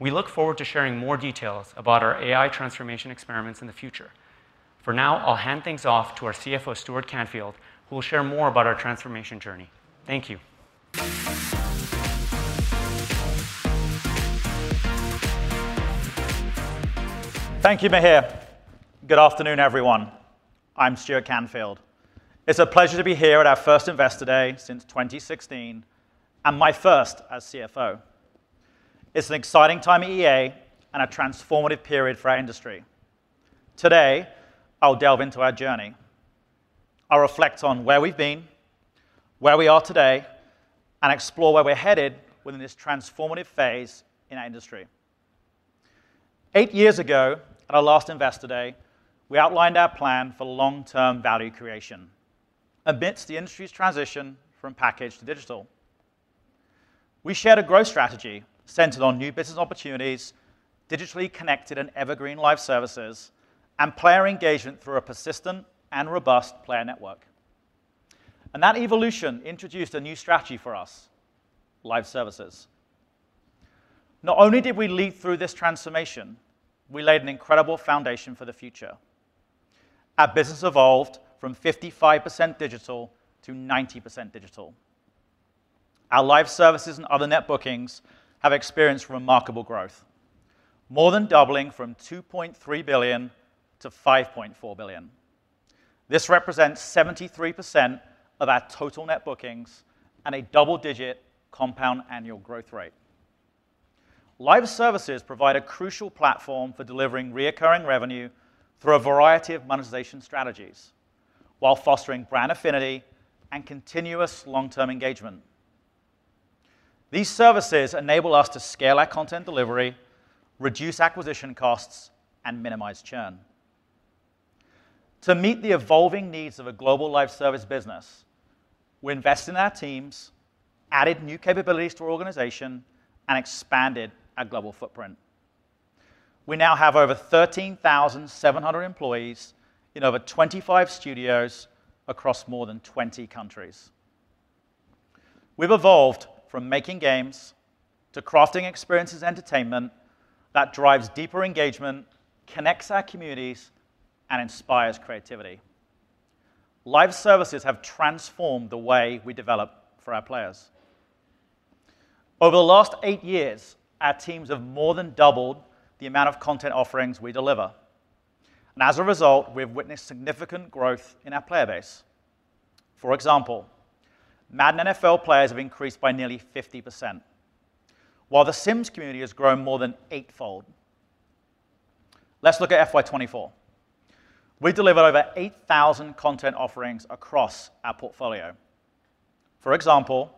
We look forward to sharing more details about our AI transformation experiments in the future. For now, I'll hand things off to our CFO, Stuart Canfield, who will share more about our transformation journey. Thank you. Thank you, Mihir. Good afternoon, everyone. I'm Stuart Canfield. It's a pleasure to be here at our first Investor Day since twenty sixteen, and my first as CFO. It's an exciting time at EA and a transformative period for our industry. Today, I'll delve into our journey. I'll reflect on where we've been, where we are today, and explore where we're headed within this transformative phase in our industry. Eight years ago, at our last Investor Day, we outlined our plan for long-term value creation amidst the industry's transition from package to digital. We shared a growth strategy centered on new business opportunities, digitally connected and evergreen live services, and player engagement through a persistent and robust player network, and that evolution introduced a new strategy for us: live services. Not only did we lead through this transformation, we laid an incredible foundation for the future. Our business evolved from 55% digital to 90% digital. Our live services and other net bookings have experienced remarkable growth, more than doubling from $2.3 billion to $5.4 billion. This represents 73% of our total net bookings and a double-digit compound annual growth rate. Live services provide a crucial platform for delivering recurring revenue through a variety of monetization strategies while fostering brand affinity and continuous long-term engagement. These services enable us to scale our content delivery, reduce acquisition costs, and minimize churn. To meet the evolving needs of a global live service business, we invested in our teams, added new capabilities to our organization, and expanded our global footprint. We now have over 13,700 employees in over 25 studios across more than 20 countries. We've evolved from making games to crafting experiences and entertainment that drives deeper engagement, connects our communities, and inspires creativity. Live Services have transformed the way we develop for our players. Over the last eight years, our teams have more than doubled the amount of content offerings we deliver. And as a result, we have witnessed significant growth in our player base. For example, Madden NFL players have increased by nearly 50%, while The Sims community has grown more than eightfold. Let's look at FY 2024. We delivered over 8,000 content offerings across our portfolio. For example,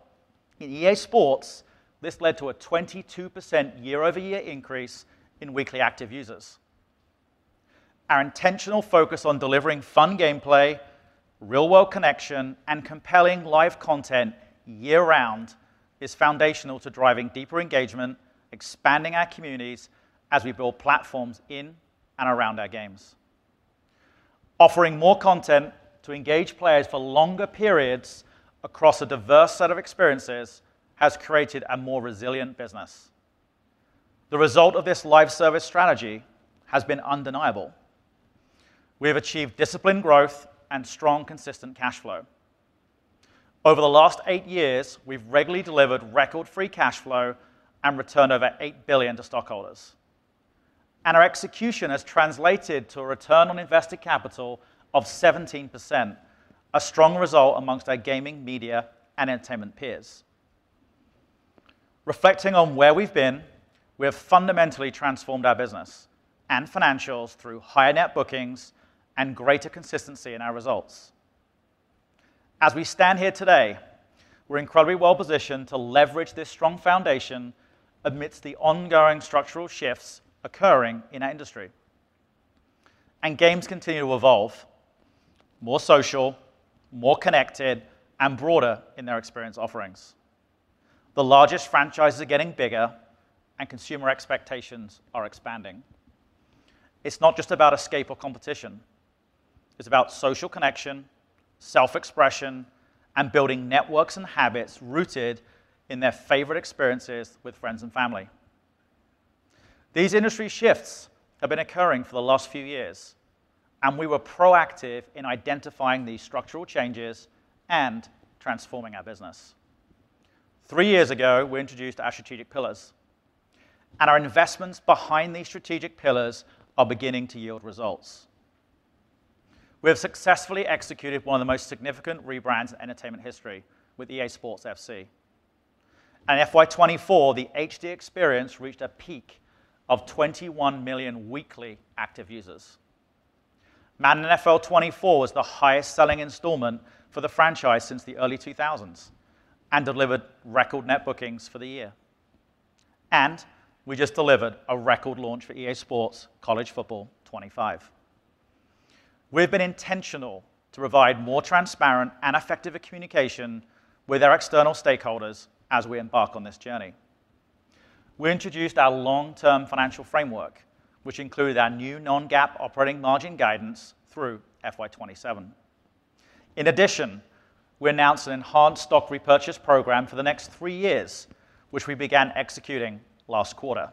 in EA Sports, this led to a 22% year-over-year increase in weekly active users. Our intentional focus on delivering fun gameplay, real-world connection, and compelling live content year-round is foundational to driving deeper engagement, expanding our communities as we build platforms in and around our games. Offering more content to engage players for longer periods across a diverse set of experiences has created a more resilient business. The result of this live service strategy has been undeniable. We have achieved disciplined growth and strong, consistent cash flow. Over the last eight years, we've regularly delivered record free cash flow and returned over $8 billion to stockholders, and our execution has translated to a return on invested capital of 17%, a strong result amongst our gaming, media, and entertainment peers. Reflecting on where we've been, we have fundamentally transformed our business and financials through higher net bookings and greater consistency in our results. As we stand here today, we're incredibly well-positioned to leverage this strong foundation amidst the ongoing structural shifts occurring in our industry, and games continue to evolve: more social, more connected, and broader in their experience offerings. The largest franchises are getting bigger and consumer expectations are expanding. It's not just about escape or competition, it's about social connection, self-expression, and building networks and habits rooted in their favorite experiences with friends and family. These industry shifts have been occurring for the last few years, and we were proactive in identifying these structural changes and transforming our business. Three years ago, we introduced our strategic pillars, and our investments behind these strategic pillars are beginning to yield results. We have successfully executed one of the most significant rebrands in entertainment history with EA Sports FC. In FY 2024, the FC experience reached a peak of 21 million weekly active users. Madden NFL 24 was the highest-selling installment for the franchise since the early 2000s and delivered record net bookings for the year, and we just delivered a record launch for EA Sports College Football 25. We've been intentional to provide more transparent and effective communication with our external stakeholders as we embark on this journey. We introduced our long-term financial framework, which included our new non-GAAP operating margin guidance through FY 2027. In addition, we announced an enhanced stock repurchase program for the next three years, which we began executing last quarter,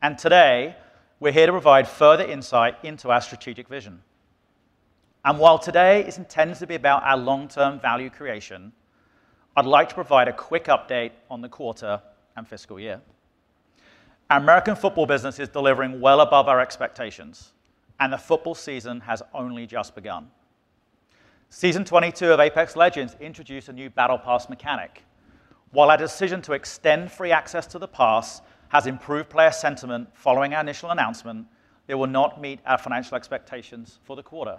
and today we're here to provide further insight into our strategic vision, and while today is intended to be about our long-term value creation, I'd like to provide a quick update on the quarter and fiscal year. Our American football business is delivering well above our expectations, and the football season has only just begun. Season 22 of Apex Legends introduced a new battle pass mechanic. While our decision to extend free access to the pass has improved player sentiment following our initial announcement, it will not meet our financial expectations for the quarter.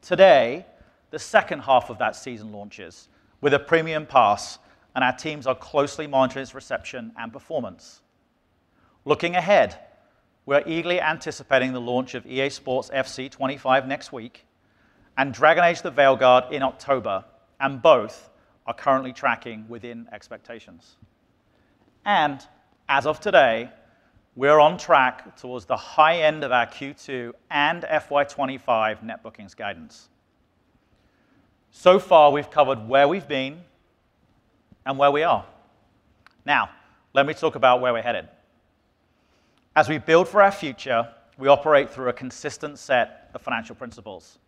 Today, the second half of that season launches with a premium pass, and our teams are closely monitoring its reception and performance. Looking ahead, we are eagerly anticipating the launch of EA Sports FC 25 next week and Dragon Age: The Veilguard in October, and both are currently tracking within expectations, and as of today, we're on track towards the high end of our Q2 and FY 2025 net bookings guidance. So far, we've covered where we've been and where we are. Now, let me talk about where we're headed. As we build for our future, we operate through a consistent set of financial principles.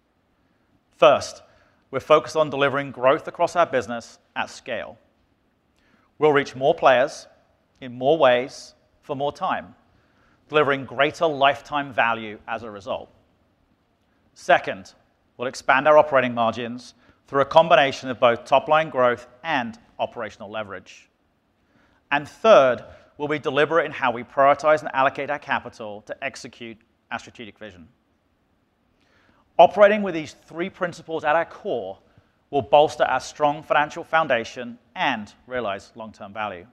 First, we're focused on delivering growth across our business at scale. We'll reach more players in more ways for more time, delivering greater lifetime value as a result. Second, we'll expand our operating margins through a combination of both top-line growth and operational leverage. And third, we'll be deliberate in how we prioritize and allocate our capital to execute our strategic vision. Operating with these three principles at our core will bolster our strong financial foundation and realize long-term value.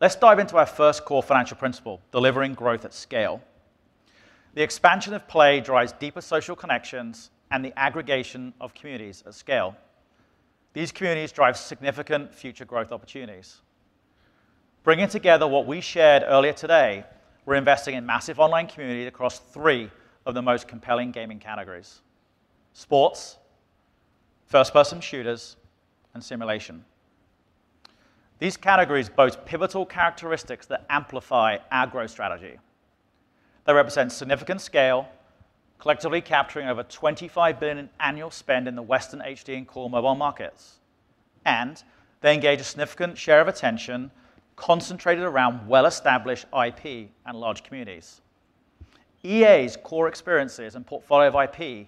Let's dive into our first core financial principle: delivering growth at scale. The expansion of play drives deeper social connections and the aggregation of communities at scale. These communities drive significant future growth opportunities. Bringing together what we shared earlier today, we're investing in massive online community across three of the most compelling gaming categories: sports, first-person shooters, and simulation. These categories boast pivotal characteristics that amplify our growth strategy.... They represent significant scale, collectively capturing over $25 billion in annual spend in the Western HD and core mobile markets. And they engage a significant share of attention, concentrated around well-established IP and large communities. EA's core experiences and portfolio of IP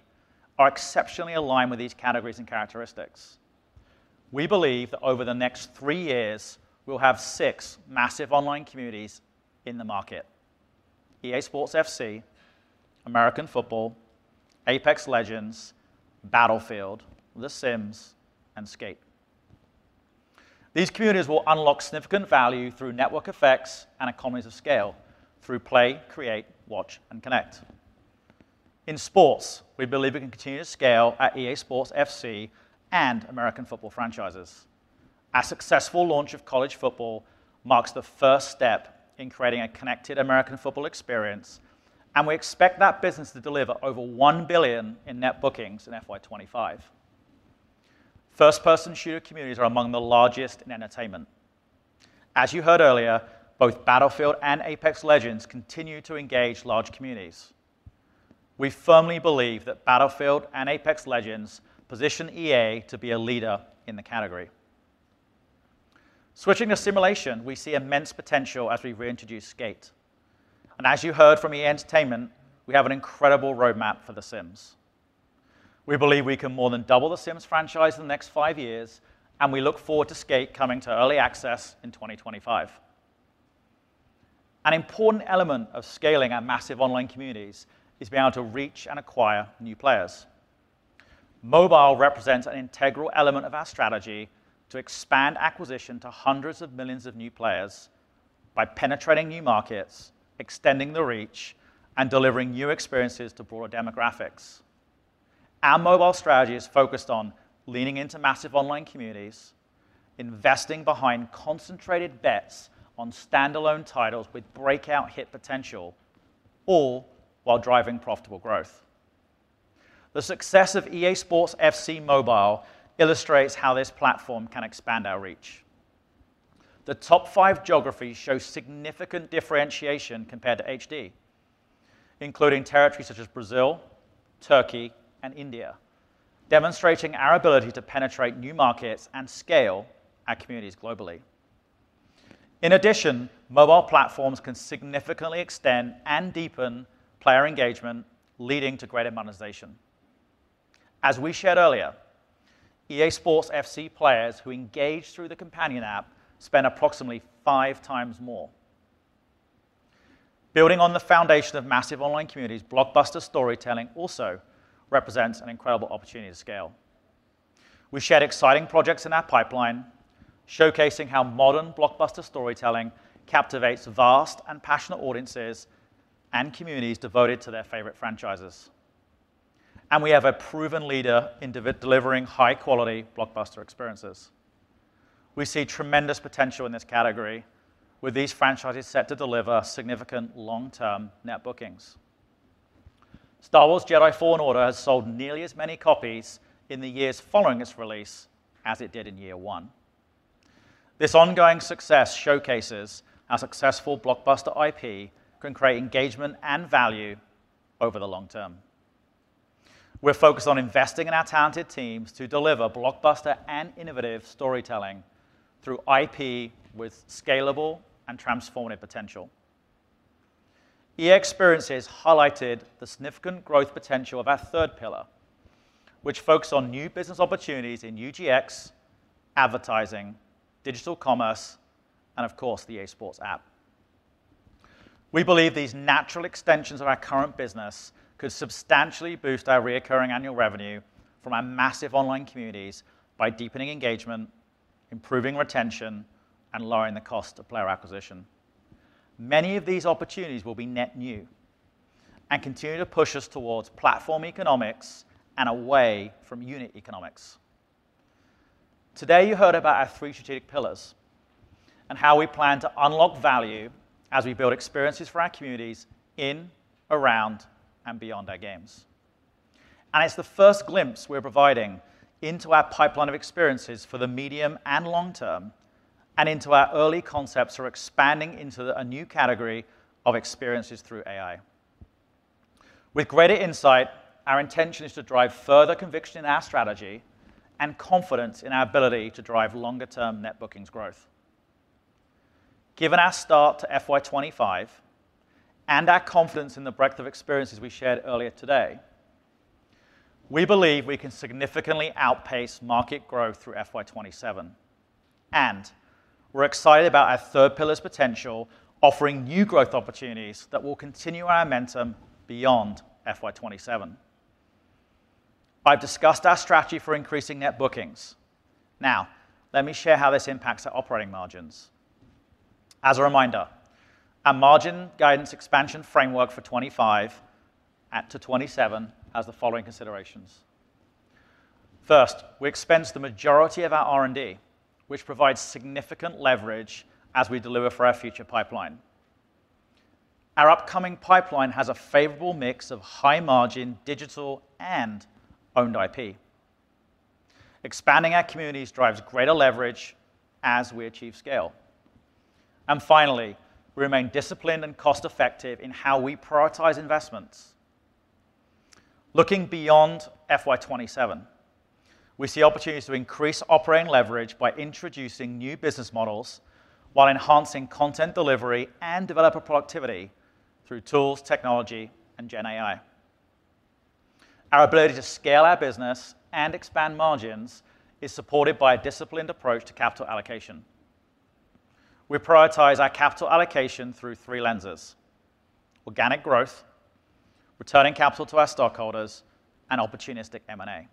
are exceptionally aligned with these categories and characteristics. We believe that over the next three years, we'll have six massive online communities in the market: EA Sports FC, American Football, Apex Legends, Battlefield, The Sims, and Skate. These communities will unlock significant value through network effects and economies of scale through play, create, watch, and connect. In sports, we believe we can continue to scale our EA Sports FC and American football franchises. Our successful launch of college football marks the first step in creating a connected American football experience, and we expect that business to deliver over $1 billion in net bookings in FY 2025. First-person shooter communities are among the largest in entertainment. As you heard earlier, both Battlefield and Apex Legends continue to engage large communities. We firmly believe that Battlefield and Apex Legends position EA to be a leader in the category. Switching to simulation, we see immense potential as we reintroduce Skate, and as you heard from EA Entertainment, we have an incredible roadmap for The Sims. We believe we can more than double The Sims franchise in the next five years, and we look forward to Skate coming to early access in twenty twenty-five. An important element of scaling our massive online communities is being able to reach and acquire new players. Mobile represents an integral element of our strategy to expand acquisition to hundreds of millions of new players by penetrating new markets, extending the reach, and delivering new experiences to broader demographics. Our mobile strategy is focused on leaning into massive online communities, investing behind concentrated bets on standalone titles with breakout hit potential, all while driving profitable growth. The success of EA Sports FC Mobile illustrates how this platform can expand our reach. The top five geographies show significant differentiation compared to HD, including territories such as Brazil, Turkey, and India, demonstrating our ability to penetrate new markets and scale our communities globally. In addition, mobile platforms can significantly extend and deepen player engagement, leading to greater monetization. As we shared earlier, EA Sports FC players who engage through the companion app spend approximately five times more. Building on the foundation of massive online communities, blockbuster storytelling also represents an incredible opportunity to scale. We've shared exciting projects in our pipeline, showcasing how modern blockbuster storytelling captivates vast and passionate audiences and communities devoted to their favorite franchises, and we have a proven leader in delivering high-quality blockbuster experiences. We see tremendous potential in this category, with these franchises set to deliver significant long-term net bookings. Star Wars Jedi: Fallen Order has sold nearly as many copies in the years following its release as it did in year one. This ongoing success showcases how successful blockbuster IP can create engagement and value over the long term. We're focused on investing in our talented teams to deliver blockbuster and innovative storytelling through IP with scalable and transformative potential. EA Experiences highlighted the significant growth potential of our third pillar, which focus on new business opportunities in new GX, advertising, digital commerce, and of course, the EA Sports App. We believe these natural extensions of our current business could substantially boost our recurring annual revenue from our massive online communities by deepening engagement, improving retention, and lowering the cost of player acquisition. Many of these opportunities will be net new and continue to push us towards platform economics and away from unit economics. Today, you heard about our three strategic pillars and how we plan to unlock value as we build experiences for our communities in, around, and beyond our games. And it's the first glimpse we're providing into our pipeline of experiences for the medium and long term, and into our early concepts for expanding into a new category of experiences through AI. With greater insight, our intention is to drive further conviction in our strategy and confidence in our ability to drive longer-term net bookings growth. Given our start to FY 2025 and our confidence in the breadth of experiences we shared earlier today, we believe we can significantly outpace market growth through FY 2027, and we're excited about our third pillar's potential, offering new growth opportunities that will continue our momentum beyond FY 2027. I've discussed our strategy for increasing net bookings. Now, let me share how this impacts our operating margins. As a reminder, our margin guidance expansion framework for twenty-five to twenty-seven has the following considerations: First, we expense the majority of our R&D, which provides significant leverage as we deliver for our future pipeline. Our upcoming pipeline has a favorable mix of high-margin digital and owned IP. Expanding our communities drives greater leverage as we achieve scale. And finally, we remain disciplined and cost-effective in how we prioritize investments. Looking beyond FY twenty-seven, we see opportunities to increase operating leverage by introducing new business models, while enhancing content delivery and developer productivity through tools, technology, and Gen AI. Our ability to scale our business and expand margins is supported by a disciplined approach to capital allocation. We prioritize our capital allocation through three lenses: organic growth, returning capital to our stockholders, and opportunistic M&A.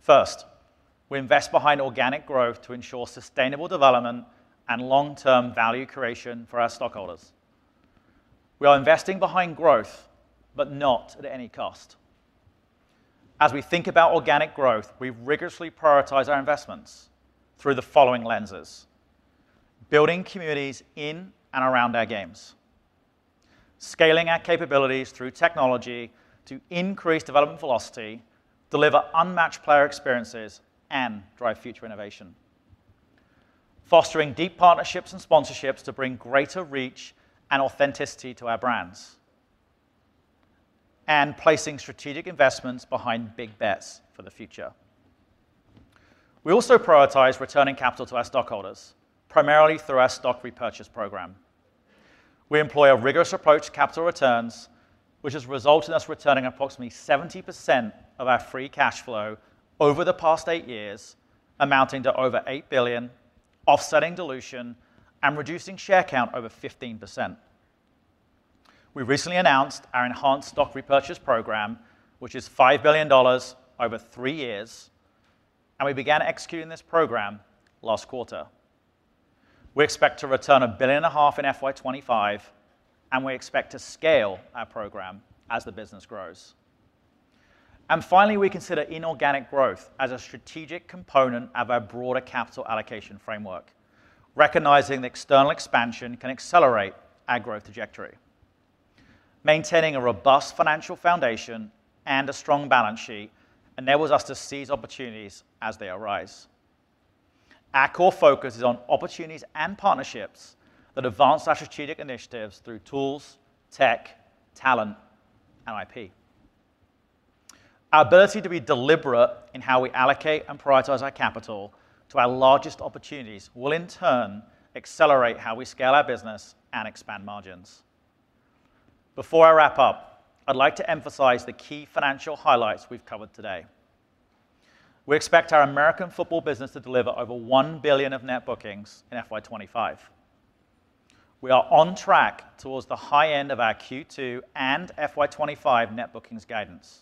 First, we invest behind organic growth to ensure sustainable development and long-term value creation for our stockholders. We are investing behind growth, but not at any cost. As we think about organic growth, we rigorously prioritize our investments through the following lenses: building communities in and around our games, scaling our capabilities through technology to increase development velocity, deliver unmatched player experiences, and drive future innovation, fostering deep partnerships and sponsorships to bring greater reach and authenticity to our brands, and placing strategic investments behind big bets for the future. We also prioritize returning capital to our stockholders, primarily through our stock repurchase program. We employ a rigorous approach to capital returns, which has resulted in us returning approximately 70% of our free cash flow over the past eight years, amounting to over $8 billion, offsetting dilution and reducing share count over 15%. We recently announced our enhanced stock repurchase program, which is $5 billion over three years, and we began executing this program last quarter. We expect to return $1.5 billion in FY 2025, and we expect to scale our program as the business grows. And finally, we consider inorganic growth as a strategic component of our broader capital allocation framework, recognizing that external expansion can accelerate our growth trajectory. Maintaining a robust financial foundation and a strong balance sheet enables us to seize opportunities as they arise. Our core focus is on opportunities and partnerships that advance our strategic initiatives through tools, tech, talent, and IP. Our ability to be deliberate in how we allocate and prioritize our capital to our largest opportunities will, in turn, accelerate how we scale our business and expand margins. Before I wrap up, I'd like to emphasize the key financial highlights we've covered today. We expect our American football business to deliver over $1 billion of net bookings in FY 2025. We are on track towards the high end of our Q2 and FY 2025 net bookings guidance.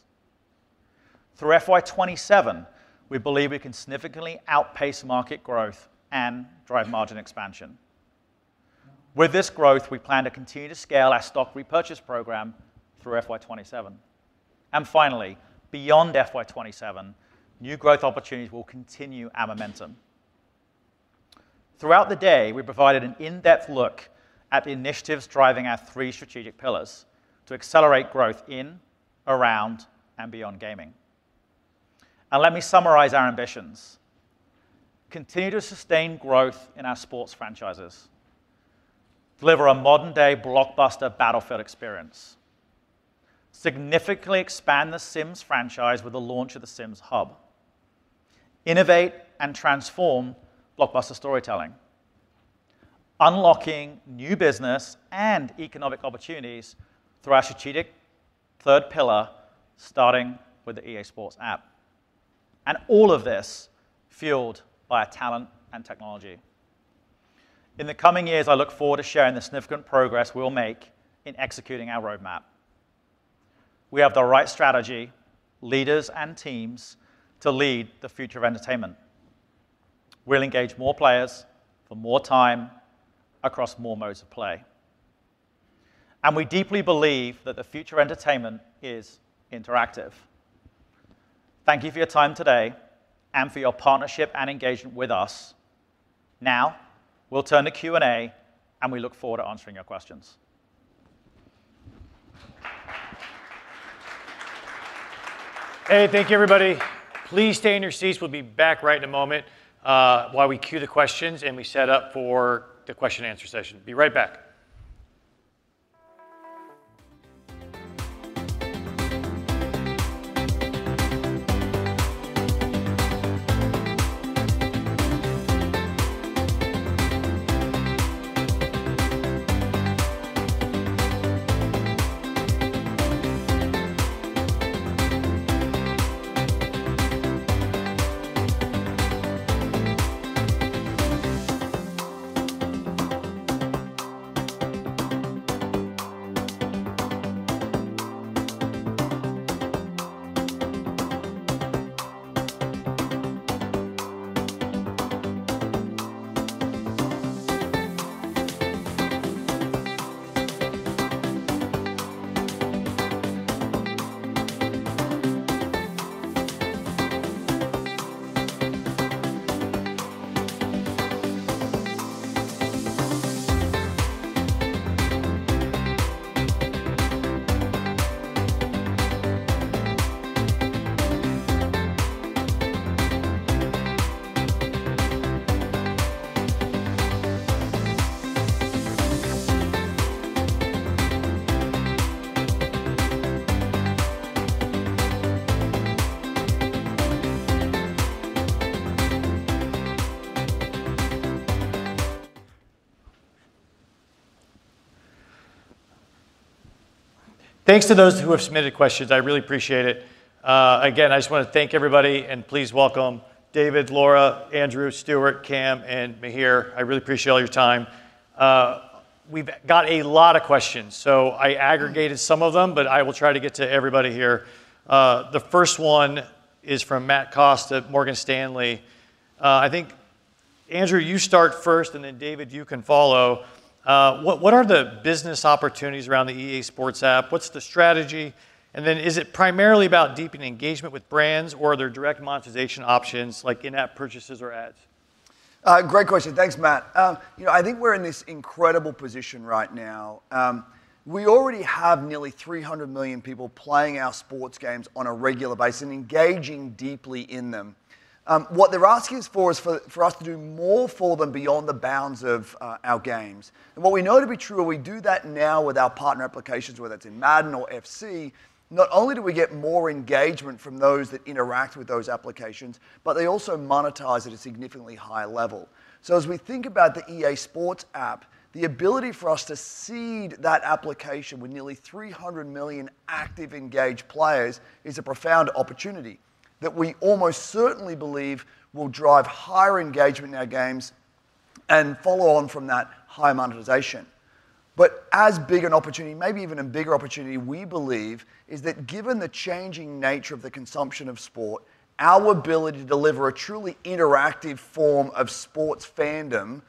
Through FY 2027, we believe we can significantly outpace market growth and drive margin expansion. With this growth, we plan to continue to scale our stock repurchase program through FY 2027. And finally, beyond FY 2027, new growth opportunities will continue our momentum. Throughout the day, we provided an in-depth look at the initiatives driving our three strategic pillars to accelerate growth in, around, and beyond gaming. And let me summarize our ambitions: continue to sustain growth in our sports franchises, deliver a modern-day blockbuster Battlefield experience, significantly expand The Sims franchise with the launch of The Sims Hub, innovate and transform blockbuster storytelling, unlocking new business and economic opportunities through our strategic third pillar, starting with the EA Sports App, and all of this fueled by our talent and technology. In the coming years, I look forward to sharing the significant progress we will make in executing our roadmap. We have the right strategy, leaders, and teams to lead the future of entertainment. We'll engage more players for more time across more modes of play, and we deeply believe that the future of entertainment is interactive. Thank you for your time today and for your partnership and engagement with us. Now, we'll turn to Q&A, and we look forward to answering your questions. Hey, thank you, everybody. Please stay in your seats. We'll be back right in a moment while we queue the questions and we set up for the question and answer session. Be right back. ... Thanks to those who have submitted questions, I really appreciate it. Again, I just want to thank everybody, and please welcome David, Laura, Andrew, Stuart, Cam, and Mihir. I really appreciate all your time. We've got a lot of questions, so I aggregated some of them, but I will try to get to everybody here. The first one is from Matt Costa at Morgan Stanley. I think, Andrew, you start first, and then David, you can follow. What are the business opportunities around the EA Sports App? What's the strategy? And then is it primarily about deepening engagement with brands, or are there direct monetization options, like in-app purchases or ads? Great question. Thanks, Matt. You know, I think we're in this incredible position right now. We already have nearly 300 million people playing our sports games on a regular basis and engaging deeply in them. What they're asking us for is for us to do more for them beyond the bounds of our games, and what we know to be true, we do that now with our partner applications, whether it's in Madden or FC. Not only do we get more engagement from those that interact with those applications, but they also monetize at a significantly higher level. As we think about the EA Sports App, the ability for us to seed that application with nearly 300 million active, engaged players is a profound opportunity that we almost certainly believe will drive higher engagement in our games, and follow on from that, higher monetization. But as big an opportunity, maybe even a bigger opportunity, we believe, is that given the changing nature of the consumption of sport, our ability to deliver a truly interactive form of sports fandom,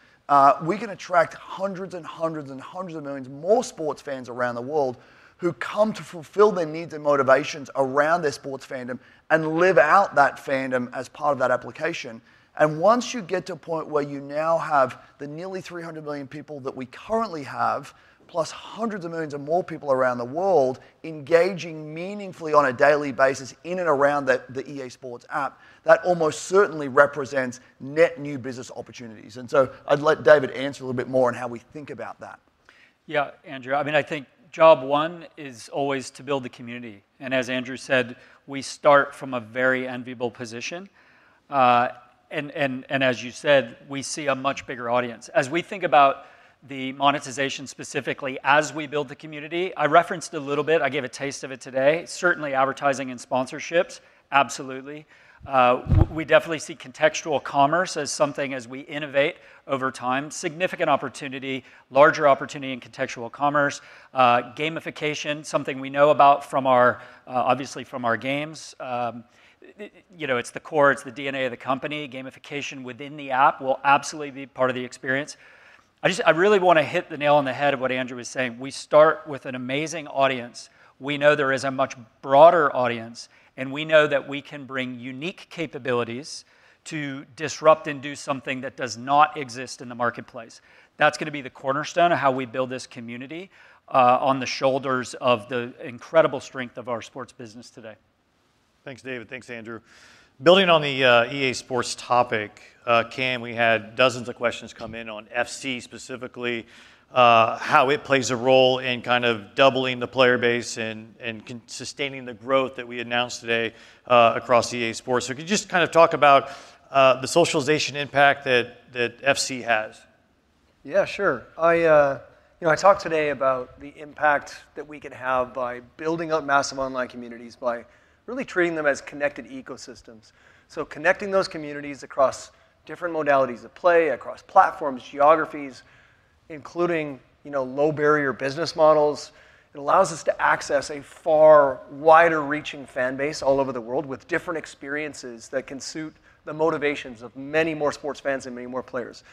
we can attract hundreds and hundreds and hundreds of millions more sports fans around the world, who come to fulfill their needs and motivations around their sports fandom, and live out that fandom as part of that application. And once you get to a point where you now have the nearly 300 million people that we currently have, plus hundreds of millions of more people around the world, engaging meaningfully on a daily basis in and around the, the EA Sports App, that almost certainly represents net new business opportunities. And so I'd let David answer a little bit more on how we think about that. Yeah, Andrew, I mean, I think job one is always to build the community, and as Andrew said, we start from a very enviable position. And as you said, we see a much bigger audience. As we think about the monetization specifically, as we build the community, I referenced a little bit, I gave a taste of it today, certainly advertising and sponsorships, absolutely. We definitely see contextual commerce as something as we innovate over time. Significant opportunity, larger opportunity in contextual commerce. Gamification, something we know about from our, obviously from our games. You know, it's the core, it's the DNA of the company. Gamification within the app will absolutely be part of the experience. I just... I really want to hit the nail on the head of what Andrew is saying. We start with an amazing audience. We know there is a much broader audience, and we know that we can bring unique capabilities to disrupt and do something that does not exist in the marketplace. That's going to be the cornerstone of how we build this community, on the shoulders of the incredible strength of our sports business today. Thanks, David. Thanks, Andrew. Building on the EA Sports topic, Cam, we had dozens of questions come in on FC, specifically, how it plays a role in kind of doubling the player base and sustaining the growth that we announced today across EA Sports. So could you just kind of talk about the socialization impact that FC has? Yeah, sure. I, you know, I talked today about the impact that we can have by building out massive online communities by really treating them as connected ecosystems. So connecting those communities across different modalities of play, across platforms, geographies, including, you know, low-barrier business models, it allows us to access a far wider reaching fan base all over the world, with different experiences that can suit the motivations of many more sports fans and many more players.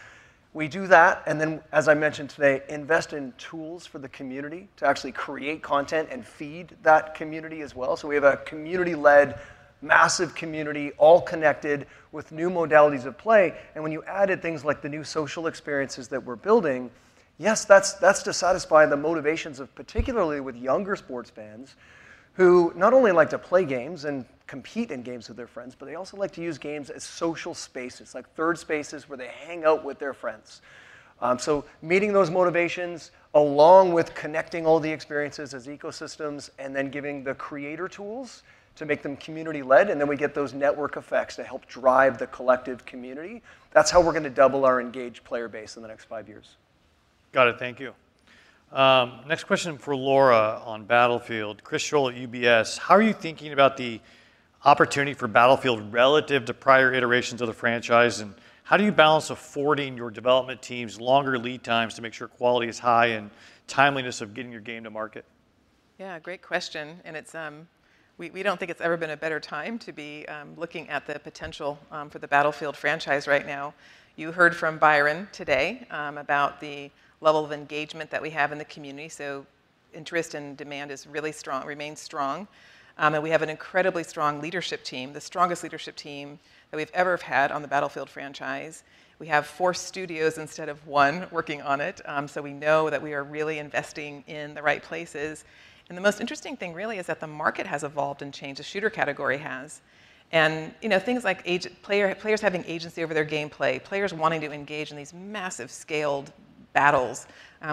We do that, and then, as I mentioned today, invest in tools for the community to actually create content and feed that community as well. So we have a community-led, massive community, all connected with new modalities of play, and when you added things like the new social experiences that we're building, yes, that's to satisfy the motivations of particularly with younger sports fans, who not only like to play games and compete in games with their friends, but they also like to use games as social spaces, like third spaces, where they hang out with their friends. So meeting those motivations, along with connecting all the experiences as ecosystems, and then giving the creator tools to make them community-led, and then we get those network effects that help drive the collective community, that's how we're going to double our engaged player base in the next five years. Got it. Thank you. Next question for Laura on Battlefield. Chris Schoell at UBS: "How are you thinking about the opportunity for Battlefield relative to prior iterations of the franchise, and how do you balance affording your development teams longer lead times to make sure quality is high and timeliness of getting your game to market? Yeah, great question, and it's... We don't think it's ever been a better time to be looking at the potential for the Battlefield franchise right now. You heard from Byron today about the level of engagement that we have in the community, so- Interest and demand is really strong, remains strong. And we have an incredibly strong leadership team, the strongest leadership team that we've ever have had on the Battlefield franchise. We have four studios instead of one working on it, so we know that we are really investing in the right places. And the most interesting thing really is that the market has evolved and changed, the shooter category has. And, you know, things like players having agency over their gameplay, players wanting to engage in these massive scaled battles.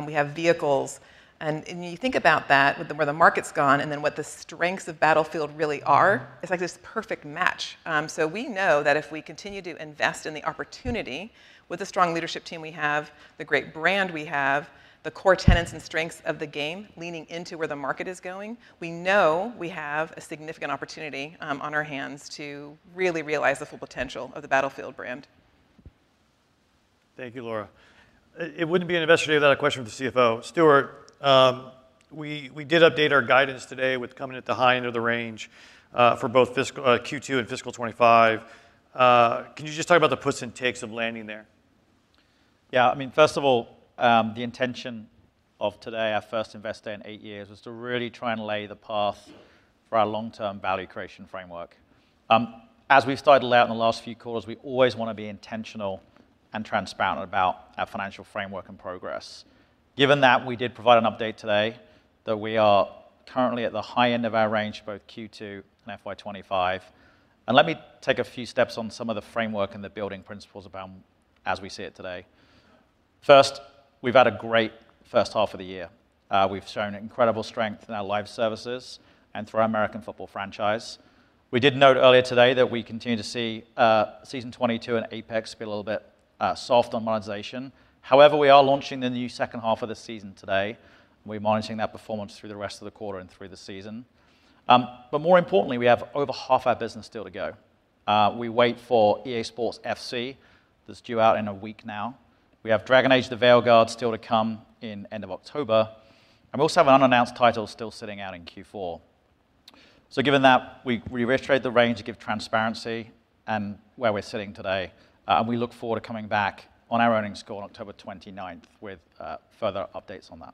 We have vehicles. And you think about that, with the, where the market's gone, and then what the strengths of Battlefield really are, it's like this perfect match. So we know that if we continue to invest in the opportunity with the strong leadership team we have, the great brand we have, the core tenets and strengths of the game leaning into where the market is going, we know we have a significant opportunity on our hands to really realize the full potential of the Battlefield brand. Thank you, Laura. It wouldn't be an investor day without a question from the CFO. Stuart, we did update our guidance today with coming at the high end of the range for both fiscal Q2 and fiscal 2025. Can you just talk about the puts and takes of landing there? Yeah, I mean, first of all, the intention of today, our first investor day in eight years, was to really try and lay the path for our long-term value creation framework. As we've started out in the last few quarters, we always want to be intentional and transparent about our financial framework and progress. Given that, we did provide an update today, that we are currently at the high end of our range, both Q2 and FY 2025. And let me take a few steps on some of the framework and the building principles around as we see it today. First, we've had a great first half of the year. We've shown incredible strength in our live services and through our American football franchise. We did note earlier today that we continue to see Season 22 and Apex be a little bit soft on monetization. However, we are launching the new second half of the season today, and we're monitoring that performance through the rest of the quarter and through the season. But more importantly, we have over half our business still to go. We wait for EA Sports FC, that's due out in a week now. We have Dragon Age: The Veilguard still to come in end of October, and we also have an unannounced title still sitting out in Q4. So given that, we reiterated the range to give transparency and where we're sitting today, and we look forward to coming back on our earnings call on October 29th with further updates on that.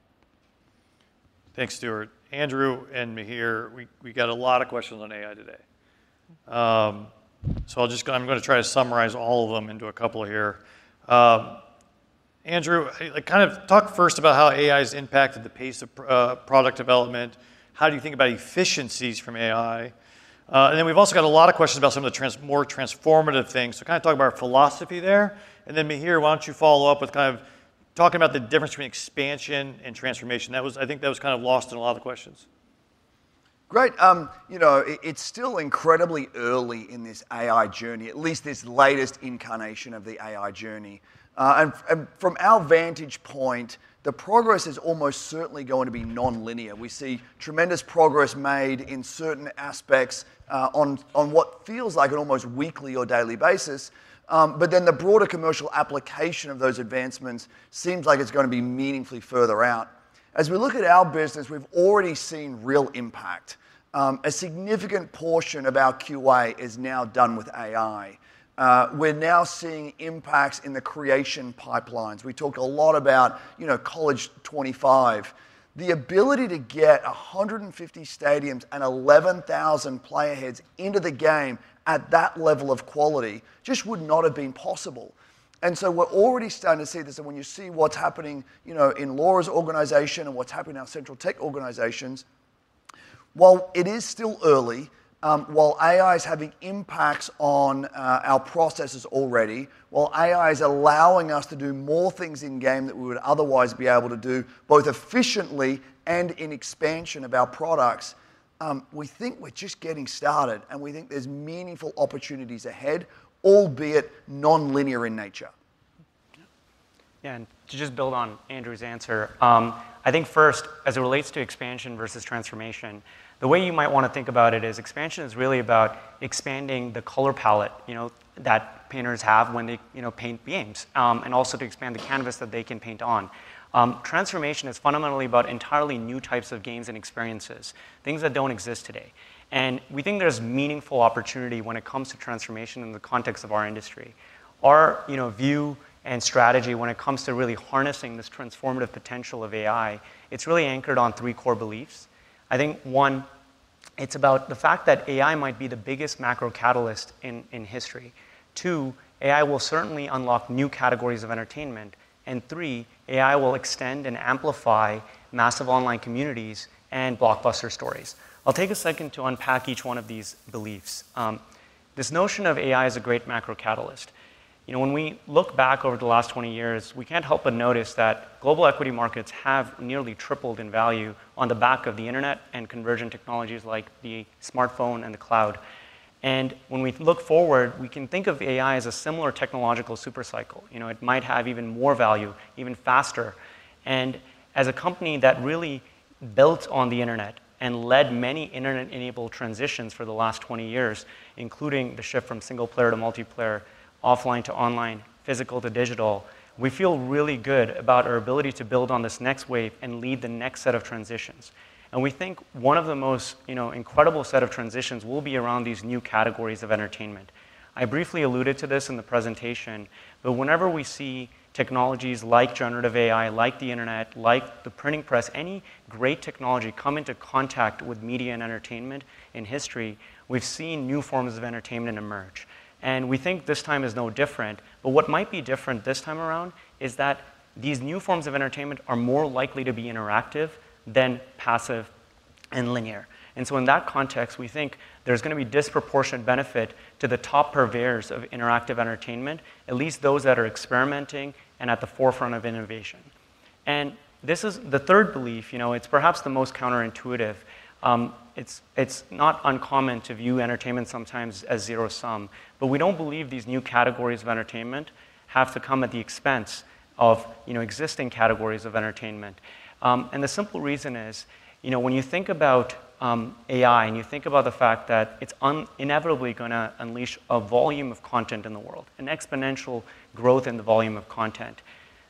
Thanks, Stuart. Andrew and Mihir, we got a lot of questions on AI today. So I'll just... I'm gonna try to summarize all of them into a couple here. Andrew, kind of talk first about how AI's impacted the pace of product development. How do you think about efficiencies from AI? And then we've also got a lot of questions about some of the more transformative things. So kind of talk about our philosophy there, and then, Mihir, why don't you follow up with kind of talking about the difference between expansion and transformation? That was, I think that was kind of lost in a lot of the questions. Great. You know, it's still incredibly early in this AI journey, at least this latest incarnation of the AI journey. And from our vantage point, the progress is almost certainly going to be nonlinear. We see tremendous progress made in certain aspects, on what feels like an almost weekly or daily basis. But then the broader commercial application of those advancements seems like it's gonna be meaningfully further out. As we look at our business, we've already seen real impact. A significant portion of our QA is now done with AI. We're now seeing impacts in the creation pipelines. We talked a lot about, you know, College '25. The ability to get 150 stadiums and 11,000 player heads into the game at that level of quality just would not have been possible. And so we're already starting to see this, and when you see what's happening, you know, in Laura's organization and what's happening in our central tech organizations, while it is still early, while AI is having impacts on our processes already, while AI is allowing us to do more things in-game that we would otherwise be able to do, both efficiently and in expansion of our products, we think we're just getting started, and we think there's meaningful opportunities ahead, albeit nonlinear in nature. Mm-hmm. Yeah, and to just build on Andrew's answer, I think first, as it relates to expansion versus transformation, the way you might want to think about it is expansion is really about expanding the color palette, you know, that painters have when they, you know, paint games, and also to expand the canvas that they can paint on. Transformation is fundamentally about entirely new types of games and experiences, things that don't exist today. And we think there's meaningful opportunity when it comes to transformation in the context of our industry. Our, you know, view and strategy when it comes to really harnessing this transformative potential of AI, it's really anchored on three core beliefs. I think, one, it's about the fact that AI might be the biggest macro catalyst in history. Two, AI will certainly unlock new categories of entertainment. And three, AI will extend and amplify massive online communities and blockbuster stories. I'll take a second to unpack each one of these beliefs. This notion of AI is a great macro catalyst. You know, when we look back over the last twenty years, we can't help but notice that global equity markets have nearly tripled in value on the back of the Internet and conversion technologies like the smartphone and the cloud. And when we look forward, we can think of AI as a similar technological super cycle. You know, it might have even more value, even faster. And as a company that really built on the Internet and led many internet-enabled transitions for the last twenty years, including the shift from single player to multiplayer, offline to online, physical to digital, we feel really good about our ability to build on this next wave and lead the next set of transitions. And we think one of the most, you know, incredible set of transitions will be around these new categories of entertainment. I briefly alluded to this in the presentation, but whenever we see technologies like generative AI, like the internet, like the printing press, any great technology come into contact with media and entertainment in history, we've seen new forms of entertainment emerge, and we think this time is no different. But what might be different this time around is that these new forms of entertainment are more likely to be interactive than passive and linear. And so in that context, we think there's gonna be disproportionate benefit to the top purveyors of interactive entertainment, at least those that are experimenting and at the forefront of innovation. And this is the third belief, you know, it's perhaps the most counterintuitive. It's not uncommon to view entertainment sometimes as zero-sum, but we don't believe these new categories of entertainment have to come at the expense of, you know, existing categories of entertainment. And the simple reason is, you know, when you think about AI, and you think about the fact that it's inevitably gonna unleash a volume of content in the world, an exponential growth in the volume of content,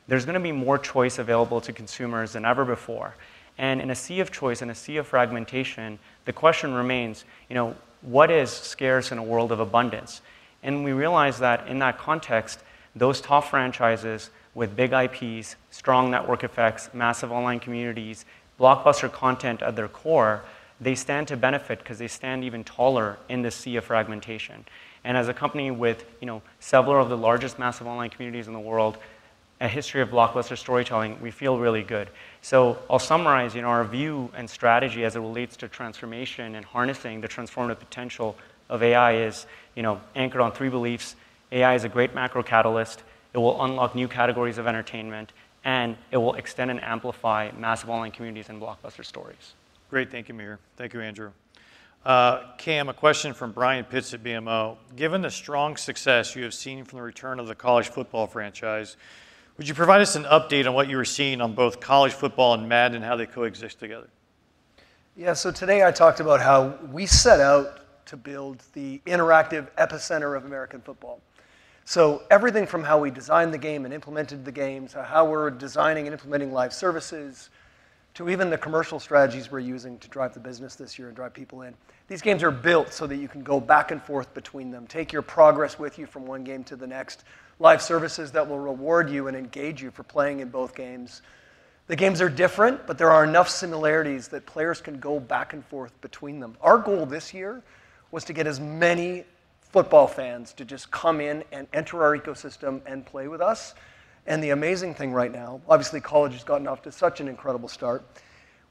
there's gonna be more choice available to consumers than ever before. In a sea of choice, in a sea of fragmentation, the question remains, you know, what is scarce in a world of abundance? We realize that in that context, those top franchises with big IPs, strong network effects, massive online communities, blockbuster content at their core, they stand to benefit 'cause they stand even taller in the sea of fragmentation. As a company with, you know, several of the largest massive online communities in the world, a history of blockbuster storytelling, we feel really good. I'll summarize, you know, our view and strategy as it relates to transformation and harnessing the transformative potential of AI is, you know, anchored on three beliefs: AI is a great macro catalyst, it will unlock new categories of entertainment, and it will extend and amplify massive online communities and blockbuster stories. Great. Thank you, Mihir. Thank you, Andrew. Cam, a question from Brian Pitz at BMO: Given the strong success you have seen from the return of the college football franchise, would you provide us an update on what you were seeing on both college football and Madden, how they coexist together? Yeah, so today I talked about how we set out to build the interactive epicenter of American football, so everything from how we designed the game and implemented the game, to how we're designing and implementing Live Services, to even the commercial strategies we're using to drive the business this year and drive people in. These games are built so that you can go back and forth between them, take your progress with you from one game to the next. Live Services that will reward you and engage you for playing in both games. The games are different, but there are enough similarities that players can go back and forth between them. Our goal this year was to get as many football fans to just come in and enter our ecosystem and play with us. And the amazing thing right now, obviously, college has gotten off to such an incredible start.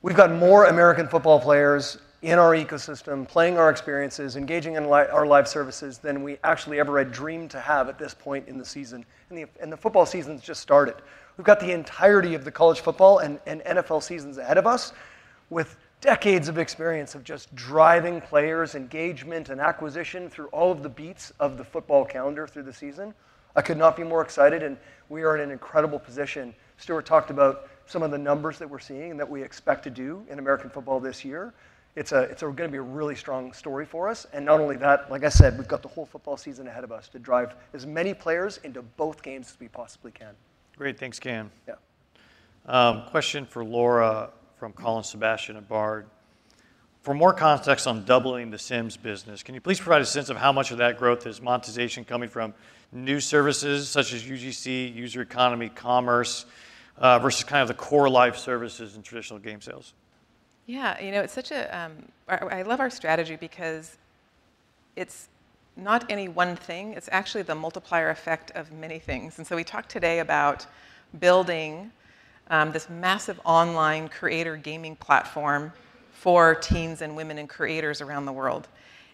We've got more American football players in our ecosystem, playing our experiences, engaging in our live services, than we actually ever had dreamed to have at this point in the season, and the football season's just started. We've got the entirety of the college football and NFL seasons ahead of us, with decades of experience of just driving players' engagement and acquisition through all of the beats of the football calendar through the season. I could not be more excited, and we are in an incredible position. Stuart talked about some of the numbers that we're seeing and that we expect to do in American football this year. It's gonna be a really strong story for us, and not only that, like I said, we've got the whole football season ahead of us to drive as many players into both games as we possibly can. Great. Thanks, Cam. Yeah. Question for Laura from Colin Sebastian at Baird: For more context on doubling The Sims business, can you please provide a sense of how much of that growth is monetization coming from new services such as UGC, user economy, commerce, versus kind of the core live services and traditional game sales? Yeah, you know, it's such a I love our strategy because it's not any one thing, it's actually the multiplier effect of many things. And so we talked today about building this massive online creator gaming platform for teens and women and creators around the world,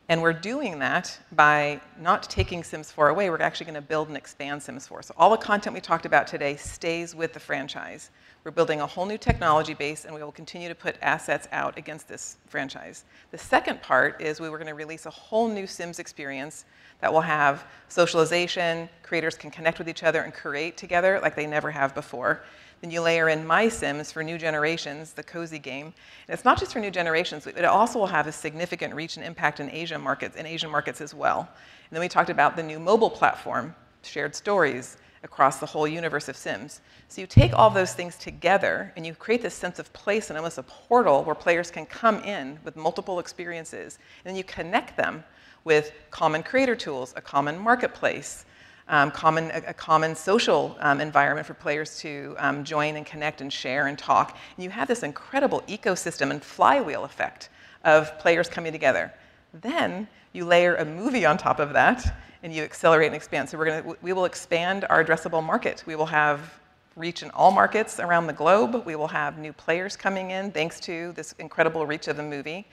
and we're doing that by not taking Sims 4 away. We're actually gonna build and expand Sims 4. So all the content we talked about today stays with the franchise. We're building a whole new technology base, and we will continue to put assets out against this franchise. The second part is we were gonna release a whole new Sims experience that will have socialization, creators can connect with each other and create together like they never have before. Then you layer in MySims for new generations, the cozy game. And it's not just for new generations, it also will have a significant reach and impact in Asian markets as well. And then we talked about the new mobile platform, shared stories across the whole universe of Sims. So you take all those things together, and you create this sense of place and almost a portal where players can come in with multiple experiences, and then you connect them with common creator tools, a common marketplace, common social environment for players to join and connect and share and talk. And you have this incredible ecosystem and flywheel effect of players coming together. Then you layer a movie on top of that, and you accelerate and expand. So we will expand our addressable market. We will have reach in all markets around the globe. We will have new players coming in, thanks to this incredible reach of the movie.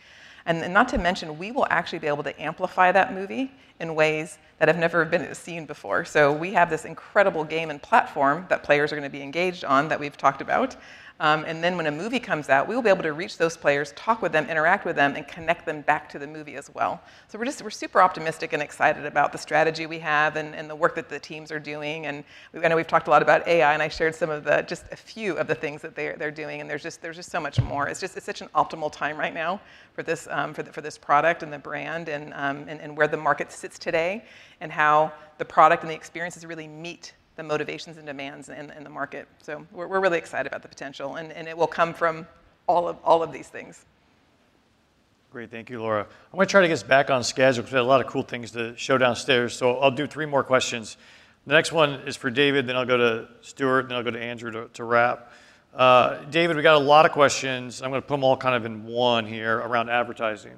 And not to mention, we will actually be able to amplify that movie in ways that have never been seen before. So we have this incredible game and platform that players are gonna be engaged on, that we've talked about. And then when a movie comes out, we will be able to reach those players, talk with them, interact with them, and connect them back to the movie as well. So we're super optimistic and excited about the strategy we have and the work that the teams are doing. And we've, I know we've talked a lot about AI, and I shared just a few of the things that they're doing, and there's just so much more. It's just, it's such an optimal time right now for this, for this product and the brand and where the market sits today, and how the product and the experiences really meet the motivations and demands in the market, so we're really excited about the potential, and it will come from all of these things. Great. Thank you, Laura. I'm gonna try to get us back on schedule because we have a lot of cool things to show downstairs, so I'll do three more questions. The next one is for David, then I'll go to Stuart, and then I'll go to Andrew to wrap. David, we got a lot of questions, and I'm gonna put them all kind of in one here around advertising.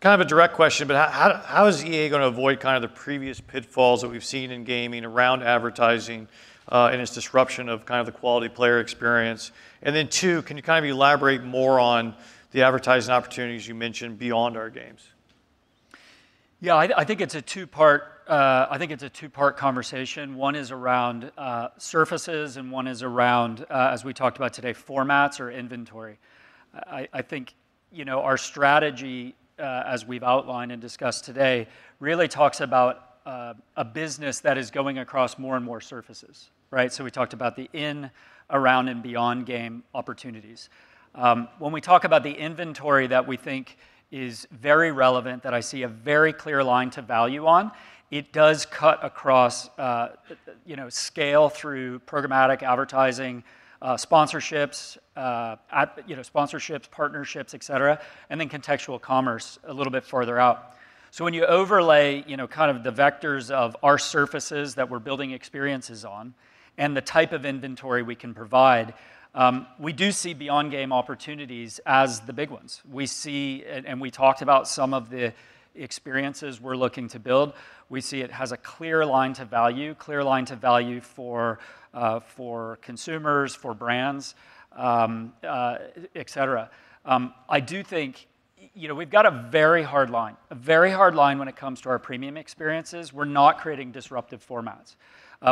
Kind of a direct question, but how is EA gonna avoid kind of the previous pitfalls that we've seen in gaming around advertising, and its disruption of kind of the quality player experience? And then, two, can you kind of elaborate more on the advertising opportunities you mentioned beyond our games? Yeah, I think it's a two-part conversation. One is around surfaces, and one is around, as we talked about today, formats or inventory. I think, you know, our strategy, as we've outlined and discussed today, really talks about a business that is going across more and more surfaces, right? So we talked about the in, around, and beyond game opportunities. When we talk about the inventory that we think is very relevant, that I see a very clear line to value on, it does cut across, you know, scale through programmatic advertising, sponsorships, partnerships, et cetera, and then contextual commerce a little bit further out. So when you overlay, you know, kind of the vectors of our surfaces that we're building experiences on and the type of inventory we can provide, we do see beyond game opportunities as the big ones. We see, and we talked about some of the experiences we're looking to build. We see it has a clear line to value, clear line to value for, for consumers, for brands, et cetera. I do think, you know, we've got a very hard line, a very hard line when it comes to our premium experiences. We're not creating disruptive formats.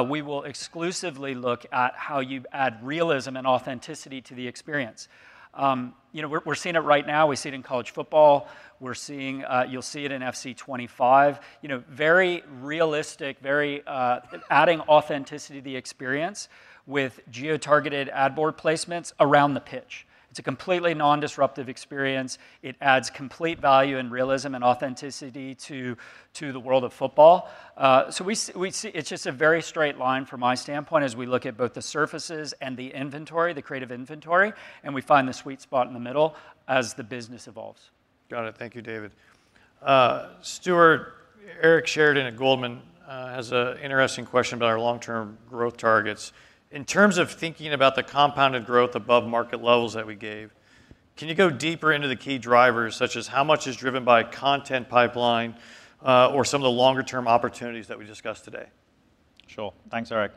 We will exclusively look at how you add realism and authenticity to the experience. You know, we're seeing it right now. We see it in college football. We're seeing. You'll see it in FC 25. You know, very realistic, very, adding authenticity to the experience with geo-targeted ad board placements around the pitch. It's a completely non-disruptive experience. It adds complete value and realism and authenticity to the world of football. So we see it's just a very straight line from my standpoint as we look at both the surfaces and the inventory, the creative inventory, and we find the sweet spot in the middle as the business evolves. Got it. Thank you, David. Stuart, Eric Sheridan at Goldman has an interesting question about our long-term growth targets: "In terms of thinking about the compounded growth above market levels that we gave, can you go deeper into the key drivers, such as how much is driven by content pipeline or some of the longer-term opportunities that we discussed today? Sure. Thanks, Eric.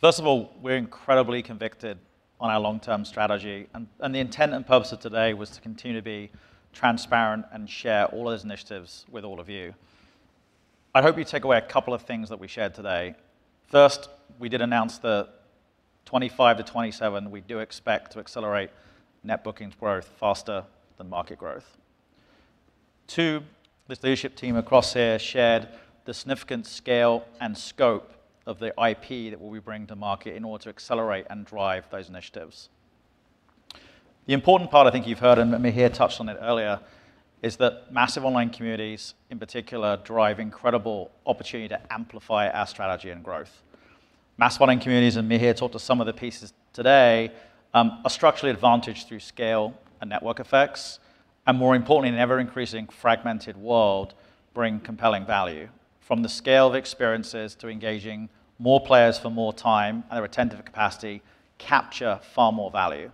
First of all, we're incredibly convicted on our long-term strategy, and the intent and purpose of today was to continue to be transparent and share all those initiatives with all of you. I hope you take away a couple of things that we shared today. First, we did announce that 2025-2027, we do expect to accelerate net bookings growth faster than market growth. Two, this leadership team across here shared the significant scale and scope of the IP that we bring to market in order to accelerate and drive those initiatives. The important part I think you've heard, and Mihir touched on it earlier, is that massive online communities, in particular, drive incredible opportunity to amplify our strategy and growth. Massive online communities, and Mihir talked to some of the pieces today, are structurally advantaged through scale and network effects, and more importantly, an ever-increasing fragmented world bring compelling value. From the scale of experiences to engaging more players for more time and their attentive capacity capture far more value.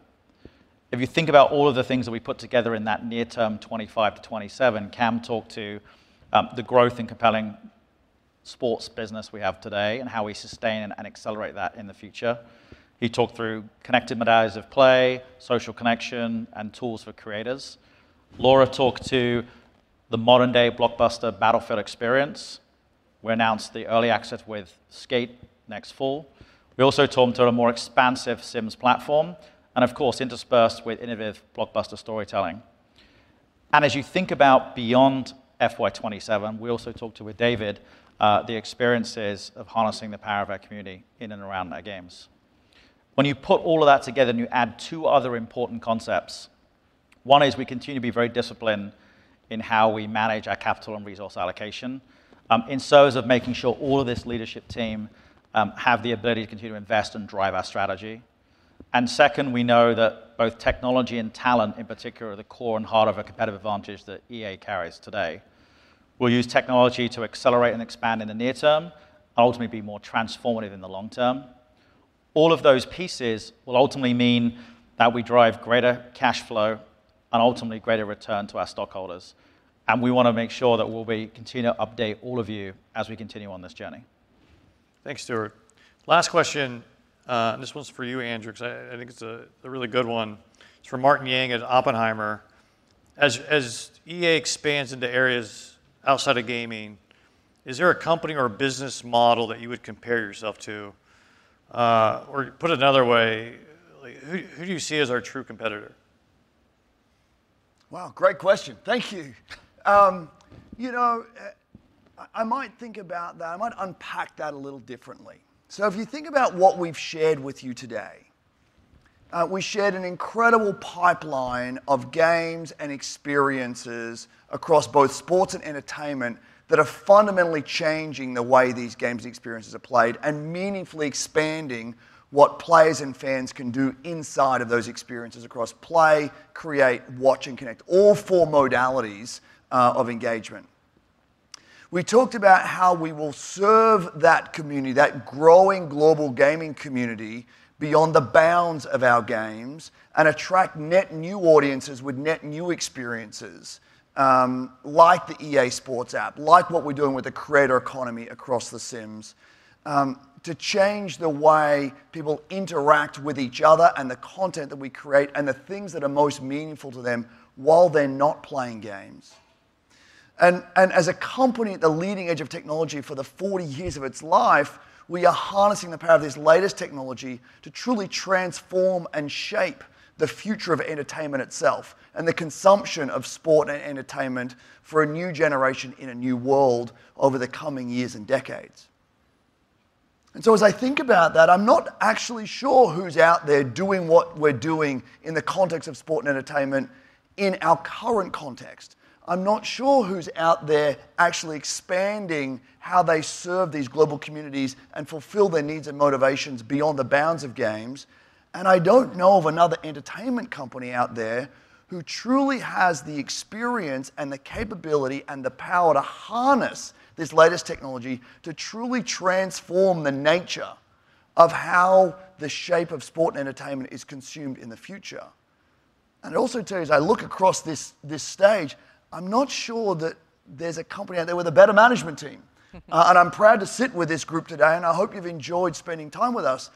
If you think about all of the things that we put together in that near term, 2025-2027, Cam talked to the growth and compelling sports business we have today and how we sustain and accelerate that in the future. He talked through connected modalities of play, social connection, and tools for creators. Laura talked to the modern-day blockbuster Battlefield experience. We announced the early access with Skate next fall. We also talked about a more expansive Sims platform, and of course, interspersed with innovative blockbuster storytelling. And as you think about beyond FY 2027, we also talked with David, the experiences of harnessing the power of our community in and around our games. When you put all of that together, and you add two other important concepts, one is we continue to be very disciplined in how we manage our capital and resource allocation, insofar as making sure all of this leadership team have the ability to continue to invest and drive our strategy. And second, we know that both technology and talent, in particular, are the core and heart of a competitive advantage that EA carries today. We'll use technology to accelerate and expand in the near term, ultimately be more transformative in the long term. All of those pieces will ultimately mean that we drive greater cash flow and ultimately greater return to our stockholders, and we want to make sure that we'll be continuing to update all of you as we continue on this journey. Thanks, Stuart. Last question, and this one's for you, Andrew, because I think it's a really good one. It's from Martin Yang at Oppenheimer: "As EA expands into areas outside of gaming, is there a company or business model that you would compare yourself to? Or put another way, who do you see as our true competitor? Wow, great question. Thank you. You know, I might think about that. I might unpack that a little differently. So if you think about what we've shared with you today, we shared an incredible pipeline of games and experiences across both sports and entertainment that are fundamentally changing the way these games experiences are played and meaningfully expanding what players and fans can do inside of those experiences across play, create, watch, and connect, all four modalities of engagement. We talked about how we will serve that community, that growing global gaming community, beyond the bounds of our games, and attract net new audiences with net new experiences, like the EA Sports App, like what we're doing with the Creator Economy across The Sims, to change the way people interact with each other and the content that we create, and the things that are most meaningful to them while they're not playing games. As a company at the leading edge of technology for the 40 years of its life, we are harnessing the power of this latest technology to truly transform and shape the future of entertainment itself, and the consumption of sport and entertainment for a new generation in a new world over the coming years and decades. And so as I think about that, I'm not actually sure who's out there doing what we're doing in the context of sport and entertainment in our current context. I'm not sure who's out there actually expanding how they serve these global communities and fulfill their needs and motivations beyond the bounds of games. And I don't know of another entertainment company out there who truly has the experience, and the capability, and the power to harness this latest technology to truly transform the nature of how the shape of sport and entertainment is consumed in the future. And also, too, as I look across this stage, I'm not sure that there's a company out there with a better management team. And I'm proud to sit with this group today, and I hope you've enjoyed spending time with us.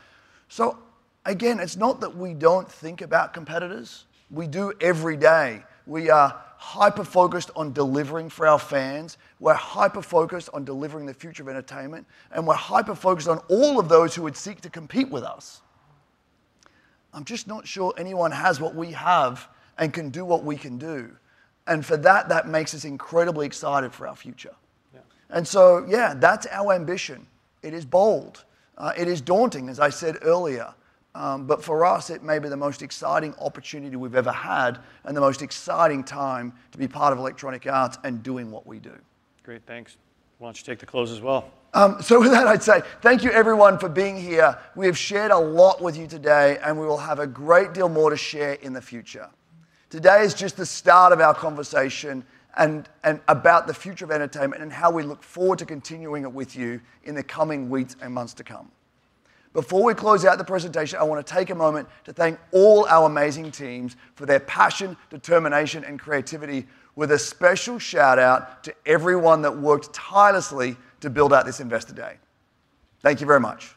Again, it's not that we don't think about competitors, we do every day. We are hyper-focused on delivering for our fans, we're hyper-focused on delivering the future of entertainment, and we're hyper-focused on all of those who would seek to compete with us. I'm just not sure anyone has what we have and can do what we can do, and for that, that makes us incredibly excited for our future. Yeah. And so, yeah, that's our ambition. It is bold. It is daunting, as I said earlier. But for us, it may be the most exciting opportunity we've ever had, and the most exciting time to be part of Electronic Arts and doing what we do. Great, thanks. Why don't you take the close as well? So with that, I'd say thank you everyone for being here. We have shared a lot with you today, and we will have a great deal more to share in the future. Today is just the start of our conversation, and about the future of entertainment, and how we look forward to continuing it with you in the coming weeks and months to come. Before we close out the presentation, I want to take a moment to thank all our amazing teams for their passion, determination, and creativity, with a special shout-out to everyone that worked tirelessly to build out this Investor Day. Thank you very much!